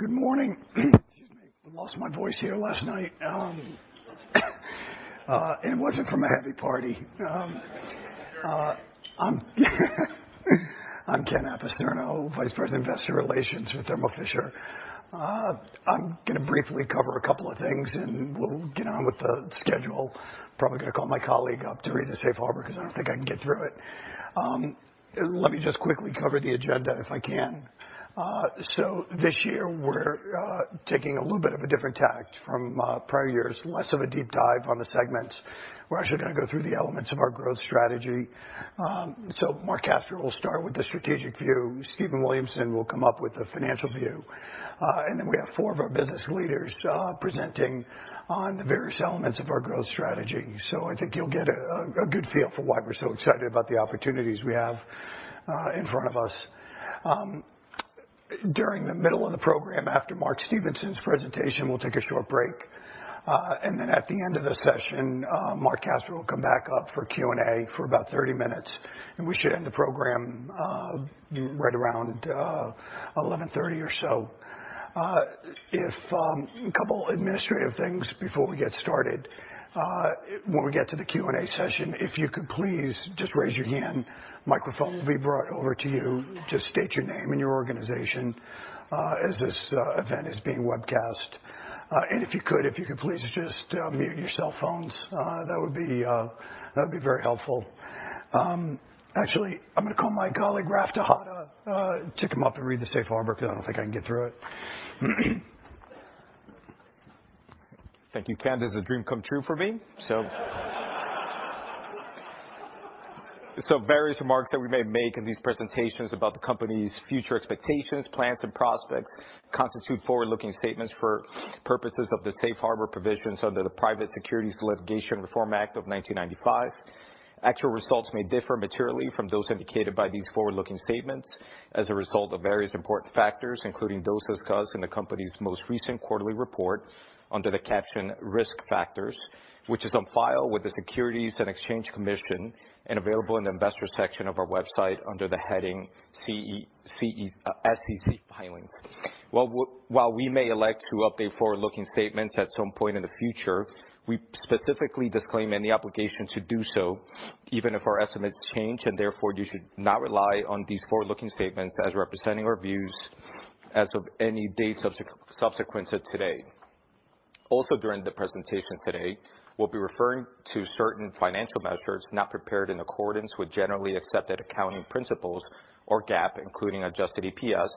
Good morning. Excuse me. Lost my voice here last night. It wasn't from a heavy party. I'm Ken Apicerno, Vice President of Investor Relations with Thermo Fisher. I'm going to briefly cover two things and we'll get on with the schedule. Probably going to call my colleague up to read the safe harbor, because I don't think I can get through it. Let me just quickly cover the agenda if I can. This year we're taking a little bit of a different tact from prior years. Less of a deep dive on the segments. We're actually going to go through the elements of our growth strategy. Marc Casper will start with the strategic view. Stephen Williamson will come up with the financial view. Then we have 4 of our business leaders presenting on the various elements of our growth strategy. I think you'll get a good feel for why we're so excited about the opportunities we have in front of us. During the middle of the program, after Stephen Williamson's presentation, we'll take a short break. Then at the end of the session, Marc Casper will come back up for Q&A for about 30 minutes. We should end the program right around 11:30 or so. Two administrative things before we get started. When we get to the Q&A session, if you could please just raise your hand, microphone will be brought over to you. Just state your name and your organization, as this event is being webcast. If you could please just mute your cell phones, that would be very helpful. Actually, I'm going to call my colleague, Raf Tejada. Take him up to read the safe harbor because I don't think I can get through it. Thank you, Ken. This is a dream come true for me. Various remarks that we may make in these presentations about the company's future expectations, plans, and prospects constitute forward-looking statements for purposes of the safe harbor provisions under the Private Securities Litigation Reform Act of 1995. Actual results may differ materially from those indicated by these forward-looking statements as a result of various important factors, including those discussed in the company's most recent quarterly report under the caption Risk Factors, which is on file with the Securities and Exchange Commission and available in the investor section of our website under the heading SEC Filings. While we may elect to update forward-looking statements at some point in the future, we specifically disclaim any obligation to do so, even if our estimates change. Therefore, you should not rely on these forward-looking statements as representing our views as of any date subsequent to today. During the presentations today, we'll be referring to certain financial measures not prepared in accordance with generally accepted accounting principles or GAAP, including adjusted EPS,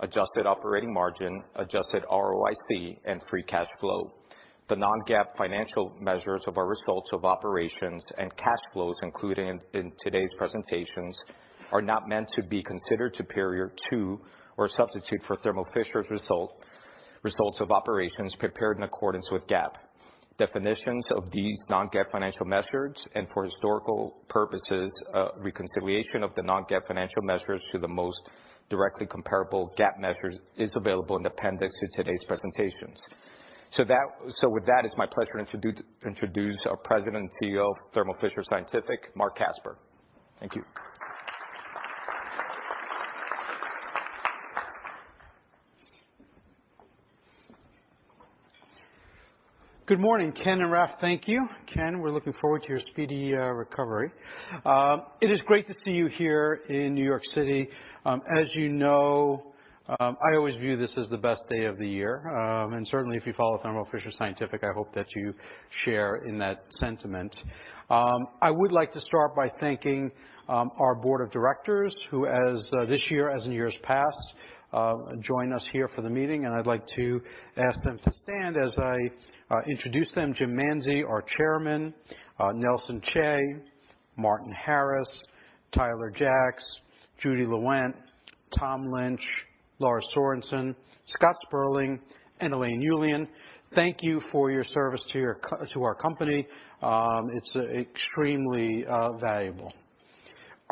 adjusted operating margin, adjusted ROIC, and free cash flow. The non-GAAP financial measures of our results of operations and cash flows included in today's presentations are not meant to be considered superior to or substitute for Thermo Fisher's results of operations prepared in accordance with GAAP. Definitions of these non-GAAP financial measures and for historical purposes, reconciliation of the non-GAAP financial measures to the most directly comparable GAAP measures is available in appendix to today's presentations. With that, it's my pleasure to introduce our President and CEO of Thermo Fisher Scientific, Marc Casper. Thank you. Good morning, Ken and Raf. Thank you. Ken, we're looking forward to your speedy recovery. It is great to see you here in New York City. Certainly if you follow Thermo Fisher Scientific, I hope that you share in that sentiment. I would like to start by thanking our Board of Directors, who as this year, as in years past, join us here for the meeting, and I'd like to ask them to stand as I introduce them. Jim Manzi, our Chairman, Nelson Chai, Martin Harris, Tyler Jacks, Judy Lewent, Tom Lynch, Lars Sørensen, Scott Sperling, and Elaine Ullian. Thank you for your service to our company. It's extremely valuable.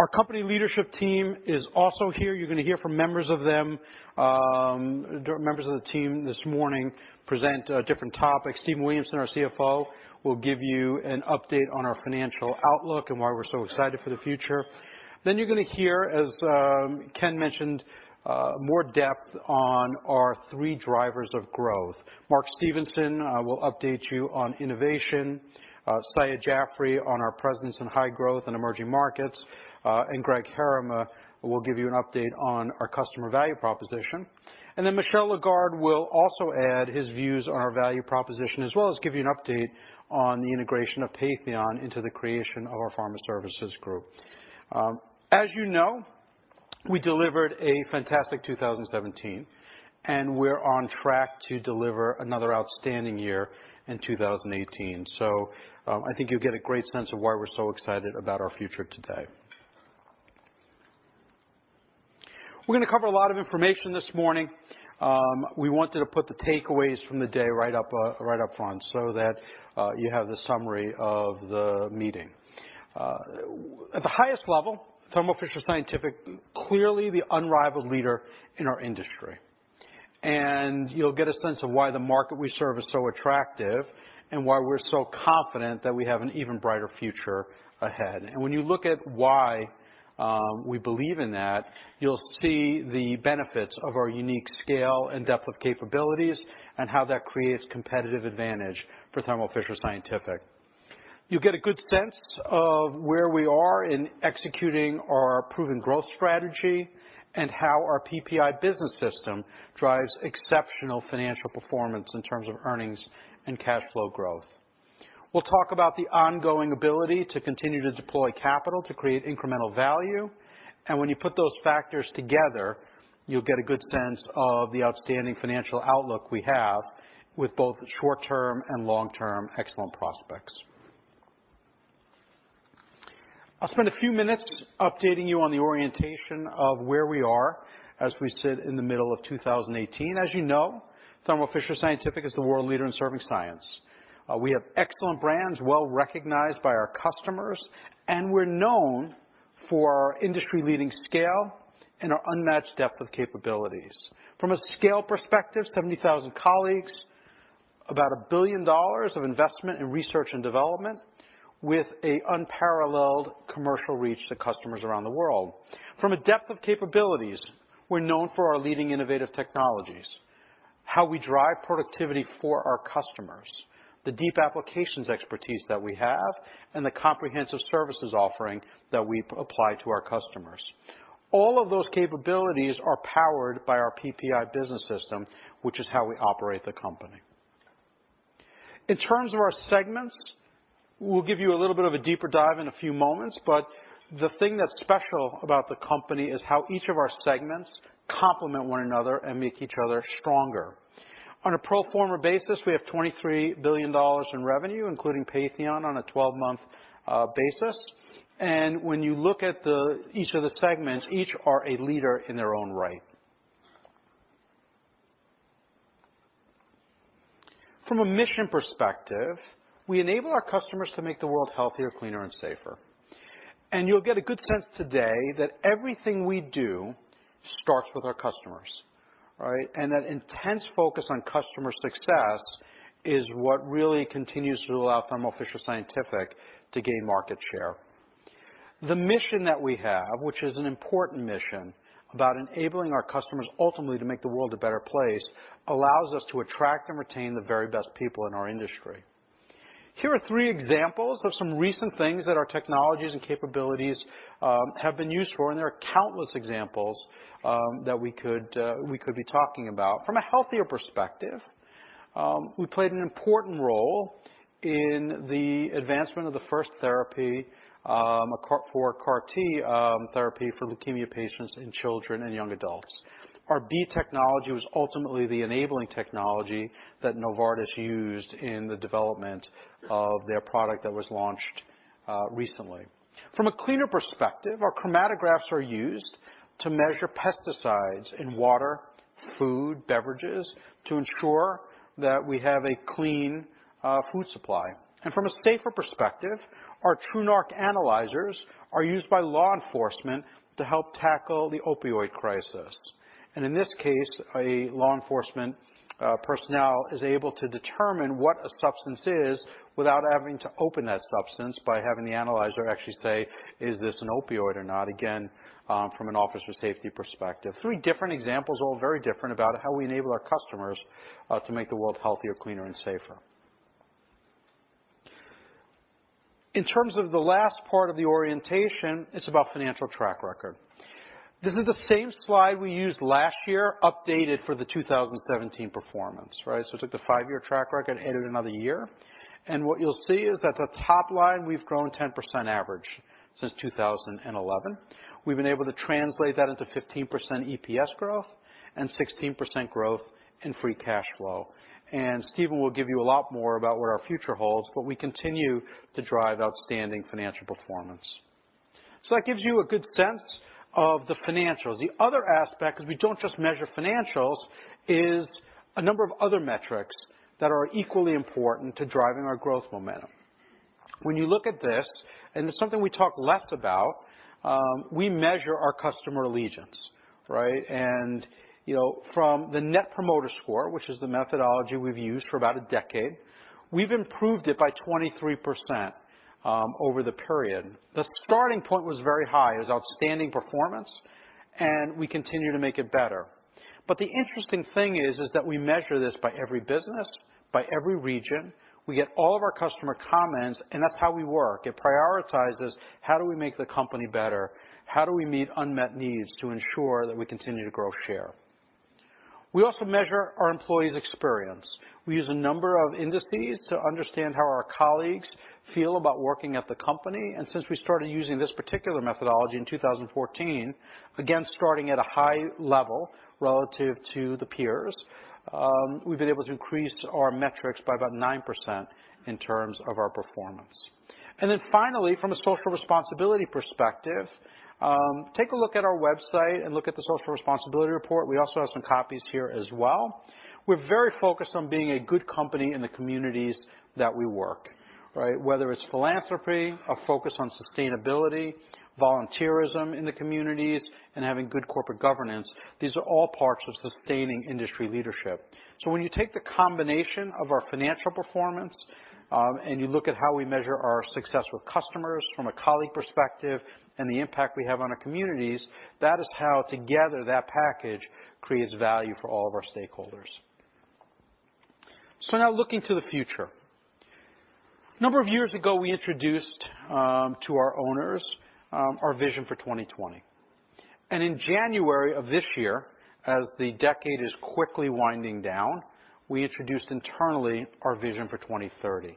Our company leadership team is also here. You're going to hear from members of them. Members of the team this morning present different topics. Stephen Williamson, our CFO, will give you an update on our financial outlook and why we're so excited for the future. You're going to hear, as Ken mentioned, more depth on our three drivers of growth. Mark Stevenson will update you on innovation, Syed Jafry on our presence in high growth and emerging markets, and Greg Heerema will give you an update on our customer value proposition. Michel Lagarde will also add his views on our value proposition, as well as give you an update on the integration of Patheon into the creation of our Pharma Services Group. As you know, we delivered a fantastic 2017, and we're on track to deliver another outstanding year in 2018. I think you'll get a great sense of why we're so excited about our future today. We're going to cover a lot of information this morning. We wanted to put the takeaways from the day right up front so that you have the summary of the meeting. At the highest level, Thermo Fisher Scientific, clearly the unrivaled leader in our industry. You'll get a sense of why the market we serve is so attractive and why we're so confident that we have an even brighter future ahead. When you look at why we believe in that, you'll see the benefits of our unique scale and depth of capabilities and how that creates competitive advantage for Thermo Fisher Scientific. You'll get a good sense of where we are in executing our proven growth strategy and how our PPI business system drives exceptional financial performance in terms of earnings and cash flow growth. We'll talk about the ongoing ability to continue to deploy capital to create incremental value. When you put those factors together, you'll get a good sense of the outstanding financial outlook we have with both short-term and long-term excellent prospects. I'll spend a few minutes updating you on the orientation of where we are as we sit in the middle of 2018. As you know, Thermo Fisher Scientific is the world leader in serving science. We have excellent brands, well recognized by our customers, and we're known for our industry-leading scale and our unmatched depth of capabilities. From a scale perspective, 70,000 colleagues, about $1 billion of investment in research and development, with an unparalleled commercial reach to customers around the world. From a depth of capabilities, we're known for our leading innovative technologies, how we drive productivity for our customers, the deep applications expertise that we have, and the comprehensive services offering that we apply to our customers. All of those capabilities are powered by our PPI business system, which is how we operate the company. In terms of our segments, we'll give you a little bit of a deeper dive in a few moments, but the thing that's special about the company is how each of our segments complement one another and make each other stronger. On a pro forma basis, we have $23 billion in revenue, including Patheon, on a 12-month basis. When you look at each of the segments, each are a leader in their own right. From a mission perspective, we enable our customers to make the world healthier, cleaner, and safer. You'll get a good sense today that everything we do starts with our customers. Right? That intense focus on customer success is what really continues to allow Thermo Fisher Scientific to gain market share. The mission that we have, which is an important mission, about enabling our customers ultimately to make the world a better place, allows us to attract and retain the very best people in our industry. Here are three examples of some recent things that our technologies and capabilities have been used for, and there are countless examples that we could be talking about. From a healthier perspective, we played an important role in the advancement of the first therapy for CAR T therapy for leukemia patients in children and young adults. Our B technology was ultimately the enabling technology that Novartis used in the development of their product that was launched recently. From a cleaner perspective, our chromatographs are used to measure pesticides in water, food, beverages to ensure that we have a clean food supply. From a safer perspective, our TruNarc analyzers are used by law enforcement to help tackle the opioid crisis. In this case, a law enforcement personnel is able to determine what a substance is without having to open that substance by having the analyzer actually say, "Is this an opioid or not?" Again, from an officer safety perspective. Three different examples, all very different, about how we enable our customers to make the world healthier, cleaner, and safer. In terms of the last part of the orientation, it's about financial track record. This is the same slide we used last year, updated for the 2017 performance. Right? Took the five-year track record, added another year. What you'll see is that the top line, we've grown 10% average since 2011. We've been able to translate that into 15% EPS growth and 16% growth in free cash flow. Steven will give you a lot more about where our future holds, but we continue to drive outstanding financial performance. That gives you a good sense of the financials. The other aspect, because we don't just measure financials, is a number of other metrics that are equally important to driving our growth momentum. When you look at this, it's something we talk less about, we measure our customer allegiance. Right? From the Net Promoter Score, which is the methodology we've used for about a decade, we've improved it by 23% over the period. The starting point was very high. It was outstanding performance, and we continue to make it better. The interesting thing is that we measure this by every business, by every region. We get all of our customer comments, and that's how we work. It prioritizes. How do we make the company better? How do we meet unmet needs to ensure that we continue to grow share? We also measure our employees' experience. We use a number of indices to understand how our colleagues feel about working at the company. Since we started using this particular methodology in 2014, again, starting at a high level relative to the peers, we've been able to increase our metrics by about 9% in terms of our performance. Then finally, from a social responsibility perspective, take a look at our website and look at the social responsibility report. We also have some copies here as well. We're very focused on being a good company in the communities that we work. Whether it's philanthropy, a focus on sustainability, volunteerism in the communities, and having good corporate governance, these are all parts of sustaining industry leadership. When you take the combination of our financial performance, and you look at how we measure our success with customers from a colleague perspective and the impact we have on our communities, that is how together that package creates value for all of our stakeholders. Now looking to the future. A number of years ago, we introduced to our owners our vision for 2020. In January of this year, as the decade is quickly winding down, we introduced internally our vision for 2030.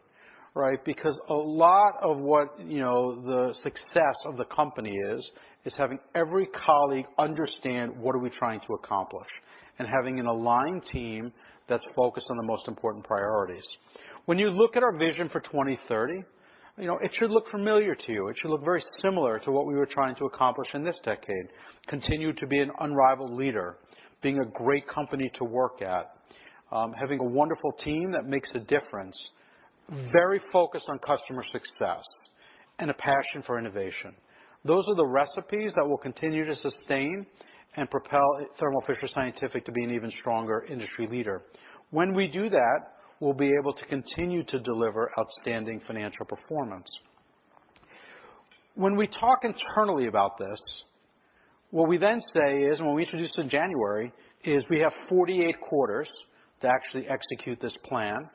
A lot of what the success of the company is having every colleague understand what are we trying to accomplish and having an aligned team that's focused on the most important priorities. When you look at our vision for 2030, it should look familiar to you. It should look very similar to what we were trying to accomplish in this decade. Continue to be an unrivaled leader, being a great company to work at, having a wonderful team that makes a difference, very focused on customer success, and a passion for innovation. Those are the recipes that will continue to sustain and propel Thermo Fisher Scientific to be an even stronger industry leader. When we do that, we'll be able to continue to deliver outstanding financial performance. When we talk internally about this, what we then say is, and what we introduced in January, is we have 48 quarters to actually execute this plan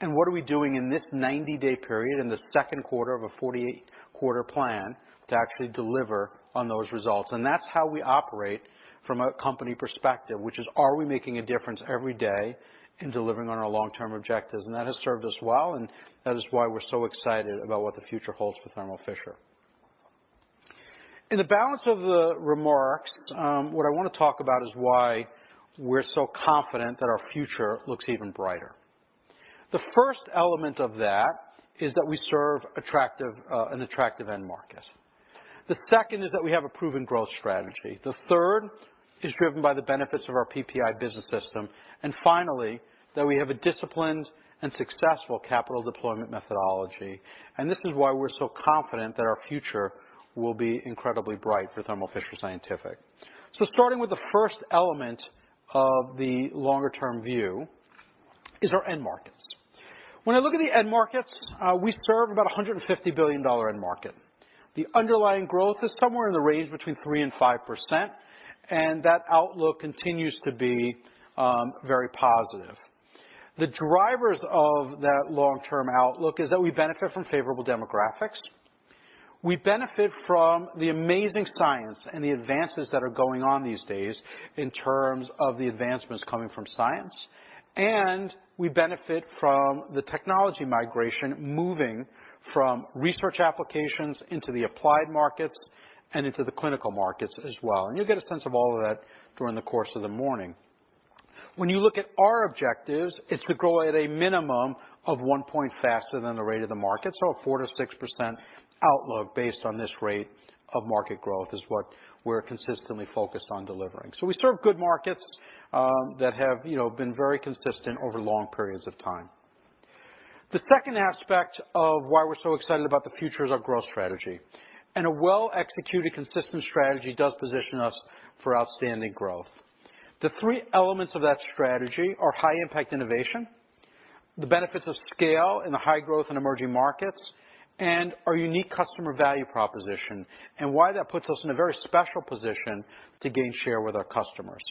and what are we doing in this 90-day period in the second quarter of a 48-quarter plan to actually deliver on those results? That's how we operate from a company perspective, which is, are we making a difference every day in delivering on our long-term objectives? That has served us well, that is why we're so excited about what the future holds for Thermo Fisher. In the balance of the remarks, what I want to talk about is why we're so confident that our future looks even brighter. The first element of that is that we serve an attractive end market. The second is that we have a proven growth strategy. The third is driven by the benefits of our PPI business system. Finally, that we have a disciplined and successful capital deployment methodology. This is why we're so confident that our future will be incredibly bright for Thermo Fisher Scientific. Starting with the first element of the longer-term view is our end markets. When I look at the end markets, we serve about $150 billion end market. The underlying growth is somewhere in the range between 3%-5%, that outlook continues to be very positive. The drivers of that long-term outlook is that we benefit from favorable demographics, we benefit from the amazing science and the advances that are going on these days in terms of the advancements coming from science, we benefit from the technology migration moving from research applications into the applied markets and into the clinical markets as well. You'll get a sense of all of that during the course of the morning. When you look at our objectives, it's to grow at a minimum of one point faster than the rate of the market. A 4%-6% outlook based on this rate of market growth is what we're consistently focused on delivering. We serve good markets that have been very consistent over long periods of time. The second aspect of why we're so excited about the future is our growth strategy. A well-executed consistent strategy does position us for outstanding growth. The three elements of that strategy are high impact innovation, the benefits of scale in the high growth and emerging markets, our unique customer value proposition, why that puts us in a very special position to gain share with our customers.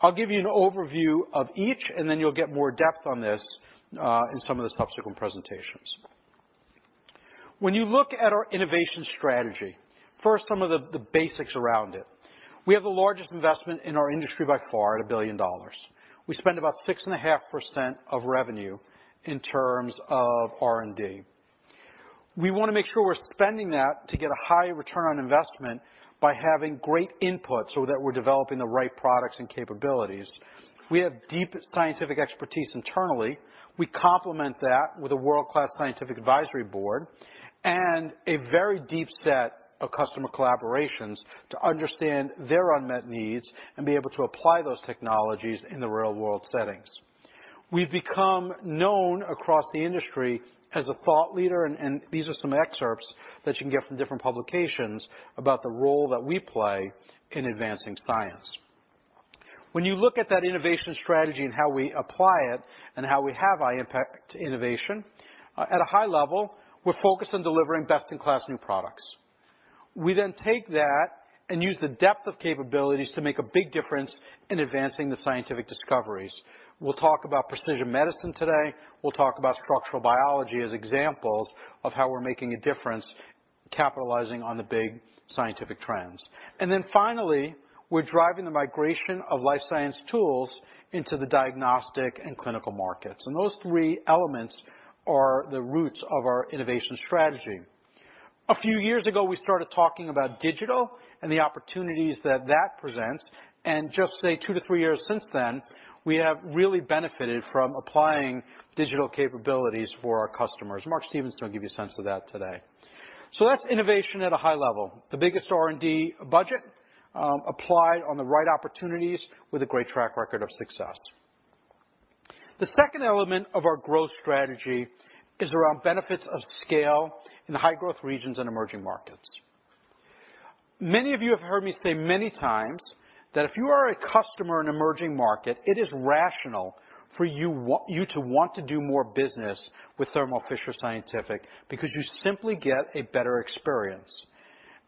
I'll give you an overview of each, then you'll get more depth on this in some of the subsequent presentations. When you look at our innovation strategy, first, some of the basics around it. We have the largest investment in our industry by far at $1 billion. We spend about 6.5% of revenue in terms of R&D. We want to make sure we're spending that to get a high return on investment by having great input so that we're developing the right products and capabilities. We have deep scientific expertise internally. We complement that with a world-class scientific advisory board, a very deep set of customer collaborations to understand their unmet needs and be able to apply those technologies in the real-world settings. We've become known across the industry as a thought leader, these are some excerpts that you can get from different publications about the role that we play in advancing science. When you look at that innovation strategy and how we apply it, how we have high impact innovation, at a high level, we're focused on delivering best-in-class new products. We take that and use the depth of capabilities to make a big difference in advancing the scientific discoveries. We'll talk about precision medicine today. We'll talk about structural biology as examples of how we're making a difference capitalizing on the big scientific trends. Finally, we're driving the migration of life science tools into the diagnostic and clinical markets. Those three elements are the roots of our innovation strategy. A few years ago, we started talking about digital and the opportunities that that presents. Just say two to three years since then, we have really benefited from applying digital capabilities for our customers. Mark Stevenson will give you a sense of that today. That's innovation at a high level. The biggest R&D budget applied on the right opportunities with a great track record of success. The second element of our growth strategy is around benefits of scale in high growth regions and emerging markets. Many of you have heard me say many times that if you are a customer in emerging market, it is rational for you to want to do more business with Thermo Fisher Scientific because you simply get a better experience.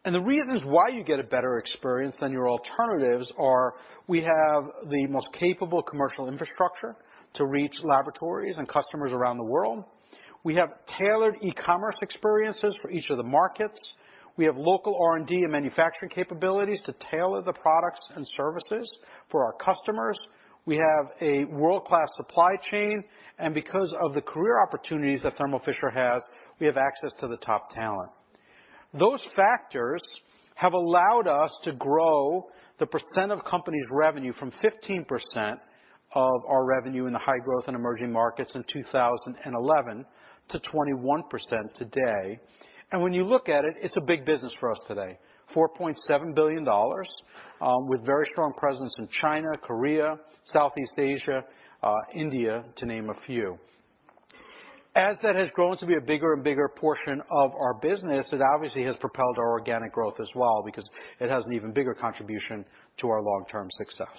The reasons why you get a better experience than your alternatives are we have the most capable commercial infrastructure to reach laboratories and customers around the world. We have tailored e-commerce experiences for each of the markets. We have local R&D and manufacturing capabilities to tailor the products and services for our customers. We have a world-class supply chain, and because of the career opportunities that Thermo Fisher has, we have access to the top talent. Those factors have allowed us to grow the percent of company's revenue from 15% of our revenue in the high growth and emerging markets in 2011 to 21% today. When you look at it's a big business for us today, $4.7 billion with very strong presence in China, Korea, Southeast Asia, India, to name a few. As that has grown to be a bigger and bigger portion of our business, it obviously has propelled our organic growth as well because it has an even bigger contribution to our long-term success.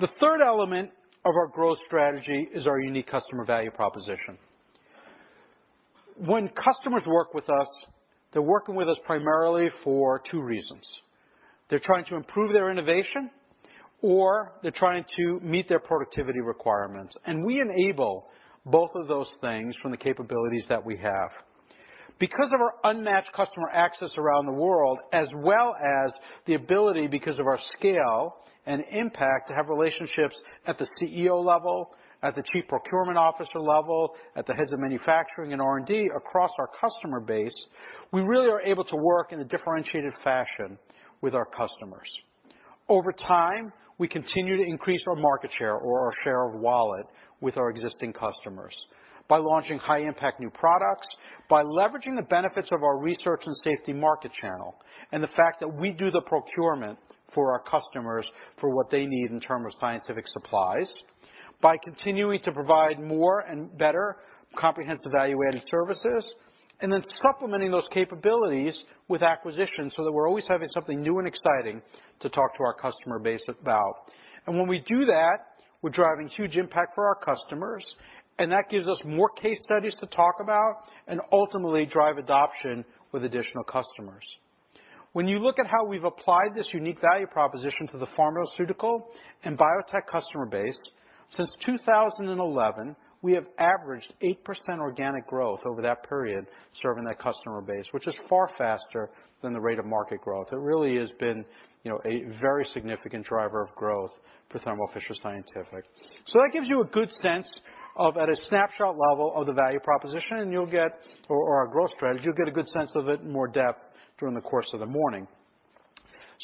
The third element of our growth strategy is our unique customer value proposition. When customers work with us, they're working with us primarily for two reasons. They're trying to improve their innovation, or they're trying to meet their productivity requirements. We enable both of those things from the capabilities that we have. Because of our unmatched customer access around the world, as well as the ability because of our scale and impact to have relationships at the CEO level, at the chief procurement officer level, at the heads of manufacturing and R&D across our customer base, we really are able to work in a differentiated fashion with our customers. Over time, we continue to increase our market share or our share of wallet with our existing customers by launching high impact new products, by leveraging the benefits of our research and safety market channel, and the fact that we do the procurement for our customers for what they need in term of scientific supplies, by continuing to provide more and better comprehensive value-added services, then supplementing those capabilities with acquisitions so that we're always having something new and exciting to talk to our customer base about. When we do that, we're driving huge impact for our customers, and that gives us more case studies to talk about and ultimately drive adoption with additional customers. When you look at how we've applied this unique value proposition to the pharmaceutical and biotech customer base, since 2011, we have averaged 8% organic growth over that period serving that customer base, which is far faster than the rate of market growth. It really has been a very significant driver of growth for Thermo Fisher Scientific. That gives you a good sense of at a snapshot level of the value proposition, or our growth strategy, you'll get a good sense of it in more depth during the course of the morning.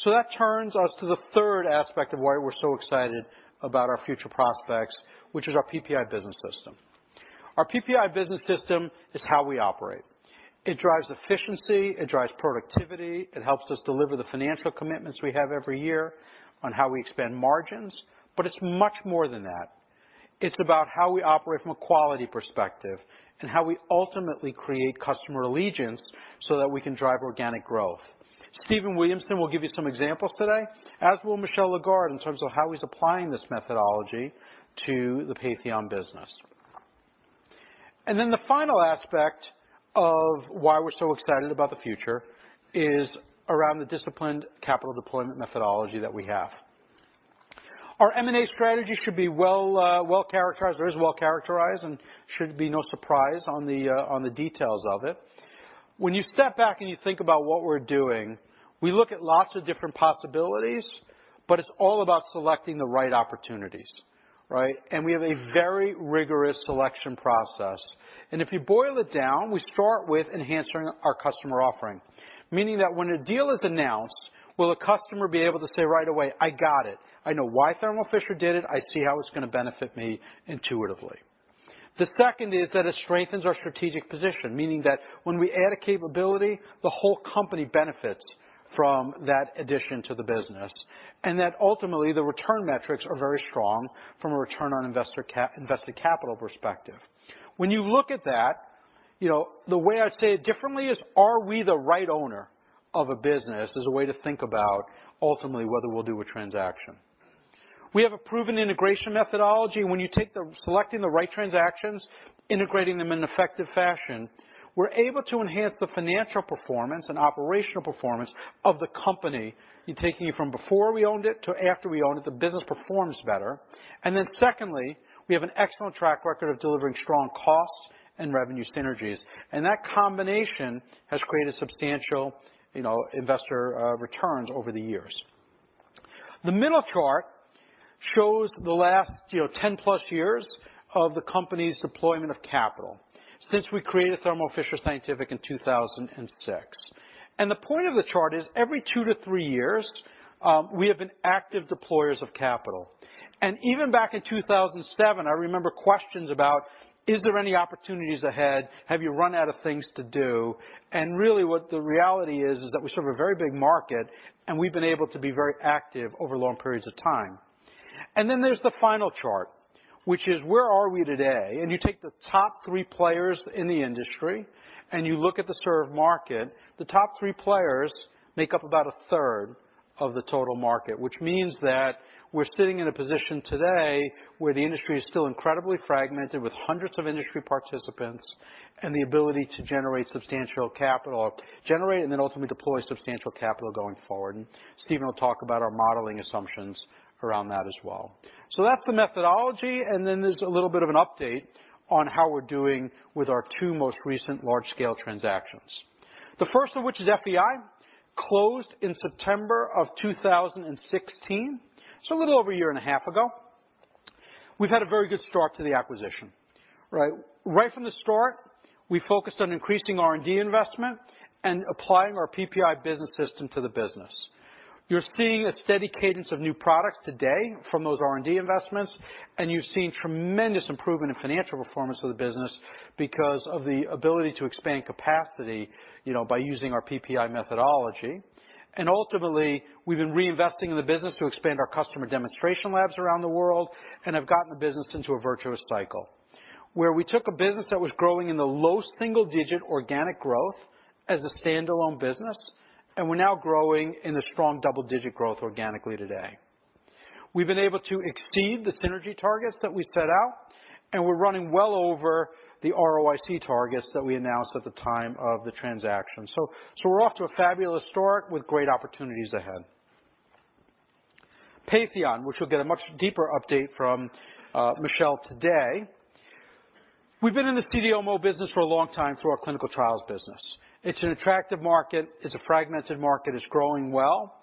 That turns us to the third aspect of why we're so excited about our future prospects, which is our PPI business system. Our PPI business system is how we operate. It drives efficiency, it drives productivity, it helps us deliver the financial commitments we have every year on how we expend margins, but it's much more than that. It's about how we operate from a quality perspective and how we ultimately create customer allegiance so that we can drive organic growth. Stephen Williamson will give you some examples today, as will Michel Lagarde in terms of how he's applying this methodology to the Patheon business. Then the final aspect of why we're so excited about the future is around the disciplined capital deployment methodology that we have. Our M&A strategy should be well-characterized, or is well-characterized and should be no surprise on the details of it. When you step back and you think about what we're doing, we look at lots of different possibilities, but it's all about selecting the right opportunities, right? We have a very rigorous selection process. If you boil it down, we start with enhancing our customer offering, meaning that when a deal is announced, will a customer be able to say right away, "I got it. I know why Thermo Fisher did it. I see how it's going to benefit me intuitively." The second is that it strengthens our strategic position, meaning that when we add a capability, the whole company benefits from that addition to the business, and that ultimately, the return metrics are very strong from a return on invested capital perspective. When you look at that, the way I'd say it differently is, are we the right owner of a business? As a way to think about ultimately whether we'll do a transaction. We have a proven integration methodology. When you take the selecting the right transactions, integrating them in effective fashion, we're able to enhance the financial performance and operational performance of the company. You're taking it from before we owned it to after we owned it, the business performs better. Then secondly, we have an excellent track record of delivering strong costs and revenue synergies, and that combination has created substantial investor returns over the years. The middle chart shows the last 10 plus years of the company's deployment of capital since we created Thermo Fisher Scientific in 2006. The point of the chart is every two to three years, we have been active deployers of capital. Even back in 2007, I remember questions about, "Is there any opportunities ahead? Have you run out of things to do?" Really, what the reality is that we serve a very big market, and we've been able to be very active over long periods of time. There's the final chart, which is where are we today. You take the top three players in the industry, and you look at the served market. The top three players make up about a third of the total market, which means that we're sitting in a position today where the industry is still incredibly fragmented with hundreds of industry participants, and the ability to generate substantial capital. Generate and then ultimately deploy substantial capital going forward. Stephen will talk about our modeling assumptions around that as well. That's the methodology, and then there's a little bit of an update on how we're doing with our two most recent large-scale transactions. The first of which is FEI, closed in September of 2016, so a little over one year and a half ago. We've had a very good start to the acquisition. Right from the start, we focused on increasing R&D investment and applying our PPI business system to the business. You're seeing a steady cadence of new products today from those R&D investments, and you've seen tremendous improvement in financial performance of the business because of the ability to expand capacity by using our PPI methodology. Ultimately, we've been reinvesting in the business to expand our customer demonstration labs around the world and have gotten the business into a virtuous cycle, where we took a business that was growing in the low single-digit organic growth as a standalone business, and we're now growing in a strong double-digit growth organically today. We've been able to exceed the synergy targets that we set out, and we're running well over the ROIC targets that we announced at the time of the transaction. We're off to a fabulous start with great opportunities ahead. Patheon, which you'll get a much deeper update from Michel today. We've been in the CDMO business for a long time through our clinical trials business. It's an attractive market, it's a fragmented market, it's growing well,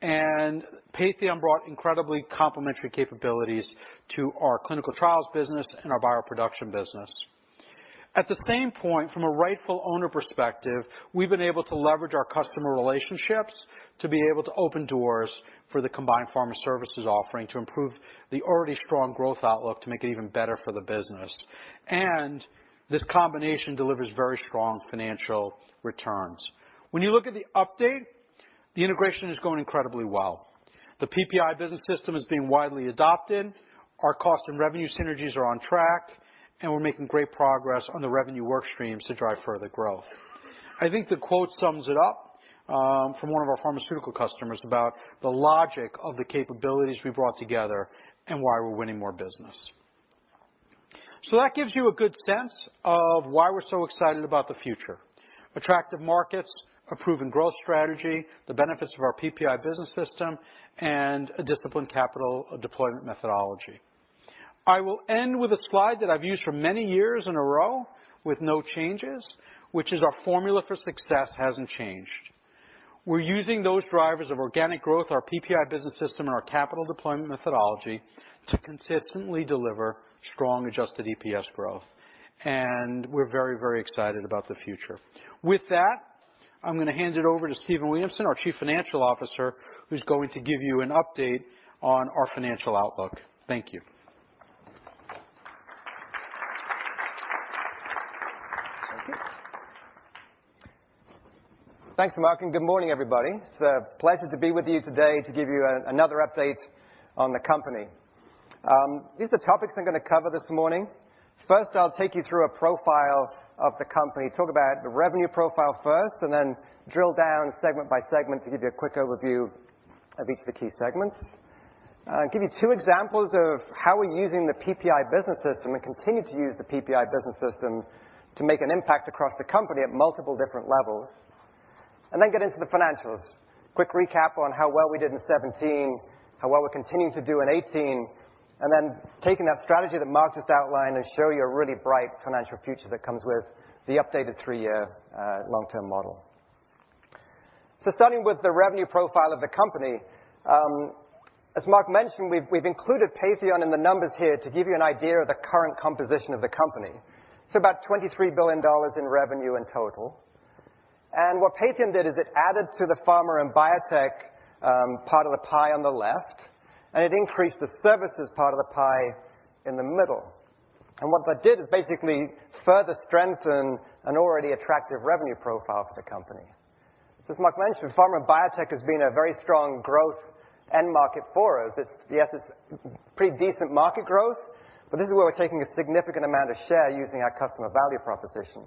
and Patheon brought incredibly complementary capabilities to our clinical trials business and our bioproduction business. At the same point, from a rightful owner perspective, we've been able to leverage our customer relationships to be able to open doors for the combined pharma services offering to improve the already strong growth outlook to make it even better for the business. This combination delivers very strong financial returns. When you look at the update, the integration is going incredibly well. The PPI business system is being widely adopted. Our cost and revenue synergies are on track, and we're making great progress on the revenue work streams to drive further growth. I think the quote sums it up from one of our pharmaceutical customers about the logic of the capabilities we brought together and why we're winning more business. That gives you a good sense of why we're so excited about the future. Attractive markets, a proven growth strategy, the benefits of our PPI business system, and a disciplined capital deployment methodology. I will end with a slide that I've used for many years in a row with no changes, which is our formula for success hasn't changed. We're using those drivers of organic growth, our PPI business system, and our capital deployment methodology to consistently deliver strong adjusted EPS growth. We're very excited about the future. With that, I'm going to hand it over to Stephen Williamson, our Chief Financial Officer, who's going to give you an update on our financial outlook. Thank you. Thank you. Thanks, Marc, good morning, everybody. It's a pleasure to be with you today to give you another update on the company. These are the topics I'm going to cover this morning. First, I'll take you through a profile of the company, talk about the revenue profile first, drill down segment by segment to give you a quick overview of each of the key segments. I'll give you two examples of how we're using the PPI business system and continue to use the PPI business system to make an impact across the company at multiple different levels. Get into the financials. Quick recap on how well we did in 2017, how well we're continuing to do in 2018, taking that strategy that Marc just outlined and show you a really bright financial future that comes with the updated three-year long-term model. Starting with the revenue profile of the company. As Marc mentioned, we've included Patheon in the numbers here to give you an idea of the current composition of the company. About $23 billion in revenue in total. What Patheon did is it added to the pharma and biotech part of the pie on the left, it increased the services part of the pie in the middle. What that did is basically further strengthened an already attractive revenue profile for the company. As Marc mentioned, pharma and biotech has been a very strong growth end market for us. Yes, it's pretty decent market growth, this is where we're taking a significant amount of share using our customer value proposition.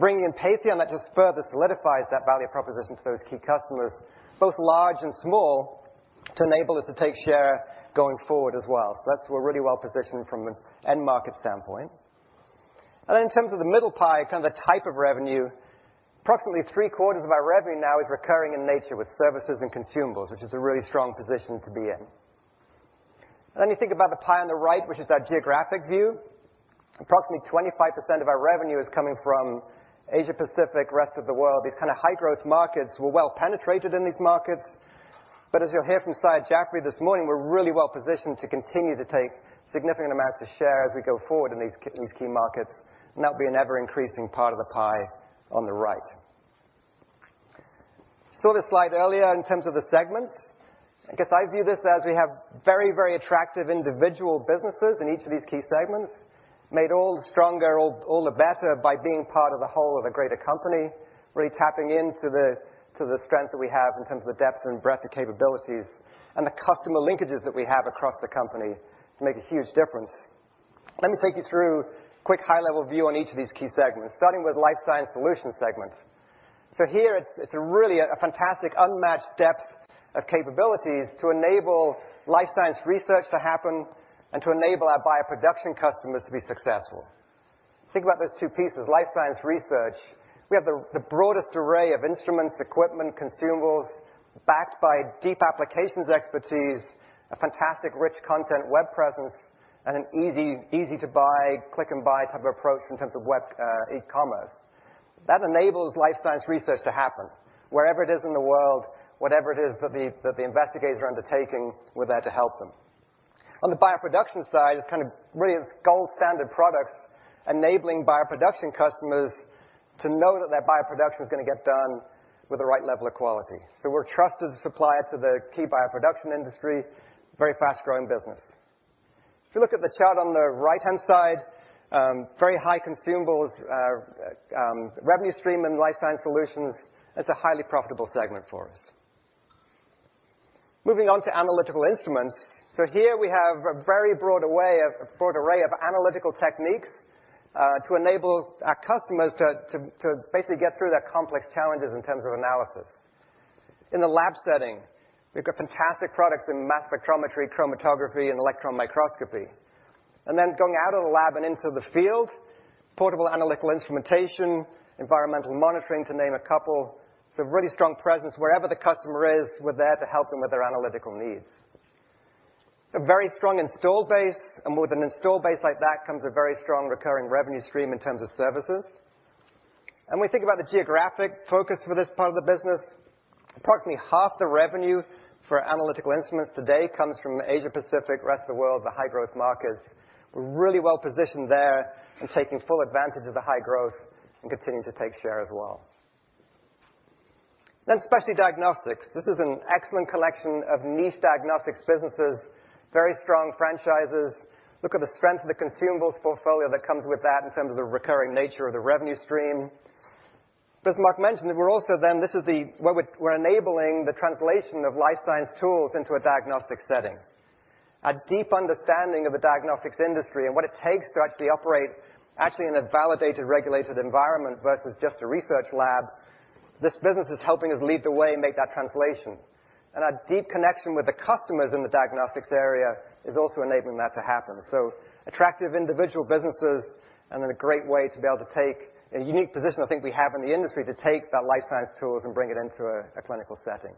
Bringing in Patheon, that just further solidifies that value proposition to those key customers, both large and small, to enable us to take share going forward as well. That's, we're really well-positioned from an end market standpoint. In terms of the middle pie, the type of revenue, approximately three-quarters of our revenue now is recurring in nature with services and consumables, which is a really strong position to be in. You think about the pie on the right, which is our geographic view. Approximately 25% of our revenue is coming from Asia Pacific, rest of the world. These kind of high growth markets, we're well penetrated in these markets. As you'll hear from Syed Jafry this morning, we're really well positioned to continue to take significant amounts of share as we go forward in these key markets, and that will be an ever-increasing part of the pie on the right. Saw this slide earlier in terms of the segments. I guess I view this as we have very attractive individual businesses in each of these key segments, made all the stronger, all the better by being part of the whole of a greater company, really tapping into the strength that we have in terms of the depth and breadth of capabilities, and the customer linkages that we have across the company to make a huge difference. Let me take you through a quick high-level view on each of these key segments, starting with Life Science Solutions segment. Here, it's really a fantastic unmatched depth of capabilities to enable life science research to happen and to enable our bioproduction customers to be successful. Think about those two pieces, life science research. We have the broadest array of instruments, equipment, consumables, backed by deep applications expertise, a fantastic rich content web presence, and an easy to buy, click and buy type of approach in terms of web e-commerce. That enables life science research to happen. Wherever it is in the world, whatever it is that the investigators are undertaking, we're there to help them. On the bioproduction side, it's kind of really it's gold standard products enabling bioproduction customers to know that their bioproduction is going to get done with the right level of quality. We're a trusted supplier to the key bioproduction industry, very fast-growing business. If you look at the chart on the right-hand side, very high consumables, revenue stream in Life Science Solutions. It's a highly profitable segment for us. Moving on to Analytical Instruments. Here we have a very broad array of analytical techniques, to enable our customers to basically get through their complex challenges in terms of analysis. In the lab setting, we've got fantastic products in mass spectrometry, chromatography, and electron microscopy. Then going out of the lab and into the field, portable analytical instrumentation, environmental monitoring, to name a couple. Really strong presence wherever the customer is, we're there to help them with their analytical needs. A very strong install base, and with an install base like that comes a very strong recurring revenue stream in terms of services. We think about the geographic focus for this part of the business, approximately half the revenue for Analytical Instruments today comes from Asia Pacific, rest of the world, the high growth markets. We're really well positioned there and taking full advantage of the high growth and continuing to take share as well. Specialty Diagnostics. This is an excellent collection of niche diagnostics businesses, very strong franchises. Look at the strength of the consumables portfolio that comes with that in terms of the recurring nature of the revenue stream. As Marc mentioned, we're enabling the translation of life science tools into a diagnostic setting. A deep understanding of the diagnostics industry and what it takes to actually operate in a validated, regulated environment versus just a research lab. This business is helping us lead the way and make that translation. Our deep connection with the customers in the diagnostics area is also enabling that to happen. Attractive individual businesses and in a great way to be able to take a unique position I think we have in the industry to take that life science tools and bring it into a clinical setting.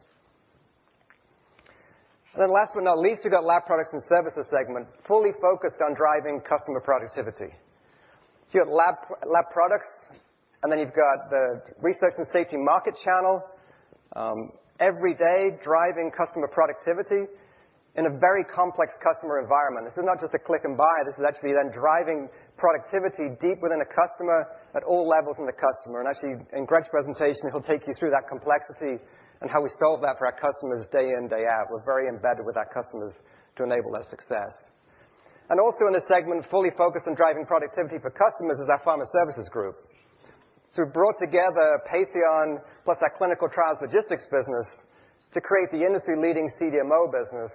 Last but not least, you've got lab products and services segment, fully focused on driving customer productivity. You have lab products, and then you've got the research and safety market channel, every day driving customer productivity in a very complex customer environment. This is not just a click and buy, this is actually then driving productivity deep within a customer at all levels in the customer. In Greg's presentation, he'll take you through that complexity and how we solve that for our customers day in, day out. We're very embedded with our customers to enable their success. Also in this segment, fully focused on driving productivity for customers is our Pharma Services Group. We brought together Patheon plus our clinical trials logistics business to create the industry-leading CDMO business,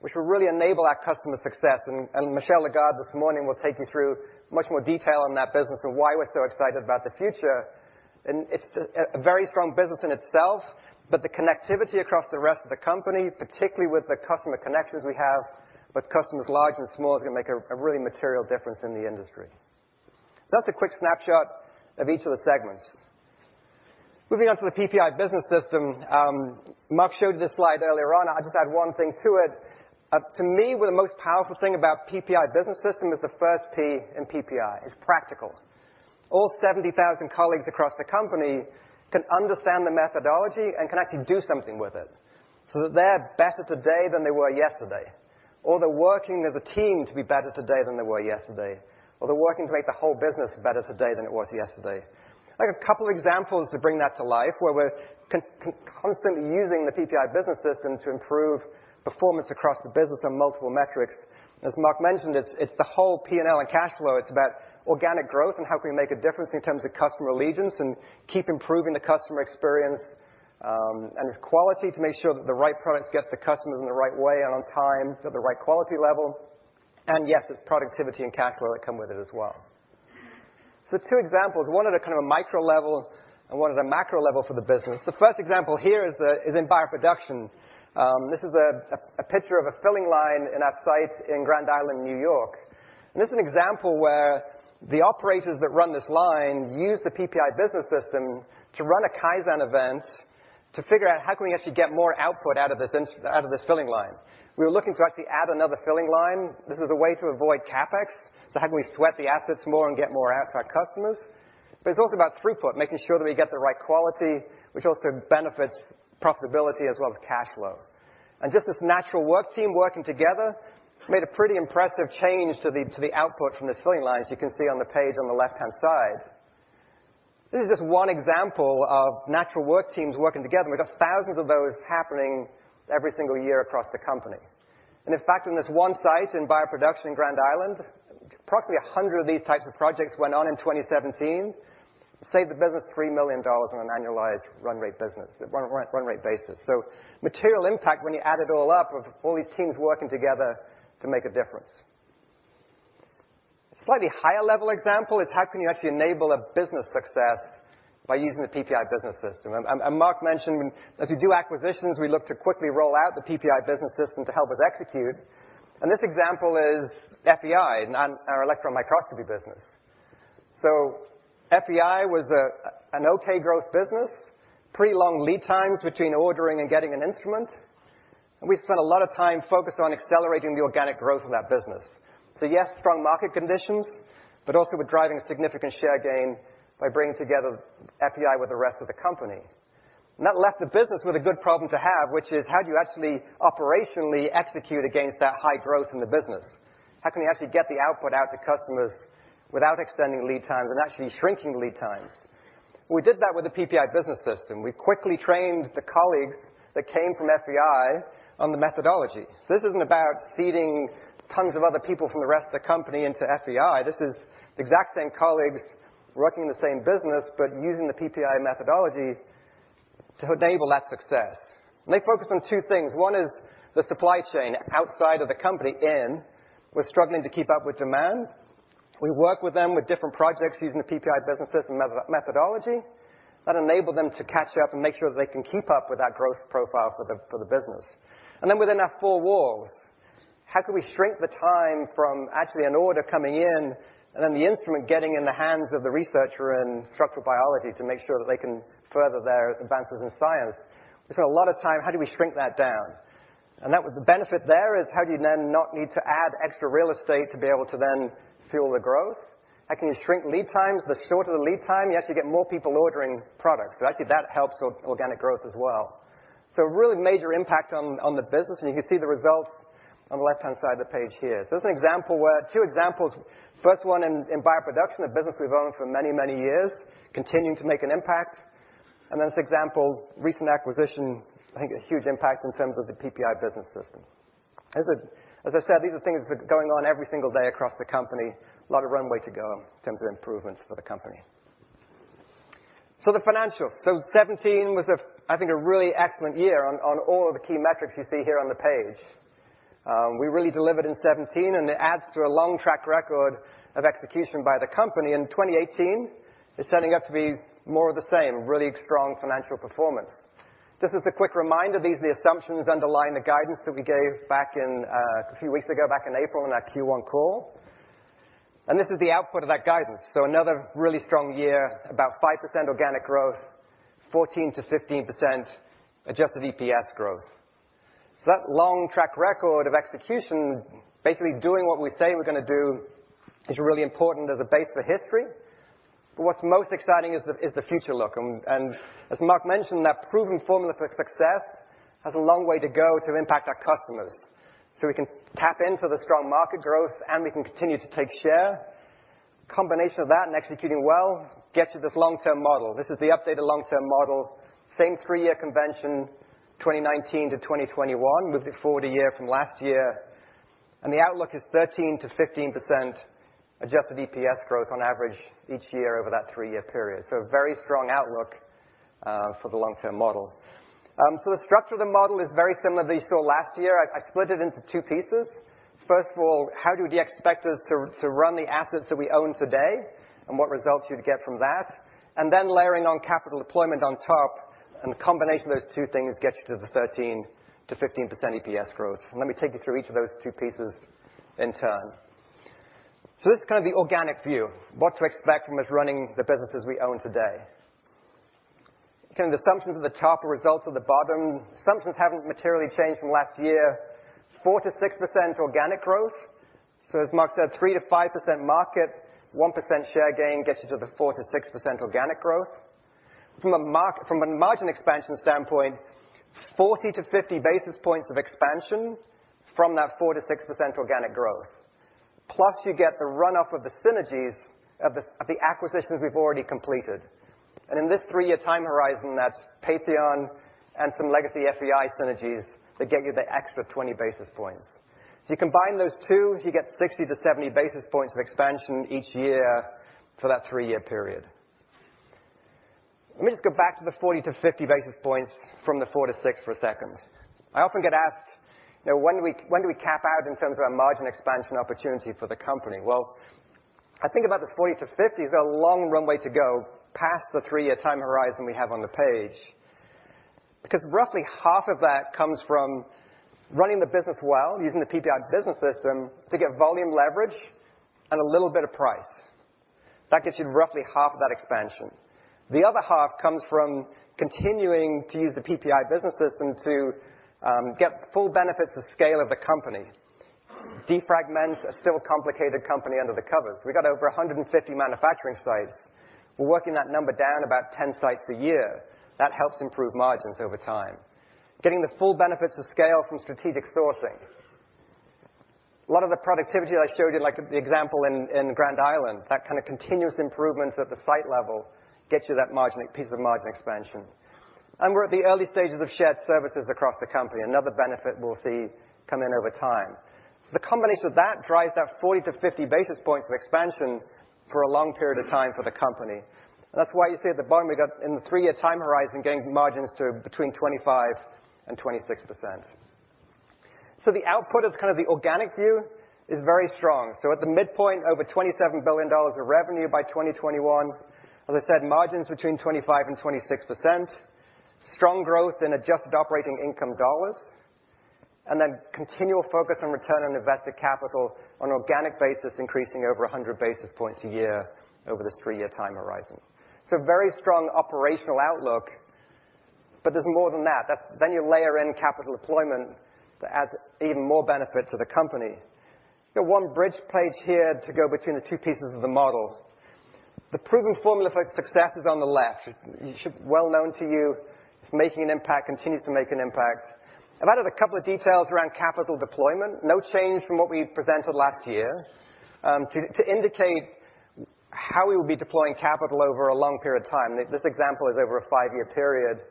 which will really enable our customer success. Michel Lagarde this morning will take you through much more detail on that business and why we're so excited about the future. It's a very strong business in itself, but the connectivity across the rest of the company, particularly with the customer connections we have with customers large and small, is going to make a really material difference in the industry. That's a quick snapshot of each of the segments. Moving on to the PPI business system. Marc showed you this slide earlier on, I'll just add one thing to it. To me, the most powerful thing about PPI business system is the first P in PPI. It's practical. All 70,000 colleagues across the company can understand the methodology and can actually do something with it so that they're better today than they were yesterday, or they're working as a team to be better today than they were yesterday, or they're working to make the whole business better today than it was yesterday. I have a couple examples to bring that to life, where we're constantly using the PPI business system to improve performance across the business on multiple metrics. As Marc mentioned, it's the whole P&L and cash flow. It's about organic growth and how can we make a difference in terms of customer allegiance and keep improving the customer experience, and it's quality to make sure that the right products get to the customers in the right way and on time to the right quality level. Yes, it's productivity and cash flow that come with it as well. Two examples, one at a kind of micro level and one at a macro level for the business. The first example here is in bioproduction. This is a picture of a filling line in our site in Grand Island, N.Y. The operators that run this line use the PPI business system to run a Kaizen event to figure out how can we actually get more output out of this filling line. We were looking to actually add another filling line. This is a way to avoid CapEx. How can we sweat the assets more and get more out for our customers? It's also about throughput, making sure that we get the right quality, which also benefits profitability as well as cash flow. Just this natural work team working together made a pretty impressive change to the output from this filling line, as you can see on the page on the left-hand side. This is just one example of natural work teams working together. We've got thousands of those happening every single year across the company. In fact, in this one site in bioproduction in Grand Island, approximately 100 of these types of projects went on in 2017, saved the business $3 million on an annualized run rate basis. Material impact when you add it all up of all these teams working together to make a difference. Slightly higher level example is how can you actually enable a business success by using the PPI Business System. Marc mentioned, as we do acquisitions, we look to quickly roll out the PPI Business System to help us execute. This example is FEI, our electron microscopy business. FEI was an okay growth business, pretty long lead times between ordering and getting an instrument. We spent a lot of time focused on accelerating the organic growth of that business. Yes, strong market conditions, also with driving a significant share gain by bringing together FEI with the rest of the company. That left the business with a good problem to have, which is how do you actually operationally execute against that high growth in the business? How can you actually get the output out to customers without extending lead times and actually shrinking lead times? We did that with the PPI Business System. We quickly trained the colleagues that came from FEI on the methodology. This isn't about seeding tons of other people from the rest of the company into FEI. This is exact same colleagues working in the same business, but using the PPI methodology to enable that success. They focused on two things. One is the supply chain outside of the company in, was struggling to keep up with demand. We work with them with different projects using the PPI Business System methodology that enable them to catch up and make sure that they can keep up with that growth profile for the business. Within our four walls, how can we shrink the time from actually an order coming in, then the instrument getting in the hands of the researcher in structural biology to make sure that they can further their advances in science. We spent a lot of time, how do we shrink that down? The benefit there is how do you then not need to add extra real estate to be able to then fuel the growth? How can you shrink lead times? The shorter the lead time, you actually get more people ordering products. Actually, that helps organic growth as well. Really major impact on the business, and you can see the results on the left-hand side of the page here. There's two examples. First one in bioproduction, a business we've owned for many, many years, continuing to make an impact. This example, recent acquisition, I think a huge impact in terms of the PPI business system. As I said, these are things that are going on every single day across the company. A lot of runway to go in terms of improvements for the company. The financials. 2017 was, I think, a really excellent year on all of the key metrics you see here on the page. We really delivered in 2017, and it adds to a long track record of execution by the company. 2018 is setting up to be more of the same, really strong financial performance. Just as a quick reminder, these are the assumptions underlying the guidance that we gave a few weeks ago, back in April on our Q1 call. This is the output of that guidance. Another really strong year, about 5% organic growth, 14%-15% adjusted EPS growth. That long track record of execution, basically doing what we say we're going to do, is really important as a base for history. What's most exciting is the future look. As Marc mentioned, that proven formula for success has a long way to go to impact our customers. We can tap into the strong market growth, and we can continue to take share. Combination of that and executing well gets you this long-term model. This is the updated long-term model. Same three-year convention, 2019-2021, moved it forward a year from last year. The outlook is 13%-15% adjusted EPS growth on average each year over that three-year period. A very strong outlook for the long-term model. The structure of the model is very similar that you saw last year. I split it into two pieces. First of all, how would you expect us to run the assets that we own today, and what results you'd get from that? Then layering on capital deployment on top, the combination of those two things gets you to the 13%-15% EPS growth. Let me take you through each of those two pieces in turn. This is kind of the organic view, what to expect from us running the businesses we own today. Again, the assumptions at the top, the results at the bottom. Assumptions haven't materially changed from last year. 4%-6% organic growth. As Marc said, 3%-5% market, 1% share gain gets you to the 4%-6% organic growth. From a margin expansion standpoint, 40-50 basis points of expansion from that 4%-6% organic growth. Plus you get the run-up of the synergies of the acquisitions we've already completed. In this three-year time horizon, that's Patheon and some legacy FEI synergies that get you the extra 20 basis points. You combine those two, you get 60-70 basis points of expansion each year for that three-year period. Let me just go back to the 40-50 basis points from the 4%-6% for a second. I often get asked, when do we cap out in terms of our margin expansion opportunity for the company? I think about the 40-50, there's a long runway to go past the three-year time horizon we have on the page. Roughly half of that comes from running the business well, using the PPI business system to get volume leverage and a little bit of price. That gets you to roughly half of that expansion. The other half comes from continuing to use the PPI business system to get the full benefits of scale of the company. Defragment a still complicated company under the covers. We've got over 150 manufacturing sites. We're working that number down about 10 sites a year. That helps improve margins over time. Getting the full benefits of scale from strategic sourcing. A lot of the productivity that I showed you, like the example in Grand Island, that kind of continuous improvement at the site level gets you that piece of margin expansion. We're at the early stages of shared services across the company, another benefit we'll see come in over time. The combination of that drives that 40-50 basis points of expansion for a long period of time for the company. That's why you see at the bottom, we got in the three-year time horizon, getting margins to between 25% and 26%. The output of the organic view is very strong. At the midpoint, over $27 billion of revenue by 2021. As I said, margins between 25% and 26%. Strong growth in adjusted operating income dollars, and then continual focus on return on invested capital on an organic basis, increasing over 100 basis points a year over this three-year time horizon. Very strong operational outlook. There's more than that. You layer in capital deployment to add even more benefit to the company. One bridge page here to go between the two pieces of the model. The proven formula for success is on the left. It should be well known to you. It's making an impact, continues to make an impact. I've added a couple of details around capital deployment. No change from what we presented last year. To indicate how we will be deploying capital over a long period of time. This example is over a five-year period.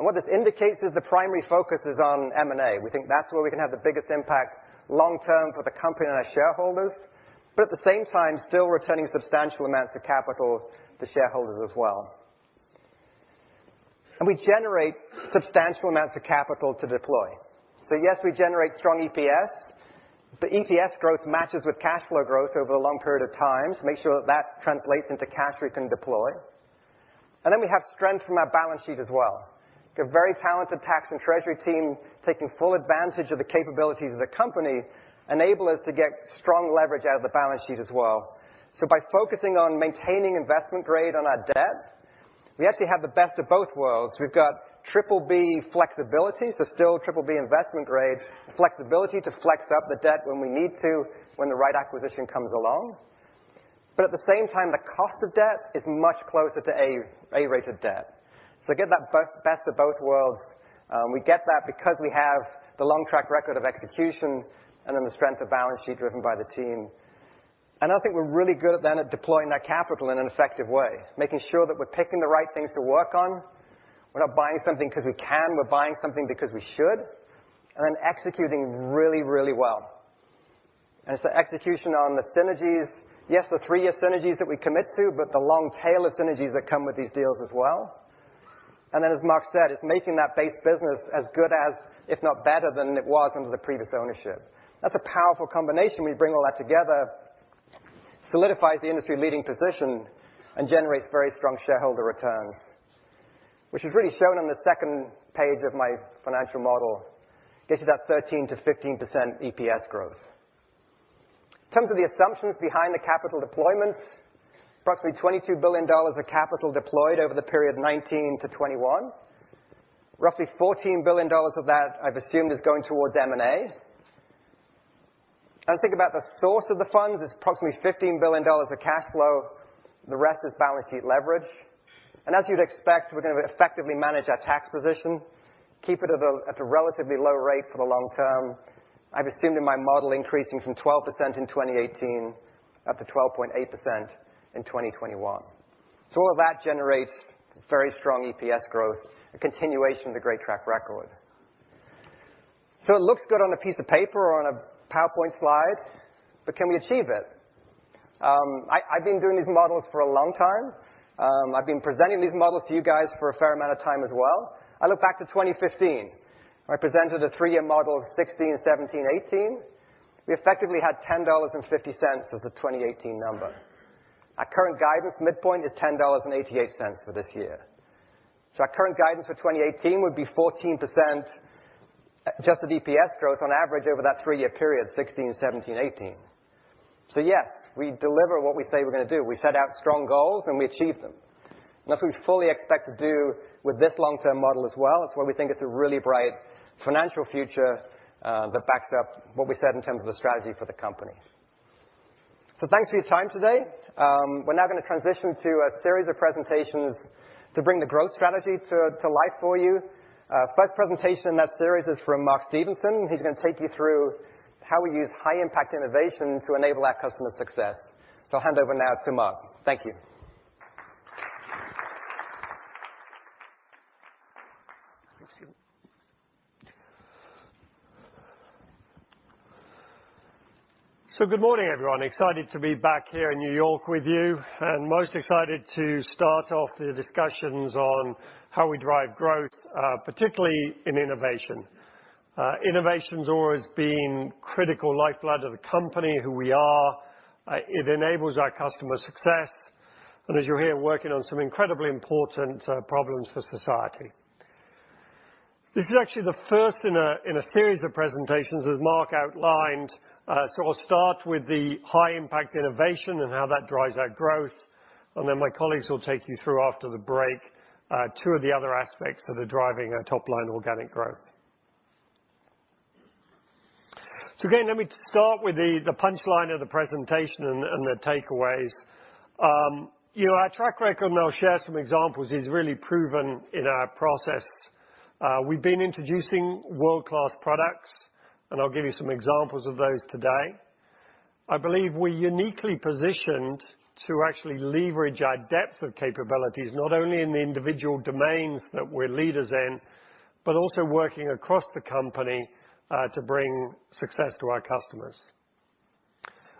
What this indicates is the primary focus is on M&A. We think that's where we can have the biggest impact long term for the company and our shareholders, but at the same time, still returning substantial amounts of capital to shareholders as well. We generate substantial amounts of capital to deploy. Yes, we generate strong EPS. The EPS growth matches with cash flow growth over a long period of time, so make sure that that translates into cash we can deploy. We have strength from our balance sheet as well. We have a very talented tax and treasury team taking full advantage of the capabilities of the company, enable us to get strong leverage out of the balance sheet as well. By focusing on maintaining investment grade on our debt, we actually have the best of both worlds. We've got triple B flexibility, still triple B investment grade. The flexibility to flex up the debt when we need to, when the right acquisition comes along. But at the same time, the cost of debt is much closer to A-rated debt. Get that best of both worlds. We get that because we have the long track record of execution and the strength of balance sheet driven by the team. I think we're really good then at deploying that capital in an effective way, making sure that we're picking the right things to work on. We're not buying something because we can. We're buying something because we should. Executing really, really well. It's the execution on the synergies. Yes, the three-year synergies that we commit to, but the long tail of synergies that come with these deals as well. As Mark said, it's making that base business as good as, if not better than it was under the previous ownership. That's a powerful combination. We bring all that together, solidifies the industry-leading position, and generates very strong shareholder returns. Which is really shown on the second page of my financial model, gets you that 13%-15% EPS growth. In terms of the assumptions behind the capital deployments, approximately $22 billion of capital deployed over the period 2019-2021. Roughly $14 billion of that I've assumed is going towards M&A. As I think about the source of the funds, it's approximately $15 billion of cash flow. The rest is balance sheet leverage. As you'd expect, we're going to effectively manage our tax position, keep it at a relatively low rate for the long term. I've assumed in my model, increasing from 12% in 2018 up to 12.8% in 2021. All that generates very strong EPS growth, a continuation of the great track record. It looks good on a piece of paper or on a PowerPoint slide, but can we achieve it? I've been doing these models for a long time. I've been presenting these models to you guys for a fair amount of time as well. I look back to 2015. I presented a three-year model of 2016, 2017, 2018. We effectively had $10.50 as the 2018 number. Our current guidance midpoint is $10.88 for this year. Our current guidance for 2018 would be 14% adjusted EPS growth on average over that three-year period, 2016, 2017, 2018. Yes, we deliver what we say we're going to do. We set out strong goals, and we achieve them. That's what we fully expect to do with this long-term model as well. It's what we think is a really bright financial future that backs up what we said in terms of the strategy for the company. Thanks for your time today. We're now going to transition to a series of presentations to bring the growth strategy to life for you. First presentation in that series is from Mark Stevenson. He's going to take you through how we use high impact innovation to enable our customer success. I'll hand over now to Mark. Thank you. Good morning, everyone. Excited to be back here in New York with you, and most excited to start off the discussions on how we drive growth, particularly in innovation. Innovation's always been critical lifeblood of the company, who we are. It enables our customer success, and as you'll hear, working on some incredibly important problems for society. This is actually the first in a series of presentations, as Mark outlined. I'll start with the high-impact innovation and how that drives our growth, and then my colleagues will take you through after the break, two of the other aspects that are driving our top-line organic growth. Again, let me start with the punchline of the presentation and the takeaways. Our track record, and I'll share some examples, is really proven in our processes. We've been introducing world-class products, and I'll give you some examples of those today. I believe we're uniquely positioned to actually leverage our depth of capabilities, not only in the individual domains that we're leaders in, but also working across the company to bring success to our customers.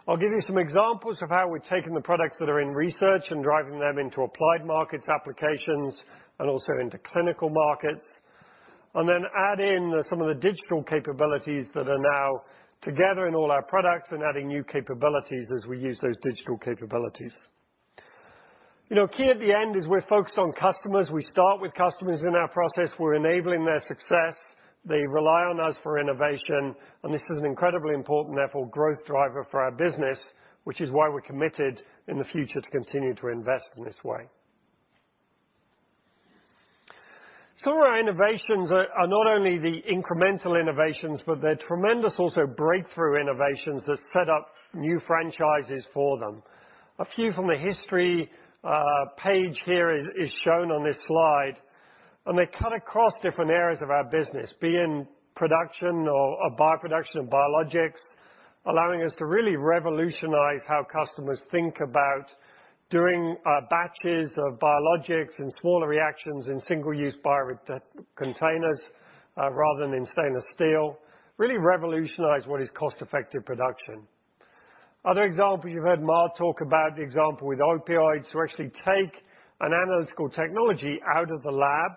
I'll give you some examples of how we've taken the products that are in research and driving them into applied markets applications and also into clinical markets, and then add in some of the digital capabilities that are now together in all our products and adding new capabilities as we use those digital capabilities. Key at the end is we're focused on customers. We start with customers in our process. We're enabling their success. They rely on us for innovation, and this is an incredibly important, therefore, growth driver for our business, which is why we're committed in the future to continue to invest in this way. Some of our innovations are not only the incremental innovations, but they're tremendous also breakthrough innovations that set up new franchises for them. A few from the history page here is shown on this slide, and they cut across different areas of our business, be it in production or bioproduction of biologics, allowing us to really revolutionize how customers think about doing batches of biologics and smaller reactions in single-use bio containers rather than in stainless steel. Really revolutionize what is cost-effective production. Other examples, you've heard Mark talk about the example with opioids. To actually take an analytical technology out of the lab,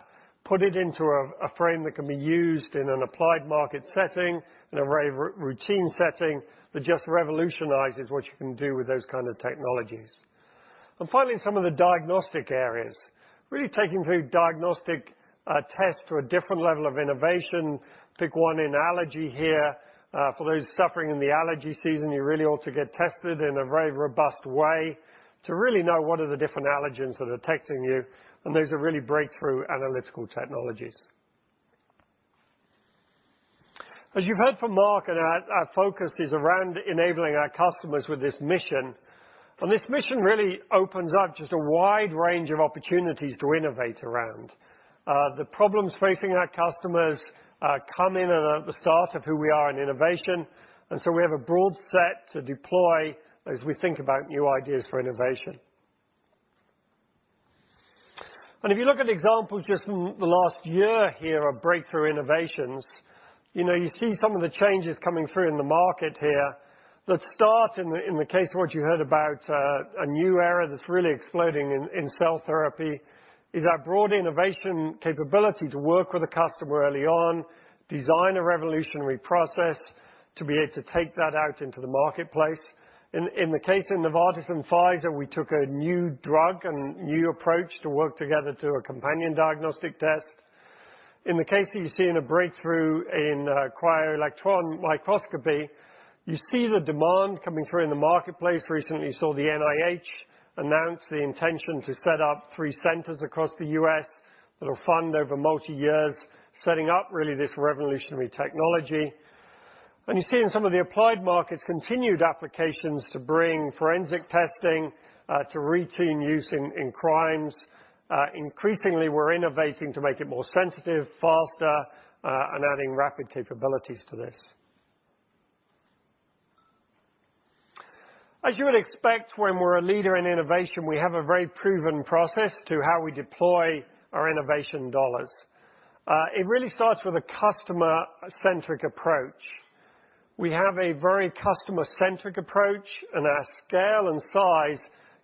put it into a frame that can be used in an applied market setting, in a very routine setting, that just revolutionizes what you can do with those kind of technologies. Finally, some of the diagnostic areas. Really taking through diagnostic tests to a different level of innovation. Pick one in allergy here. For those suffering in the allergy season, you really ought to get tested in a very robust way to really know what are the different allergens that are affecting you. Those are really breakthrough analytical technologies. As you've heard from Mark, our focus is around enabling our customers with this mission. This mission really opens up just a wide range of opportunities to innovate around. The problems facing our customers come in at the start of who we are in innovation, we have a broad set to deploy as we think about new ideas for innovation. If you look at the examples just from the last year here of breakthrough innovations, you see some of the changes coming through in the market here that start in the case of what you heard about, a new era that's really exploding in cell therapy, is our broad innovation capability to work with a customer early on, design a revolutionary process to be able to take that out into the marketplace. In the case of Novartis and Pfizer, we took a new drug and new approach to work together to a companion diagnostic test. In the case that you see in a breakthrough in cryo-electron microscopy, you see the demand coming through in the marketplace. Recently, you saw the NIH announce the intention to set up three centers across the U.S. that will fund over multi-years, setting up really this revolutionary technology. You see in some of the applied markets, continued applications to bring forensic testing to routine use in crimes. Increasingly, we're innovating to make it more sensitive, faster, and adding rapid capabilities to this. As you would expect when we're a leader in innovation, we have a very proven process to how we deploy our innovation dollars. It really starts with a customer-centric approach. We have a very customer-centric approach, and our scale and size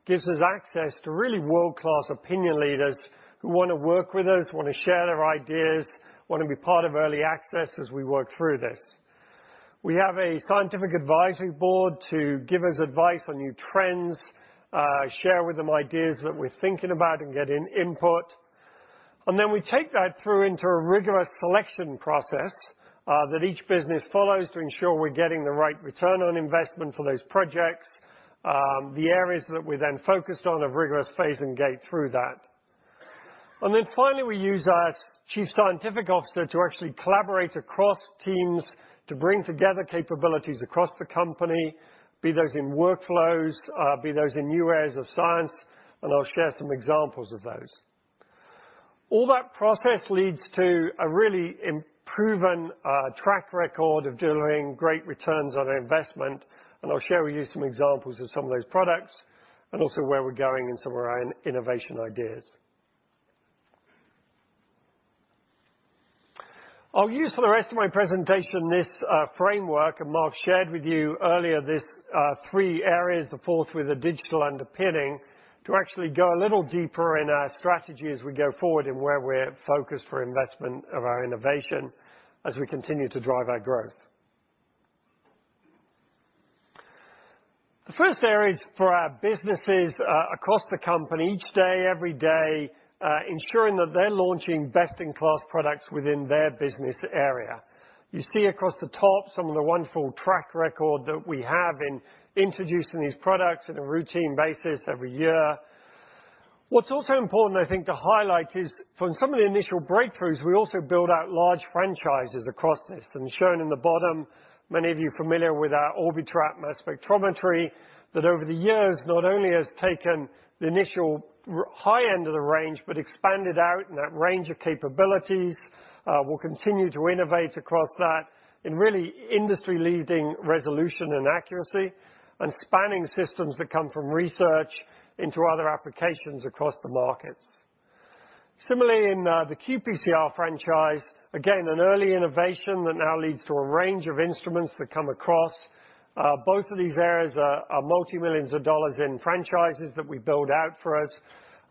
gives us access to really world-class opinion leaders who want to work with us, want to share their ideas, want to be part of early access as we work through this. We have a scientific advisory board to give us advice on new trends, share with them ideas that we're thinking about, and getting input. We take that through into a rigorous selection process that each business follows to ensure we're getting the right return on investment for those projects. The areas that we then focus on have rigorous phase and gate through that. Finally, we use our chief scientific officer to actually collaborate across teams to bring together capabilities across the company, be those in workflows, be those in new areas of science, and I'll share some examples of those. All that process leads to a really proven track record of delivering great returns on our investment, and I'll share with you some examples of some of those products, and also where we're going in some of our innovation ideas. I'll use for the rest of my presentation this framework, Mark shared with you earlier, these three areas, the fourth with a digital underpinning, to actually go a little deeper in our strategy as we go forward and where we're focused for investment of our innovation as we continue to drive our growth. The first area is for our businesses across the company. Each day, every day, ensuring that they're launching best-in-class products within their business area. You see across the top some of the wonderful track record that we have in introducing these products on a routine basis every year. What's also important, I think, to highlight is from some of the initial breakthroughs, we also build out large franchises across this. Shown in the bottom, many of you familiar with our Orbitrap mass spectrometry, that over the years, not only has taken the initial high end of the range, but expanded out in that range of capabilities, will continue to innovate across that, in really industry-leading resolution and accuracy, and spanning systems that come from research into other applications across the markets. Similarly, in the qPCR franchise, again, an early innovation that now leads to a range of instruments that come across. Both of these areas are multi-millions of dollars in franchises that we build out for us.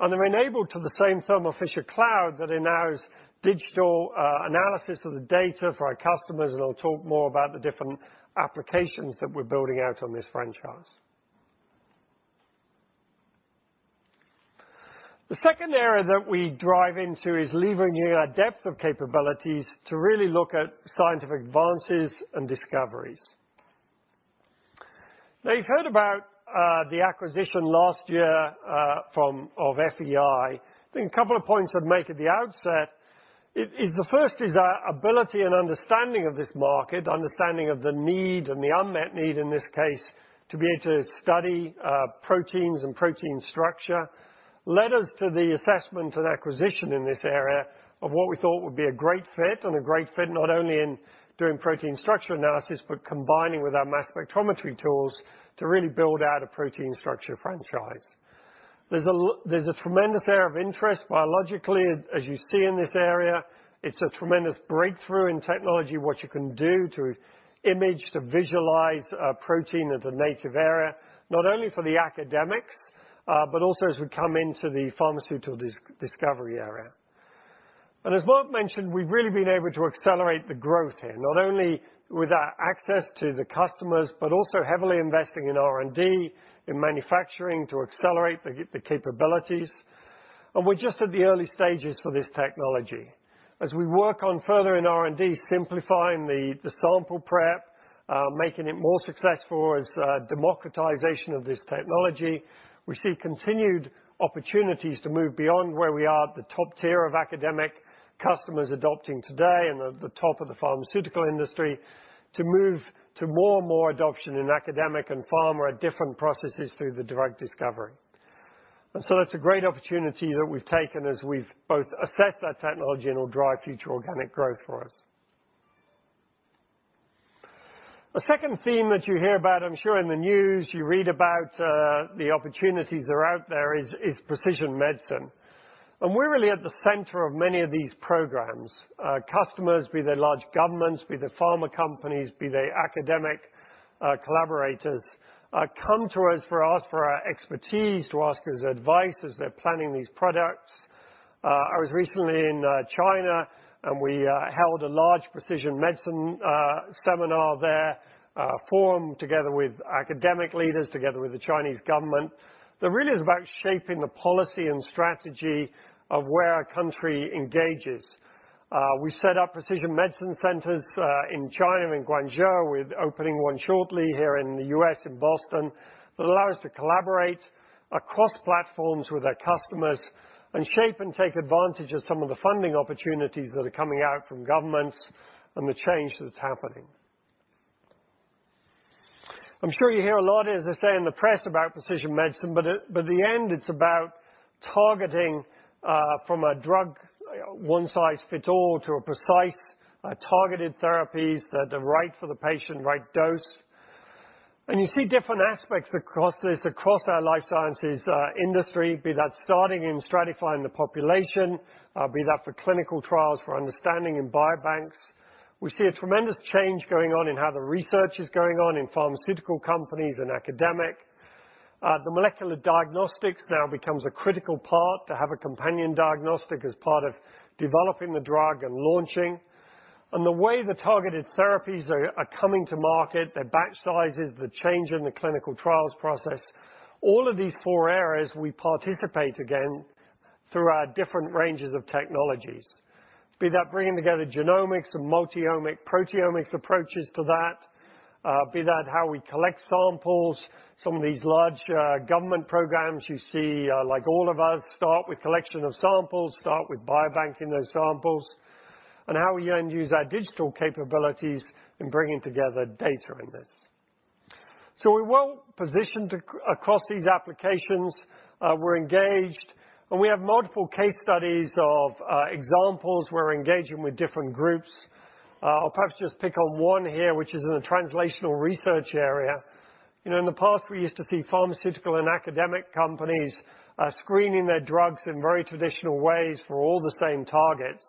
They're enabled to the same Thermo Fisher Cloud that enables digital analysis of the data for our customers, and I'll talk more about the different applications that we're building out on this franchise. The second area that we drive into is leveraging our depth of capabilities to really look at scientific advances and discoveries. You've heard about the acquisition last year of FEI. I think a couple of points I'd make at the outset is the first is our ability and understanding of this market, understanding of the need and the unmet need in this case, to be able to study proteins and protein structure, led us to the assessment and acquisition in this area of what we thought would be a great fit, and a great fit not only in doing protein structure analysis, but combining with our mass spectrometry tools to really build out a protein structure franchise. There's a tremendous area of interest biologically, as you see in this area. It's a tremendous breakthrough in technology, what you can do to image, to visualize a protein at a native area, not only for the academics, but also as we come into the pharmaceutical discovery area. As Mark mentioned, we've really been able to accelerate the growth here, not only with our access to the customers, but also heavily investing in R&D, in manufacturing to accelerate the capabilities. We're just at the early stages for this technology. As we work on furthering R&D, simplifying the sample prep, making it more successful as democratization of this technology, we see continued opportunities to move beyond where we are at the top tier of academic customers adopting today and at the top of the pharmaceutical industry, to move to more and more adoption in academic and pharma at different processes through the drug discovery. That's a great opportunity that we've taken as we've both assessed that technology and will drive future organic growth for us. A second theme that you hear about, I'm sure in the news, you read about the opportunities that are out there is precision medicine. We're really at the center of many of these programs. Customers, be they large governments, be they pharma companies, be they academic collaborators, come to us for our expertise, to ask us advice as they're planning these products. I was recently in China, we held a large precision medicine seminar there, forum together with academic leaders, together with the Chinese government that really is about shaping the policy and strategy of where a country engages. We set up precision medicine centers in China, in Guangzhou. We're opening one shortly here in the U.S., in Boston, that allow us to collaborate across platforms with our customers and shape and take advantage of some of the funding opportunities that are coming out from governments and the change that's happening. I'm sure you hear a lot, as I say, in the press about precision medicine, but at the end, it's about targeting from a drug, one size fit all to a precise, targeted therapies that are right for the patient, right dose. You see different aspects across this, across our life sciences industry, be that starting in stratifying the population, be that for clinical trials, for understanding in biobanks. We see a tremendous change going on in how the research is going on in pharmaceutical companies and academic. The molecular diagnostics now becomes a critical part to have a companion diagnostic as part of developing the drug and launching. The way the targeted therapies are coming to market, their batch sizes, the change in the clinical trials process, all of these four areas we participate, again, through our different ranges of technologies. Be that bringing together genomics and multi-omics proteomics approaches to that, be that how we collect samples. Some of these large government programs you see, like All of Us, start with collection of samples, start with biobanking those samples, and how we then use our digital capabilities in bringing together data in this. We're well positioned across these applications. We're engaged, and we have multiple case studies of examples. We're engaging with different groups. I'll perhaps just pick on one here, which is in the translational research area. In the past, we used to see pharmaceutical and academic companies screening their drugs in very traditional ways for all the same targets.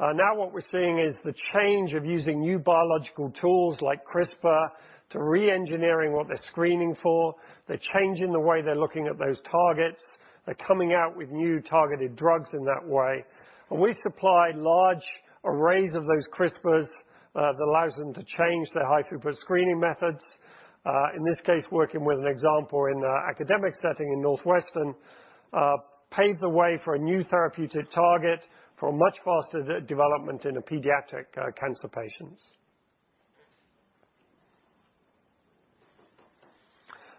Now what we're seeing is the change of using new biological tools like CRISPR to re-engineering what they're screening for. They're changing the way they're looking at those targets. We supply large arrays of those CRISPRs. That allows them to change their high-throughput screening methods. In this case, working with an example in an academic setting in Northwestern, paved the way for a new therapeutic target for much faster development in pediatric cancer patients.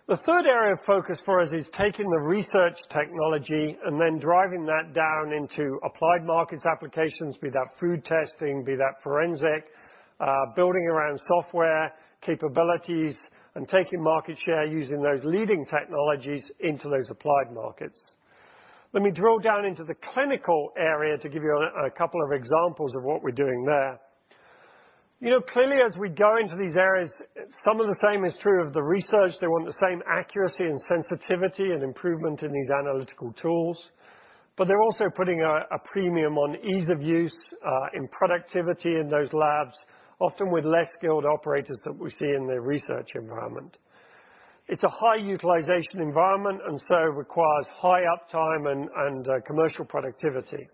The third area of focus for us is taking the research technology, driving that down into applied markets applications, be that food testing, be that forensic, building around software capabilities, taking market share using those leading technologies into those applied markets. Let me drill down into the clinical area to give you a couple of examples of what we're doing there. Clearly, as we go into these areas, some of the same is true of the research. They want the same accuracy and sensitivity and improvement in these analytical tools. They're also putting a premium on ease of use in productivity in those labs, often with less skilled operators than we see in the research environment. It's a high-utilization environment, it requires high uptime and commercial productivity.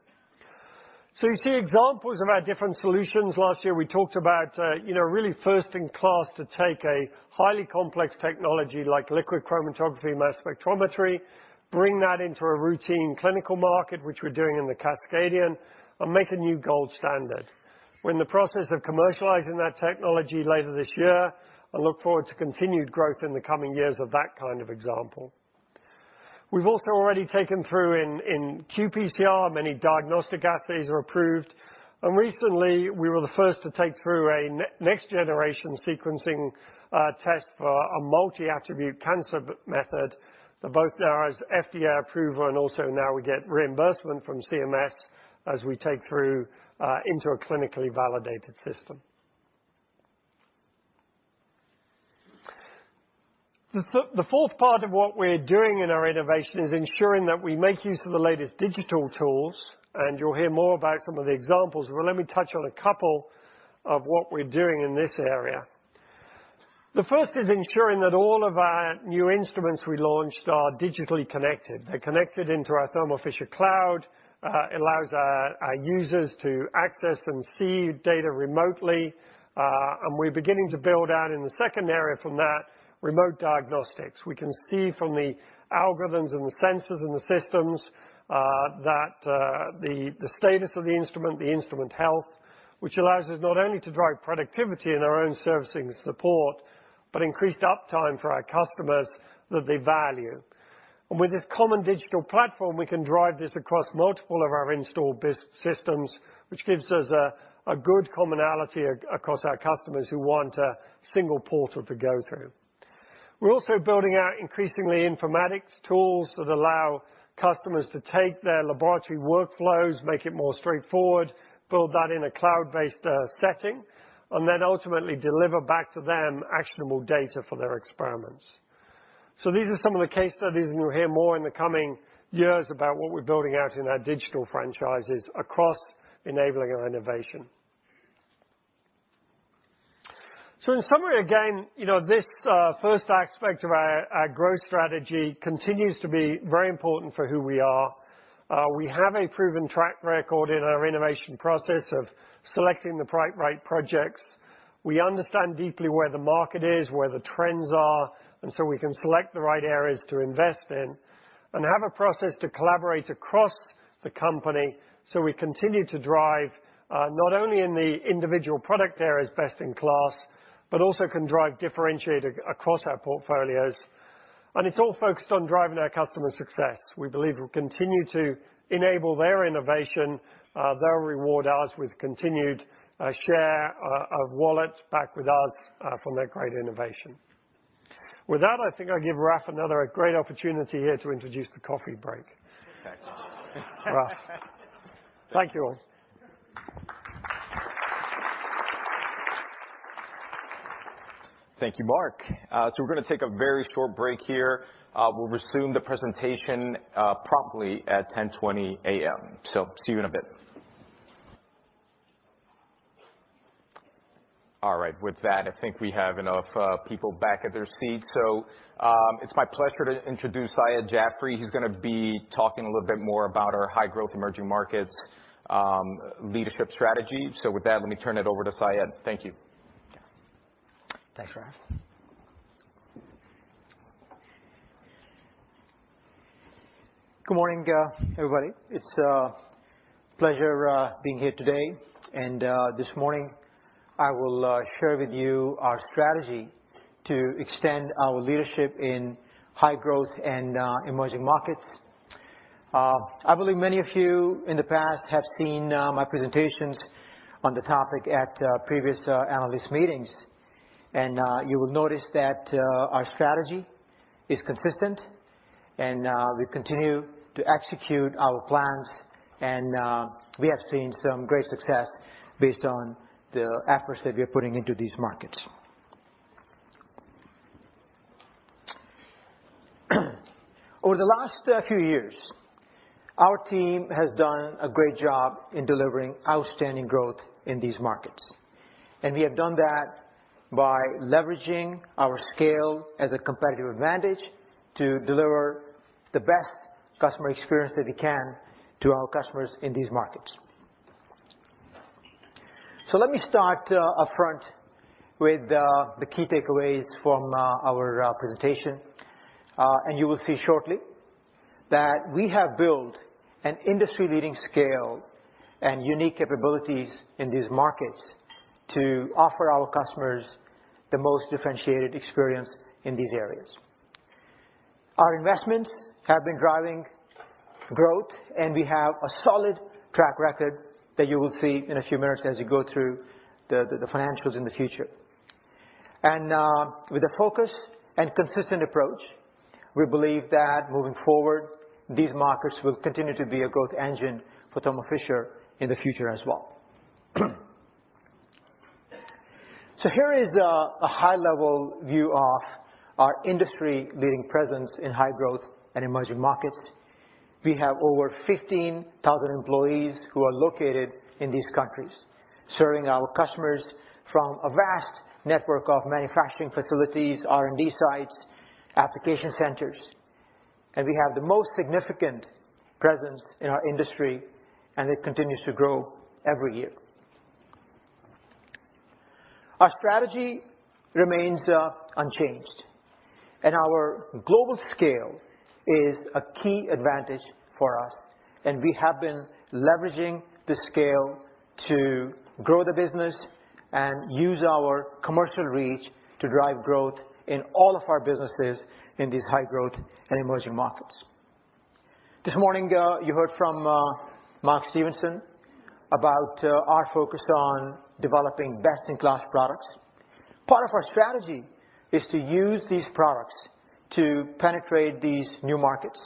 You see examples of our different solutions. Last year, we talked about really first in class to take a highly complex technology like liquid chromatography, mass spectrometry, bring that into a routine clinical market, which we're doing in the Cascadion, and make a new gold standard. We're in the process of commercializing that technology later this year and look forward to continued growth in the coming years of that kind of example. We've also already taken through in qPCR, many diagnostic assays are approved, and recently, we were the first to take through a next-generation sequencing test for a multi-attribute cancer method that both has FDA approval and also now we get reimbursement from CMS as we take through into a clinically validated system. The fourth part of what we're doing in our innovation is ensuring that we make use of the latest digital tools, and you'll hear more about some of the examples, but let me touch on a couple of what we're doing in this area. The first is ensuring that all of our new instruments we launched are digitally connected. They're connected into our Thermo Fisher Cloud, allows our users to access and see data remotely. We're beginning to build out in the second area from that, remote diagnostics. We can see from the algorithms and the sensors in the systems that the status of the instrument, the instrument health, which allows us not only to drive productivity in our own servicing support, but increased uptime for our customers that they value. With this common digital platform, we can drive this across multiple of our installed systems, which gives us a good commonality across our customers who want a single portal to go through. We're also building out increasingly informatics tools that allow customers to take their laboratory workflows, make it more straightforward, build that in a cloud-based setting, and then ultimately deliver back to them actionable data for their experiments. These are some of the case studies, and you'll hear more in the coming years about what we're building out in our digital franchises across enabling our innovation. In summary, again, this first aspect of our growth strategy continues to be very important for who we are. We have a proven track record in our innovation process of selecting the right projects. We understand deeply where the market is, where the trends are, and so we can select the right areas to invest in and have a process to collaborate across the company so we continue to drive not only in the individual product areas best in class, but also can drive differentiator across our portfolios. It's all focused on driving our customer success. We believe we'll continue to enable their innovation. They'll reward us with continued share of wallet back with us from their great innovation. With that, I think I'll give Raph another great opportunity here to introduce the coffee break. Okay. Thank you all. Thank you, Mark. We're going to take a very short break here. We'll resume the presentation promptly at 10:20 A.M. See you in a bit. All right. With that, I think we have enough people back at their seats. It's my pleasure to introduce Syed Jafry. He's going to be talking a little bit more about our high-growth emerging markets leadership strategy. With that, let me turn it over to Syed. Thank you. Thanks, Raf. Good morning, everybody. It's a pleasure being here today. This morning I will share with you our strategy to extend our leadership in high-growth and emerging markets. I believe many of you in the past have seen my presentations on the topic at previous analyst meetings. You will notice that our strategy is consistent, and we continue to execute our plans. We have seen some great success based on the efforts that we are putting into these markets. Over the last few years, our team has done a great job in delivering outstanding growth in these markets. We have done that by leveraging our scale as a competitive advantage To deliver the best customer experience that we can to our customers in these markets. Let me start upfront with the key takeaways from our presentation. You will see shortly that we have built an industry-leading scale and unique capabilities in these markets to offer our customers the most differentiated experience in these areas. Our investments have been driving growth, and we have a solid track record that you will see in a few minutes as you go through the financials in the future. With a focused and consistent approach, we believe that moving forward, these markets will continue to be a growth engine for Thermo Fisher in the future as well. Here is a high-level view of our industry-leading presence in high-growth and emerging markets. We have over 15,000 employees who are located in these countries, serving our customers from a vast network of manufacturing facilities, R&D sites, application centers. We have the most significant presence in our industry, and it continues to grow every year. Our strategy remains unchanged, our global scale is a key advantage for us, we have been leveraging the scale to grow the business and use our commercial reach to drive growth in all of our businesses in these high-growth and emerging markets. This morning, you heard from Mark Stevenson about our focus on developing best-in-class products. Part of our strategy is to use these products to penetrate these new markets.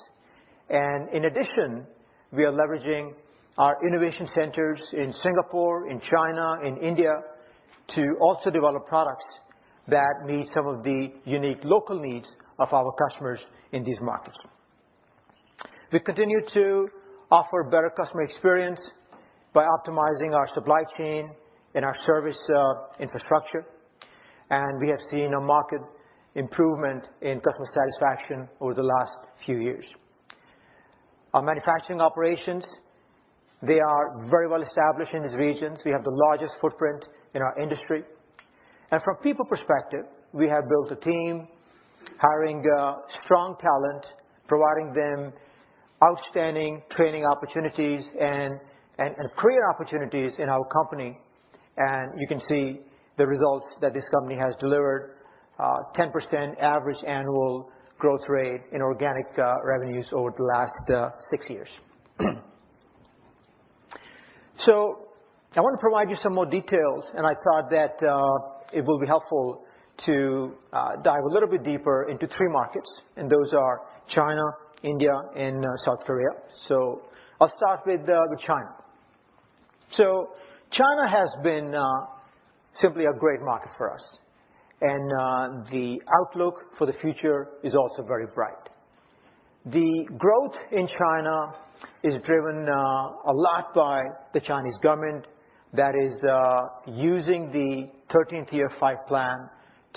In addition, we are leveraging our innovation centers in Singapore, in China, in India to also develop products that meet some of the unique local needs of our customers in these markets. We continue to offer better customer experience by optimizing our supply chain and our service infrastructure. We have seen a market improvement in customer satisfaction over the last few years. Our manufacturing operations, they are very well established in these regions. We have the largest footprint in our industry. From people perspective, we have built a team, hiring strong talent, providing them outstanding training opportunities and career opportunities in our company. You can see the results that this company has delivered, 10% average annual growth rate in organic revenues over the last six years. I want to provide you some more details, I thought that it will be helpful to dive a little bit deeper into three markets, those are China, India, and South Korea. I'll start with China. China has been simply a great market for us, the outlook for the future is also very bright. The growth in China is driven a lot by the Chinese government that is using the 13th Five-Year Plan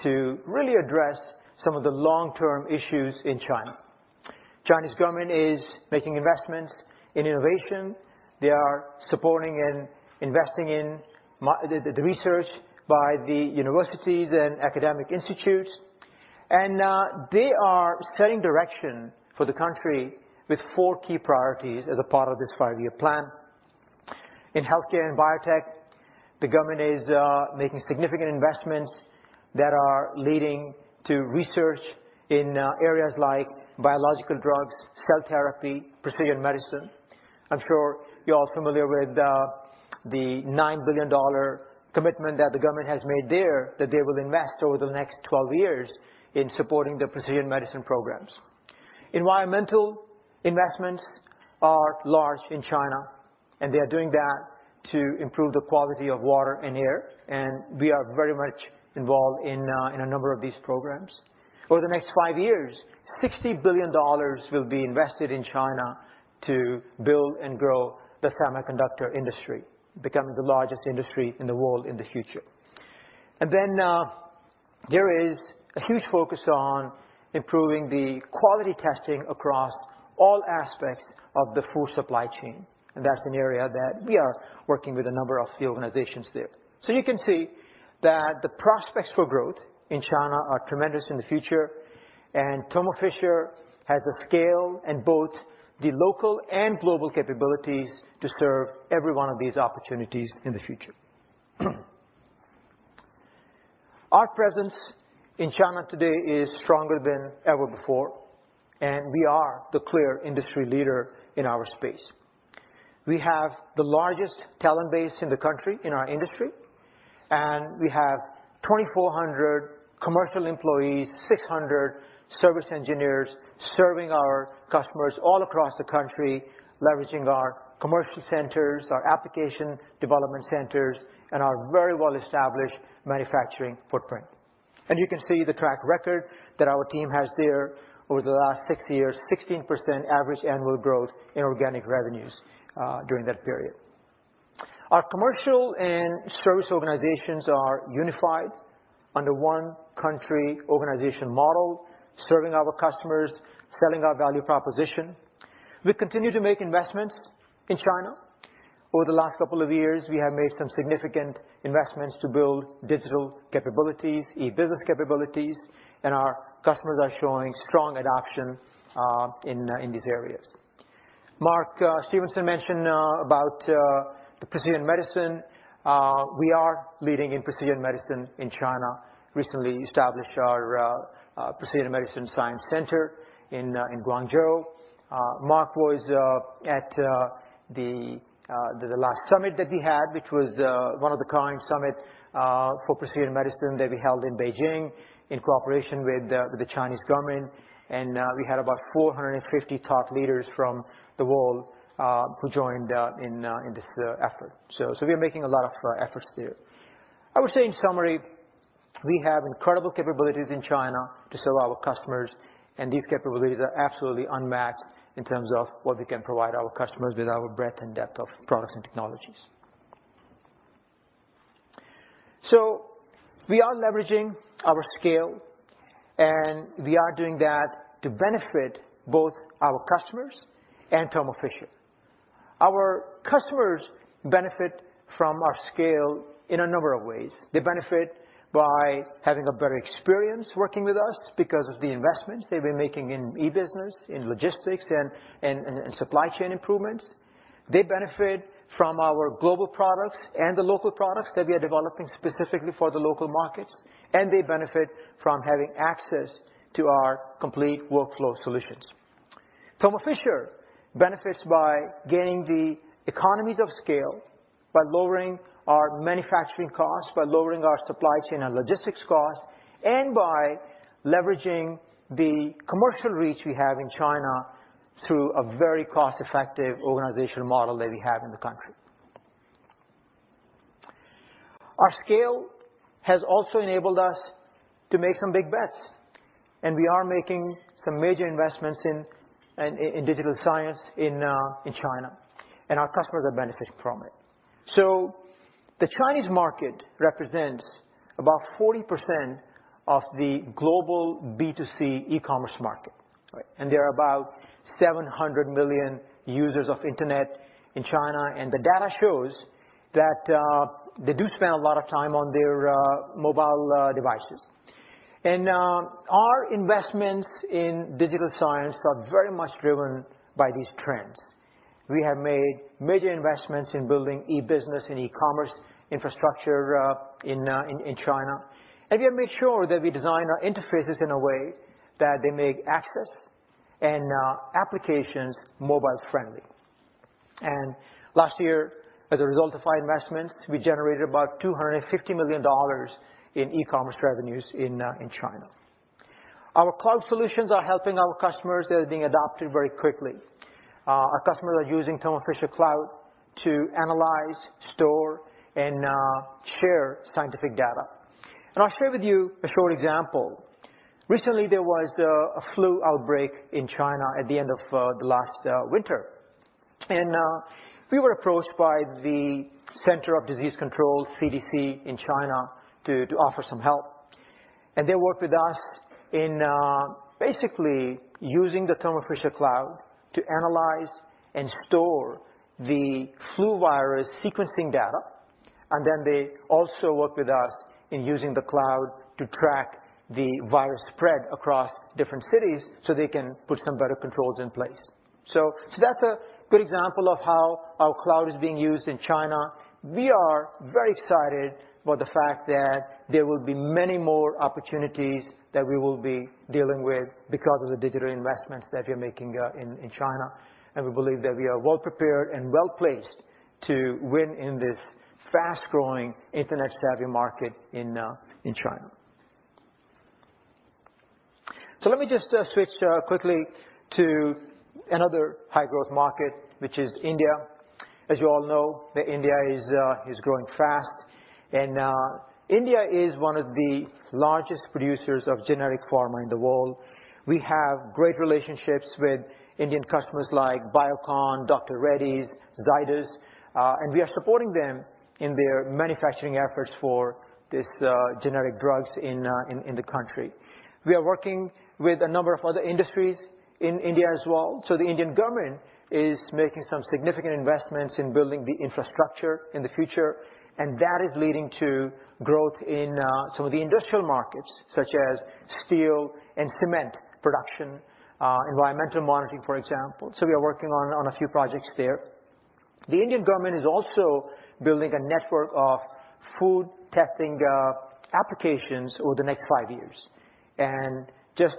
to really address some of the long-term issues in China. Chinese government is making investments in innovation. They are supporting and investing in the research by the universities and academic institutes, they are setting direction for the country with four key priorities as a part of this five-year plan. In healthcare and biotech, the government is making significant investments that are leading to research in areas like biological drugs, cell therapy, precision medicine. I'm sure you're all familiar with the $9 billion commitment that the government has made there that they will invest over the next 12 years in supporting the precision medicine programs. Environmental investments are large in China, they are doing that to improve the quality of water and air, we are very much involved in a number of these programs. Over the next five years, $60 billion will be invested in China to build and grow the semiconductor industry, becoming the largest industry in the world in the future. There is a huge focus on improving the quality testing across all aspects of the food supply chain, that's an area that we are working with a number of the organizations there. You can see that the prospects for growth in China are tremendous in the future, Thermo Fisher has the scale and both the local and global capabilities to serve every one of these opportunities in the future. Our presence in China today is stronger than ever before, we are the clear industry leader in our space. We have the largest talent base in the country in our industry, we have 2,400 commercial employees, 600 service engineers serving our customers all across the country, leveraging our commercial centers, our application development centers, our very well-established manufacturing footprint. You can see the track record that our team has there over the last six years, 16% average annual growth in organic revenues during that period. Our commercial and service organizations are unified under one country organization model, serving our customers, selling our value proposition. We continue to make investments in China. Over the last couple of years, we have made some significant investments to build digital capabilities, e-business capabilities, and our customers are showing strong adoption in these areas. Mark Stevenson mentioned about the precision medicine. We are leading in precision medicine in China. Recently established our Precision Medicine Science Center in Guangzhou. Mark was at the last summit that we had, which was one of the kind summit for precision medicine that we held in Beijing in cooperation with the Chinese government, and we had about 450 top leaders from the world who joined in this effort. We are making a lot of efforts there. I would say, in summary, we have incredible capabilities in China to serve our customers, and these capabilities are absolutely unmatched in terms of what we can provide our customers with our breadth and depth of products and technologies. We are leveraging our scale, and we are doing that to benefit both our customers and Thermo Fisher. Our customers benefit from our scale in a number of ways. They benefit by having a better experience working with us because of the investments they've been making in e-business, in logistics, and in supply chain improvements. They benefit from our global products and the local products that we are developing specifically for the local markets, and they benefit from having access to our complete workflow solutions. Thermo Fisher benefits by gaining the economies of scale, by lowering our manufacturing costs, by lowering our supply chain and logistics costs, and by leveraging the commercial reach we have in China through a very cost-effective organizational model that we have in the country. Our scale has also enabled us to make some big bets, and we are making some major investments in digital science in China, and our customers are benefiting from it. The Chinese market represents about 40% of the global B2C e-commerce market. There are about 700 million users of internet in China. The data shows that they do spend a lot of time on their mobile devices. Our investments in digital science are very much driven by these trends. We have made major investments in building e-business and e-commerce infrastructure in China. We have made sure that we design our interfaces in a way that they make access and applications mobile-friendly. Last year, as a result of our investments, we generated about $250 million in e-commerce revenues in China. Our cloud solutions are helping our customers. They are being adopted very quickly. Our customers are using Thermo Fisher Cloud to analyze, store, and share scientific data. I'll share with you a short example. Recently, there was a flu outbreak in China at the end of the last winter. We were approached by the Center of Disease Control, CDC, in China to offer some help. They worked with us in basically using the Thermo Fisher Cloud to analyze and store the flu virus sequencing data. They also worked with us in using the cloud to track the virus spread across different cities so they can put some better controls in place. That's a good example of how our cloud is being used in China. We are very excited about the fact that there will be many more opportunities that we will be dealing with because of the digital investments that we are making in China. We believe that we are well-prepared and well-placed to win in this fast-growing, internet-savvy market in China. Let me just switch quickly to another high-growth market, which is India. As you all know, India is growing fast. India is one of the largest producers of generic pharma in the world. We have great relationships with Indian customers like Biocon, Dr. Reddy's, Zydus, and we are supporting them in their manufacturing efforts for these generic drugs in the country. We are working with a number of other industries in India as well. The Indian government is making some significant investments in building the infrastructure in the future, and that is leading to growth in some of the industrial markets, such as steel and cement production, environmental monitoring, for example. We are working on a few projects there. The Indian government is also building a network of food testing applications over the next five years. Just